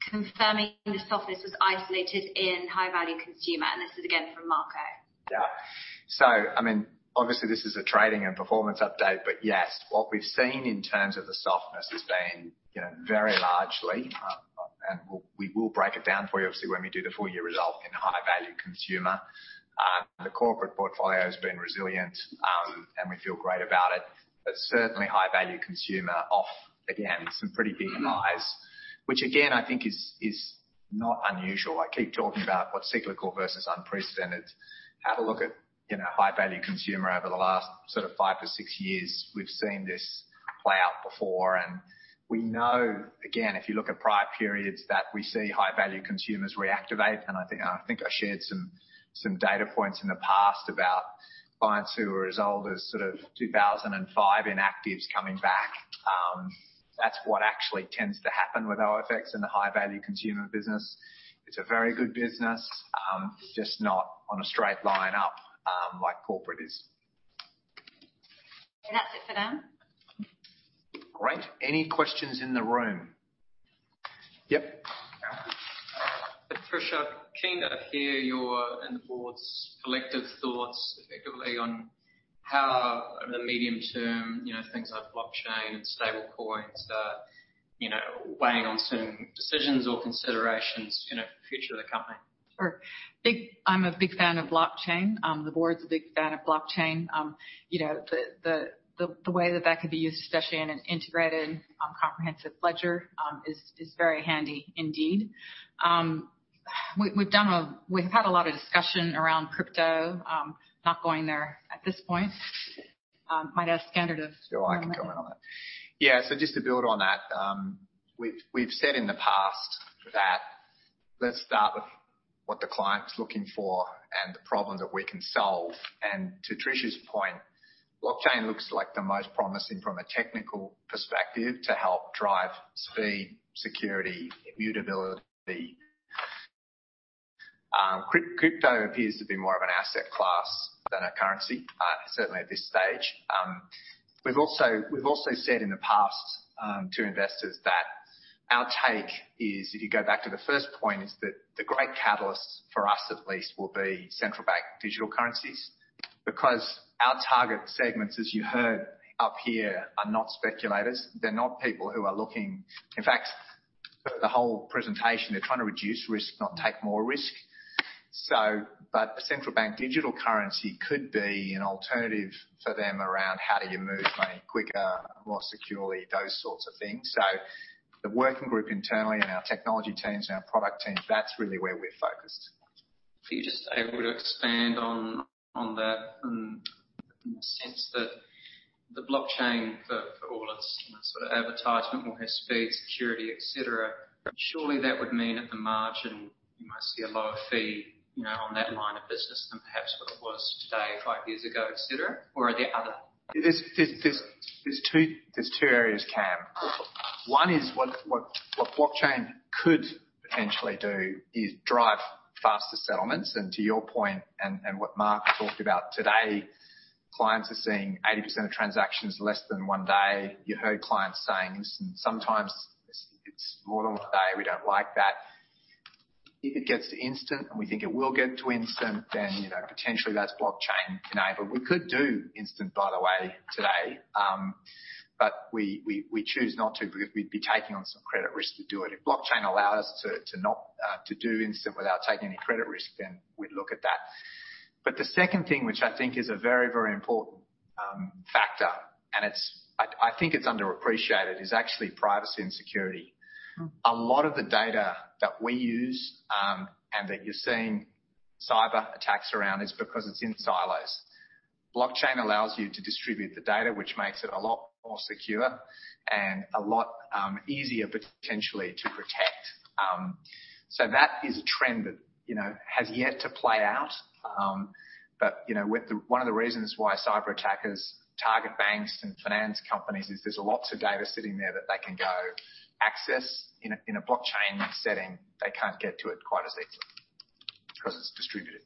confirming the softness was isolated in high value consumer, and this is again from Marco. I mean, obviously this is a trading and performance update, but yes, what we've seen in terms of the softness has been, you know, very largely, we will break it down for you, obviously, when we do the full year result in high value consumer. The corporate portfolio has been resilient, and we feel great about it. Certainly high value consumer off again some pretty big highs. Which again, I think is not unusual. I keep talking about what's cyclical versus unprecedented. Have a look at, you know, high value consumer over the last sort of five to six years. We've seen this play out before. We know, again, if you look at prior periods, that we see high value consumers reactivate. I think I shared some data points in the past about clients who are as old as sort of 2005 inactives coming back. That's what actually tends to happen with OFX and the high value consumer business. It's a very good business, just not on a straight line up, like corporate is. That's it for them. Great. Any questions in the room? Yep. Tricia, keen to hear your and the board's collective thoughts effectively on how the medium term, you know, things like blockchain and stablecoins are, you know, weighing on certain decisions or considerations in a future of the company. Sure. I'm a big fan of blockchain. The board's a big fan of blockchain. You know, the way that could be used, especially in an integrated, comprehensive ledger, is very handy indeed. We've had a lot of discussion around crypto, not going there at this point. Might ask Skander. Sure. I can comment on that. Yeah. Just to build on that, we've said in the past that let's start with what the client's looking for and the problem that we can solve. To Patricia's point, blockchain looks like the most promising from a technical perspective to help drive speed, security, immutability. Crypto appears to be more of an asset class than a currency, certainly at this stage. We've also said in the past, to investors that our take is, if you go back to the first point, is that the great catalysts for us at least will be central bank digital currencies. Our target segments, as you heard up here, are not speculators. They're not people who are looking... In fact, the whole presentation, they're trying to reduce risk, not take more risk. A central bank digital currency could be an alternative for them around how do you move money quicker, more securely, those sorts of things. The working group internally and our technology teams and our product teams, that's really where we're focused. If you're just able to expand on that in the sense that the blockchain, for all its, you know, sort of advertisement, will have speed, security, et cetera. Surely that would mean at the margin you might see a lower fee, you know, on that line of business than perhaps what it was today, five years ago, et cetera. There's two areas, Cam. One is what blockchain could potentially do is drive faster settlements. To your point and what Mark talked about today, clients are seeing 80% of transactions less than one day. You heard clients saying, "Listen, sometimes it's more than one day. We don't like that." If it gets to instant, and we think it will get to instant, then, you know, potentially that's blockchain enabled. We could do instant, by the way, today. But we choose not to because we'd be taking on some credit risk to do it. If blockchain allows us to not to do instant without taking any credit risk, then we'd look at that. The second thing, which I think is a very important factor, and it's... I think it's underappreciated is actually privacy and security. A lot of the data that we use and that you're seeing cyberattacks around is because it's in silos. Blockchain allows you to distribute the data, which makes it a lot more secure and a lot easier potentially to protect. That is a trend that, you know, has yet to play out. You know, with one of the reasons why cyberattackers target banks and finance companies is there's lots of data sitting there that they can go access. In a Blockchain setting, they can't get to it quite as easily 'cause it's distributed.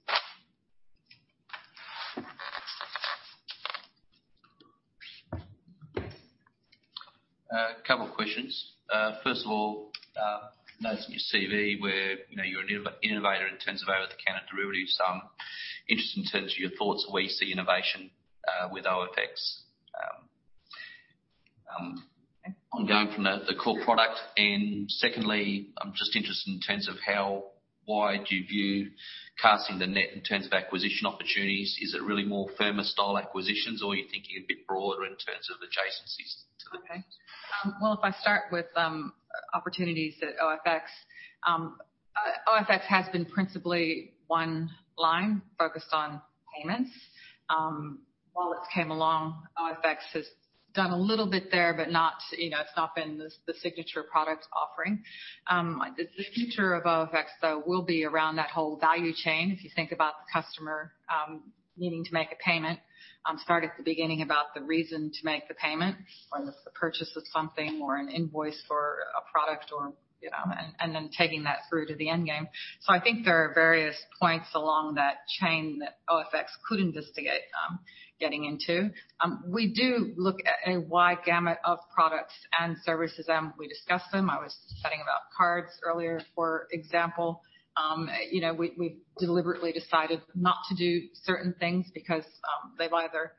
A couple of questions. First of all, notes in your CV where, you know, you're an innovator in terms of over-the-counter derivatives. I'm interested in terms of your thoughts where you see innovation with OFX, ongoing from the core product. Secondly, I'm just interested in terms of how wide you view casting the net in terms of acquisition opportunities. Is it really more Firma style acquisitions or are you thinking a bit broader in terms of adjacencies to the company? Okay. Well, if I start with opportunities at OFX. OFX has been principally one line focused on payments. Wallets came along. OFX has done a little bit there, but not, you know, it's not been the signature products offering. The future of OFX, though, will be around that whole value chain. If you think about the customer, needing to make a payment, start at the beginning about the reason to make the payment, whether it's the purchase of something or an invoice for a product or, you know, and then taking that through to the end game. I think there are various points along that chain that OFX could investigate, getting into. We do look at a wide gamut of products and services, and we discuss them. I was chatting about cards earlier, for example. You know, we deliberately decided not to do certain things because they've either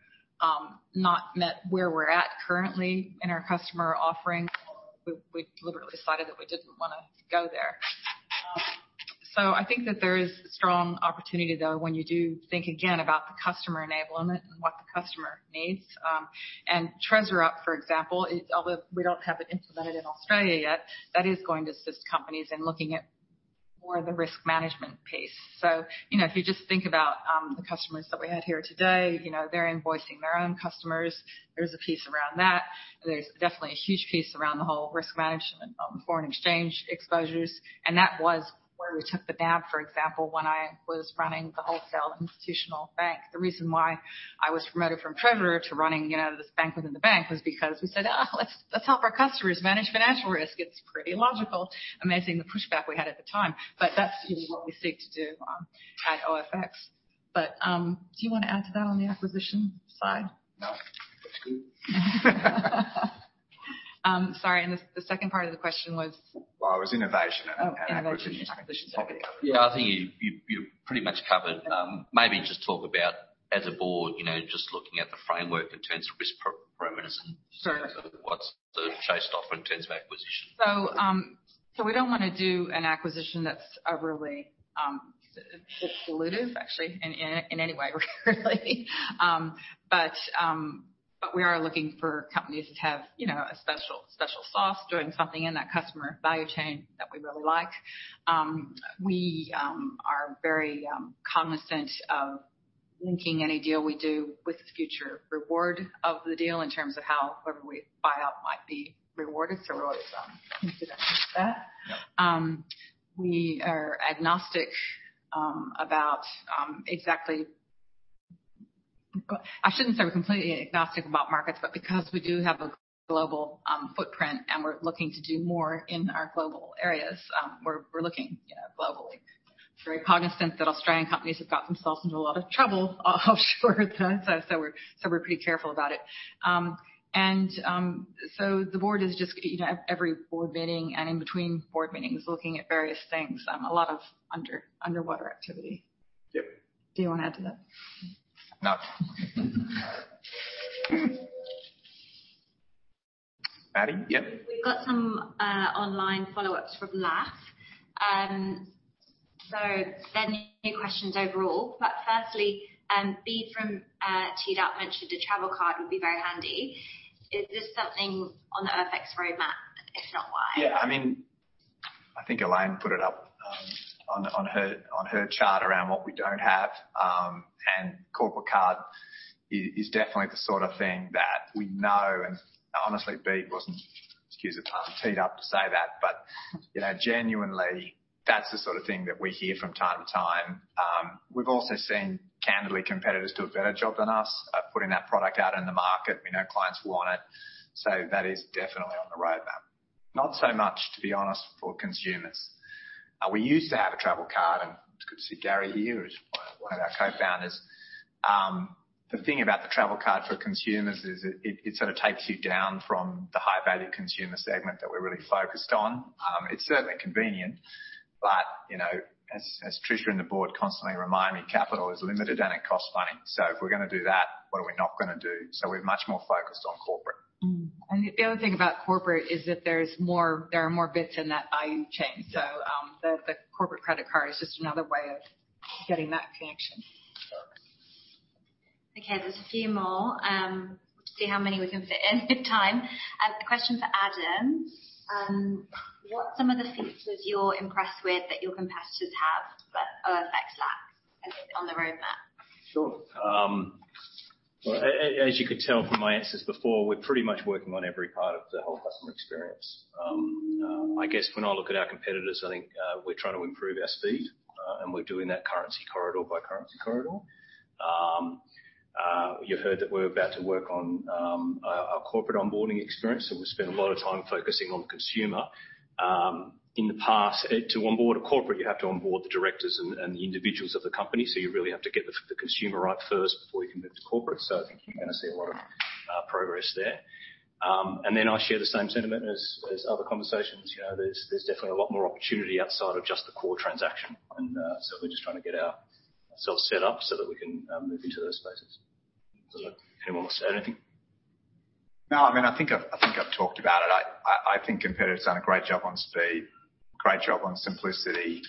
not met where we're at currently in our customer offering, or we deliberately decided that we didn't wanna go there. I think that there is strong opportunity, though, when you do think again about the customer enablement and what the customer needs. TreasurUp, for example, although we don't have it implemented in Australia yet, that is going to assist companies in looking atMore the risk management piece. You know, if you just think about the customers that we had here today, you know, they're invoicing their own customers. There's a piece around that. There's definitely a huge piece around the whole risk management on foreign exchange exposures, and that was where we took the dab, for example, when I was running the wholesale institutional bank. The reason why I was promoted from treasurer to running, you know, this bank within the bank was because we said, 'Let's help our customers manage financial risk.' It's pretty logical. Amazing the pushback we had at the time. That's usually what we seek to do at OFX. Do you wanna add to that on the acquisition side? No. That's good. Sorry, the second part of the question was? Well, it was innovation and acquisition. Oh, innovation and acquisition. Sorry. Yeah. I think you pretty much covered. Maybe just talk about as a board, you know, just looking at the framework in terms of risk parameters. Sure. Sort of what's the showstopper in terms of acquisition. We don't wanna do an acquisition that's overly dilutive, actually, in any way, really. We are looking for companies that have, you know, a special sauce, doing something in that customer value chain that we really like. We are very cognizant of linking any deal we do with the future reward of the deal in terms of how whoever we buy out might be rewarded. We're always considerate of that. Yep. We are agnostic about exactly. I shouldn't say we're completely agnostic about markets, but because we do have a global footprint, and we're looking to do more in our global areas, we're looking, you know, globally. Very cognizant that Australian companies have got themselves into a lot of trouble offshore, so we're pretty careful about it. The board is just, you know, every board meeting and in between board meetings, looking at various things. A lot of underwater activity. Yep. Do you wanna add to that? No. Maddy? Yep. We've got some online follow-ups from Lach. Sending your questions overall. Firstly, Bea from TDOT mentioned a travel card would be very handy. Is this something on the OFX roadmap? If not, why? Yeah. I mean, I think Elaine put it up on her chart around what we don't have. Corporate card is definitely the sort of thing that we know and honestly, Bea wasn't, excuse the term, teed up to say that, but, you know, genuinely, that's the sort of thing that we hear from time to time. We've also seen candidly competitors do a better job than us at putting that product out in the market. We know clients want it. That is definitely on the roadmap. Not so much, to be honest, for consumers. We used to have a travel card, and it's good to see Gary here, who's one of our co-founders. The thing about the travel card for consumers is it sort of takes you down from the high-value consumer segment that we're really focused on. It's certainly convenient, but, you know, as Tricia and the board constantly remind me, capital is limited and it costs money. If we're gonna do that, what are we not gonna do? We're much more focused on corporate. The other thing about corporate is that there's more, there are more bits in that value chain. The corporate credit card is just another way of getting that connection. Sure. There's a few more. See how many we can fit in with time. A question for Adam. What's some of the features you're impressed with that your competitors have that OFX lacks and is on the roadmap? Sure. Well, as you could tell from my answers before, we're pretty much working on every part of the whole customer experience. I guess when I look at our competitors, I think we're trying to improve our speed, and we're doing that currency corridor by currency corridor. You heard that we're about to work on our corporate onboarding experience, and we spent a lot of time focusing on consumer. In the past, to onboard a corporate, you have to onboard the directors and the individuals of the company, so you really have to get the consumer right first before you can move to corporate. I think you're gonna see a lot of progress there. I share the same sentiment as other conversations. You know, there's definitely a lot more opportunity outside of just the core transaction. We're just trying to get ourself set up so that we can move into those spaces. Does anyone want to say anything? No. I mean, I think I've talked about it. I think competitors done a great job on speed, great job on simplicity,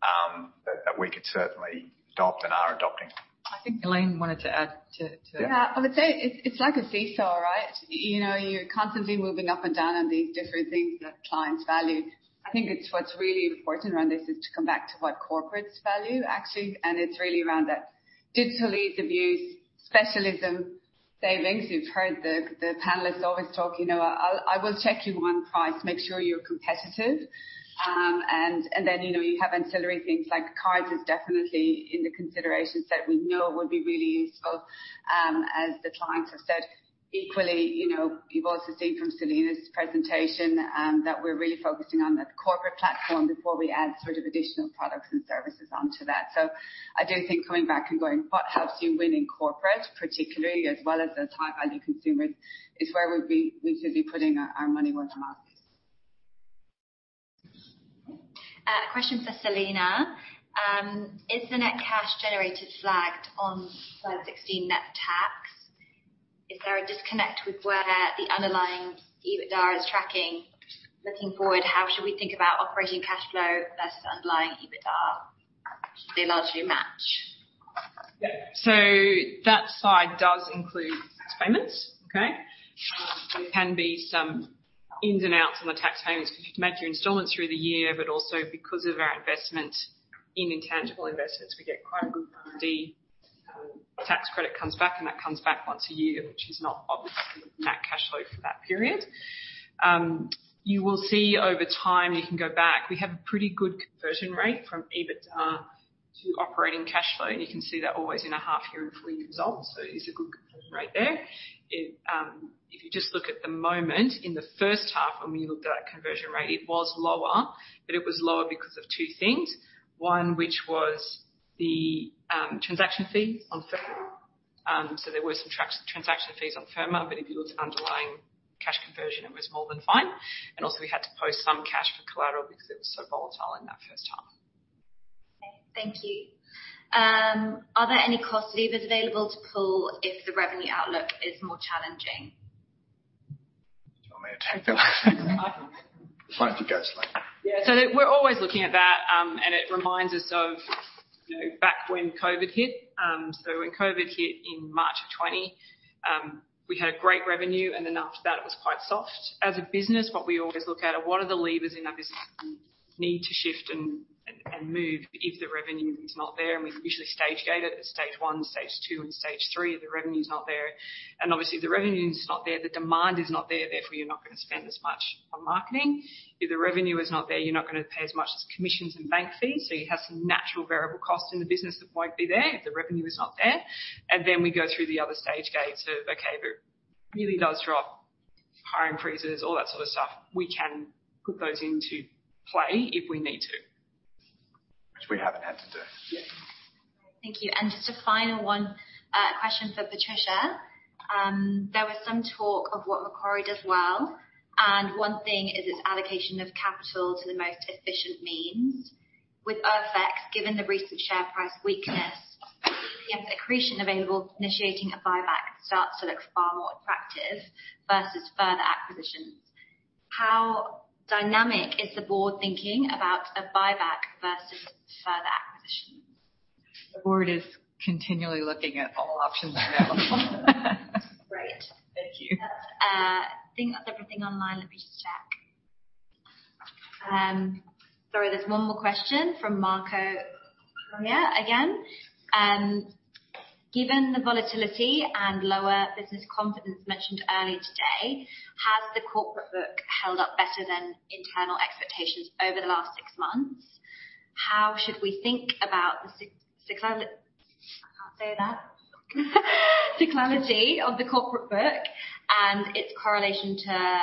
that we could certainly adopt and are adopting. I think Elaine wanted to add to. Yeah. I would say it's like a seesaw, right? You know, you're constantly moving up and down on these different things that clients value. I think it's what's really important around this is to come back to what corporates value, actually. It's really around that digital ease of use, specialism savings. You've heard the panelists always talk, you know, I will check you on price, make sure you're competitive. You know, you have ancillary things like cards is definitely in the considerations that we know would be really useful as the clients have said. Equally, you know, you've also seen from Selena presentation that we're really focusing on the corporate platform before we add sort of additional products and services onto that. I do think coming back and going, what helps you win in corporate, particularly as well as the top value consumers, is where we'd be, we should be putting our money where our mouth is. Question for Selena. Is the net cash generated flagged on slide 16 net tax? Is there a disconnect with where the underlying EBITDA is tracking? Looking forward, how should we think about operating cash flow versus underlying EBITDA? Should they largely match? Yeah. That side does include tax payments. Okay? There can be some ins and outs on the tax payments because you've made your installments through the year, but also because of our investment in intangible investments, we get quite a good R&D tax credit comes back, and that comes back once a year, which is not obviously in that cash flow for that period. You will see over time, you can go back, we have a pretty good conversion rate from EBITDA to operating cash flow. You can see that always in a half year and full year results. It is a good conversion rate there. It, if you just look at the moment in the first half when we looked at that conversion rate, it was lower, but it was lower because of two things. One, which was the transaction fee on Firma. There were some transaction fees on Firma, but if you looked at underlying cash conversion, it was more than fine. Also we had to post some cash for collateral because it was so volatile in that first half. Thank you. Are there any cost levers available to pull if the revenue outlook is more challenging? Do you want me to take that one? I can. Fine if you go, Skander. Yeah. We're always looking at that. It reminds us of, you know, back when COVID hit. When COVID hit in March of 2020, we had a great revenue, and then after that it was quite soft. As a business, what we always look at are what are the levers in that business that we need to shift and move if the revenue is not there. We usually stage gate it at stage one, stage two, and stage three if the revenue's not there. Obviously if the revenue's not there, the demand is not there, therefore you're not gonna spend as much on marketing. If the revenue is not there, you're not gonna pay as much as commissions and bank fees. You have some natural variable costs in the business that won't be there if the revenue is not there. Then we go through the other stage gates of, okay, if it really does drop, hiring freezes, all that sort of stuff. We can put those into play if we need to. Which we haven't had to do. Yes. Thank you. Just a final one, question for Patricia. There was some talk of what Macquarie does well, one thing is its allocation of capital to the most efficient means. With OFX, given the recent share price weakness, if accretion available initiating a buyback starts to look far more attractive versus further acquisitions, how dynamic is the board thinking about a buyback versus further acquisitions? The board is continually looking at all options available. Great. Thank you. That's, I think that's everything online. Let me just check. Sorry, there's one more question from Marco Correa again. Given the volatility and lower business confidence mentioned earlier today, has the corporate book held up better than internal expectations over the last six months? How should we think about the I can't say that cyclicality of the corporate book and its correlation to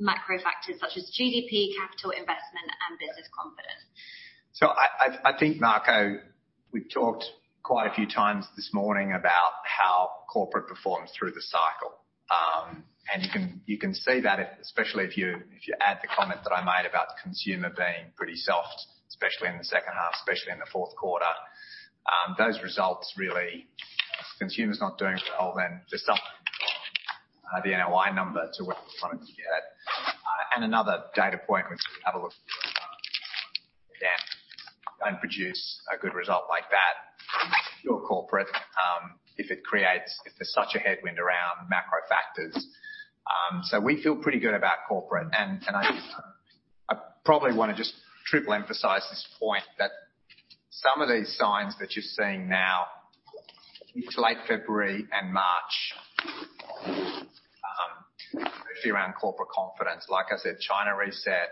macro factors such as GDP, capital investment and business confidence. I think, Marco, we've talked quite a few times this morning about how corporate performs through the cycle. You can see that, especially if you add the comment that I made about the consumer being pretty soft, especially in the second half, especially in the Q4, those results really, if the consumer's not doing well, then there's something wrong, the NOI number to where we wanted to get. Another data point, which is have a look at where we are and produce a good result like that. Your corporate, if it creates, if there's such a headwind around macro factors. We feel pretty good about corporate and I probably wanna just triple emphasize this point that some of these signs that you're seeing now into late February and March, especially around corporate confidence. Like I said, China reset.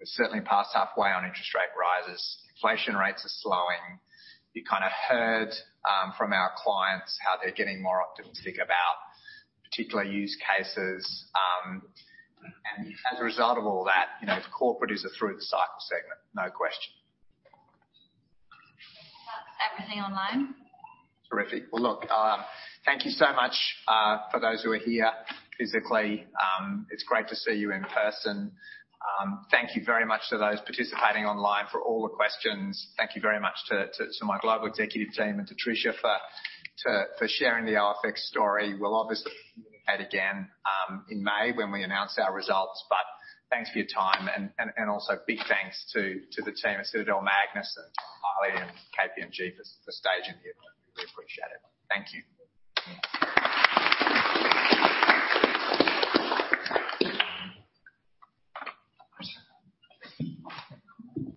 We're certainly past halfway on interest rate rises. Inflation rates are slowing. You kind of heard from our clients how they're getting more optimistic about particular use cases, as a result of all that, you know, corporate is a through the cycle segment, no question. That's everything online. Terrific. Well, look, thank you so much for those who are here physically. It's great to see you in person. Thank you very much to those participating online for all the questions. Thank you very much to my global executive team and to Tricia for sharing the OFX story. We'll obviously communicate again in May when we announce our results. Thanks for your time and also big thanks to the team at Citadel-MAGNUS and Adelaide and KPMG for staging the event. We really appreciate it. Thank you.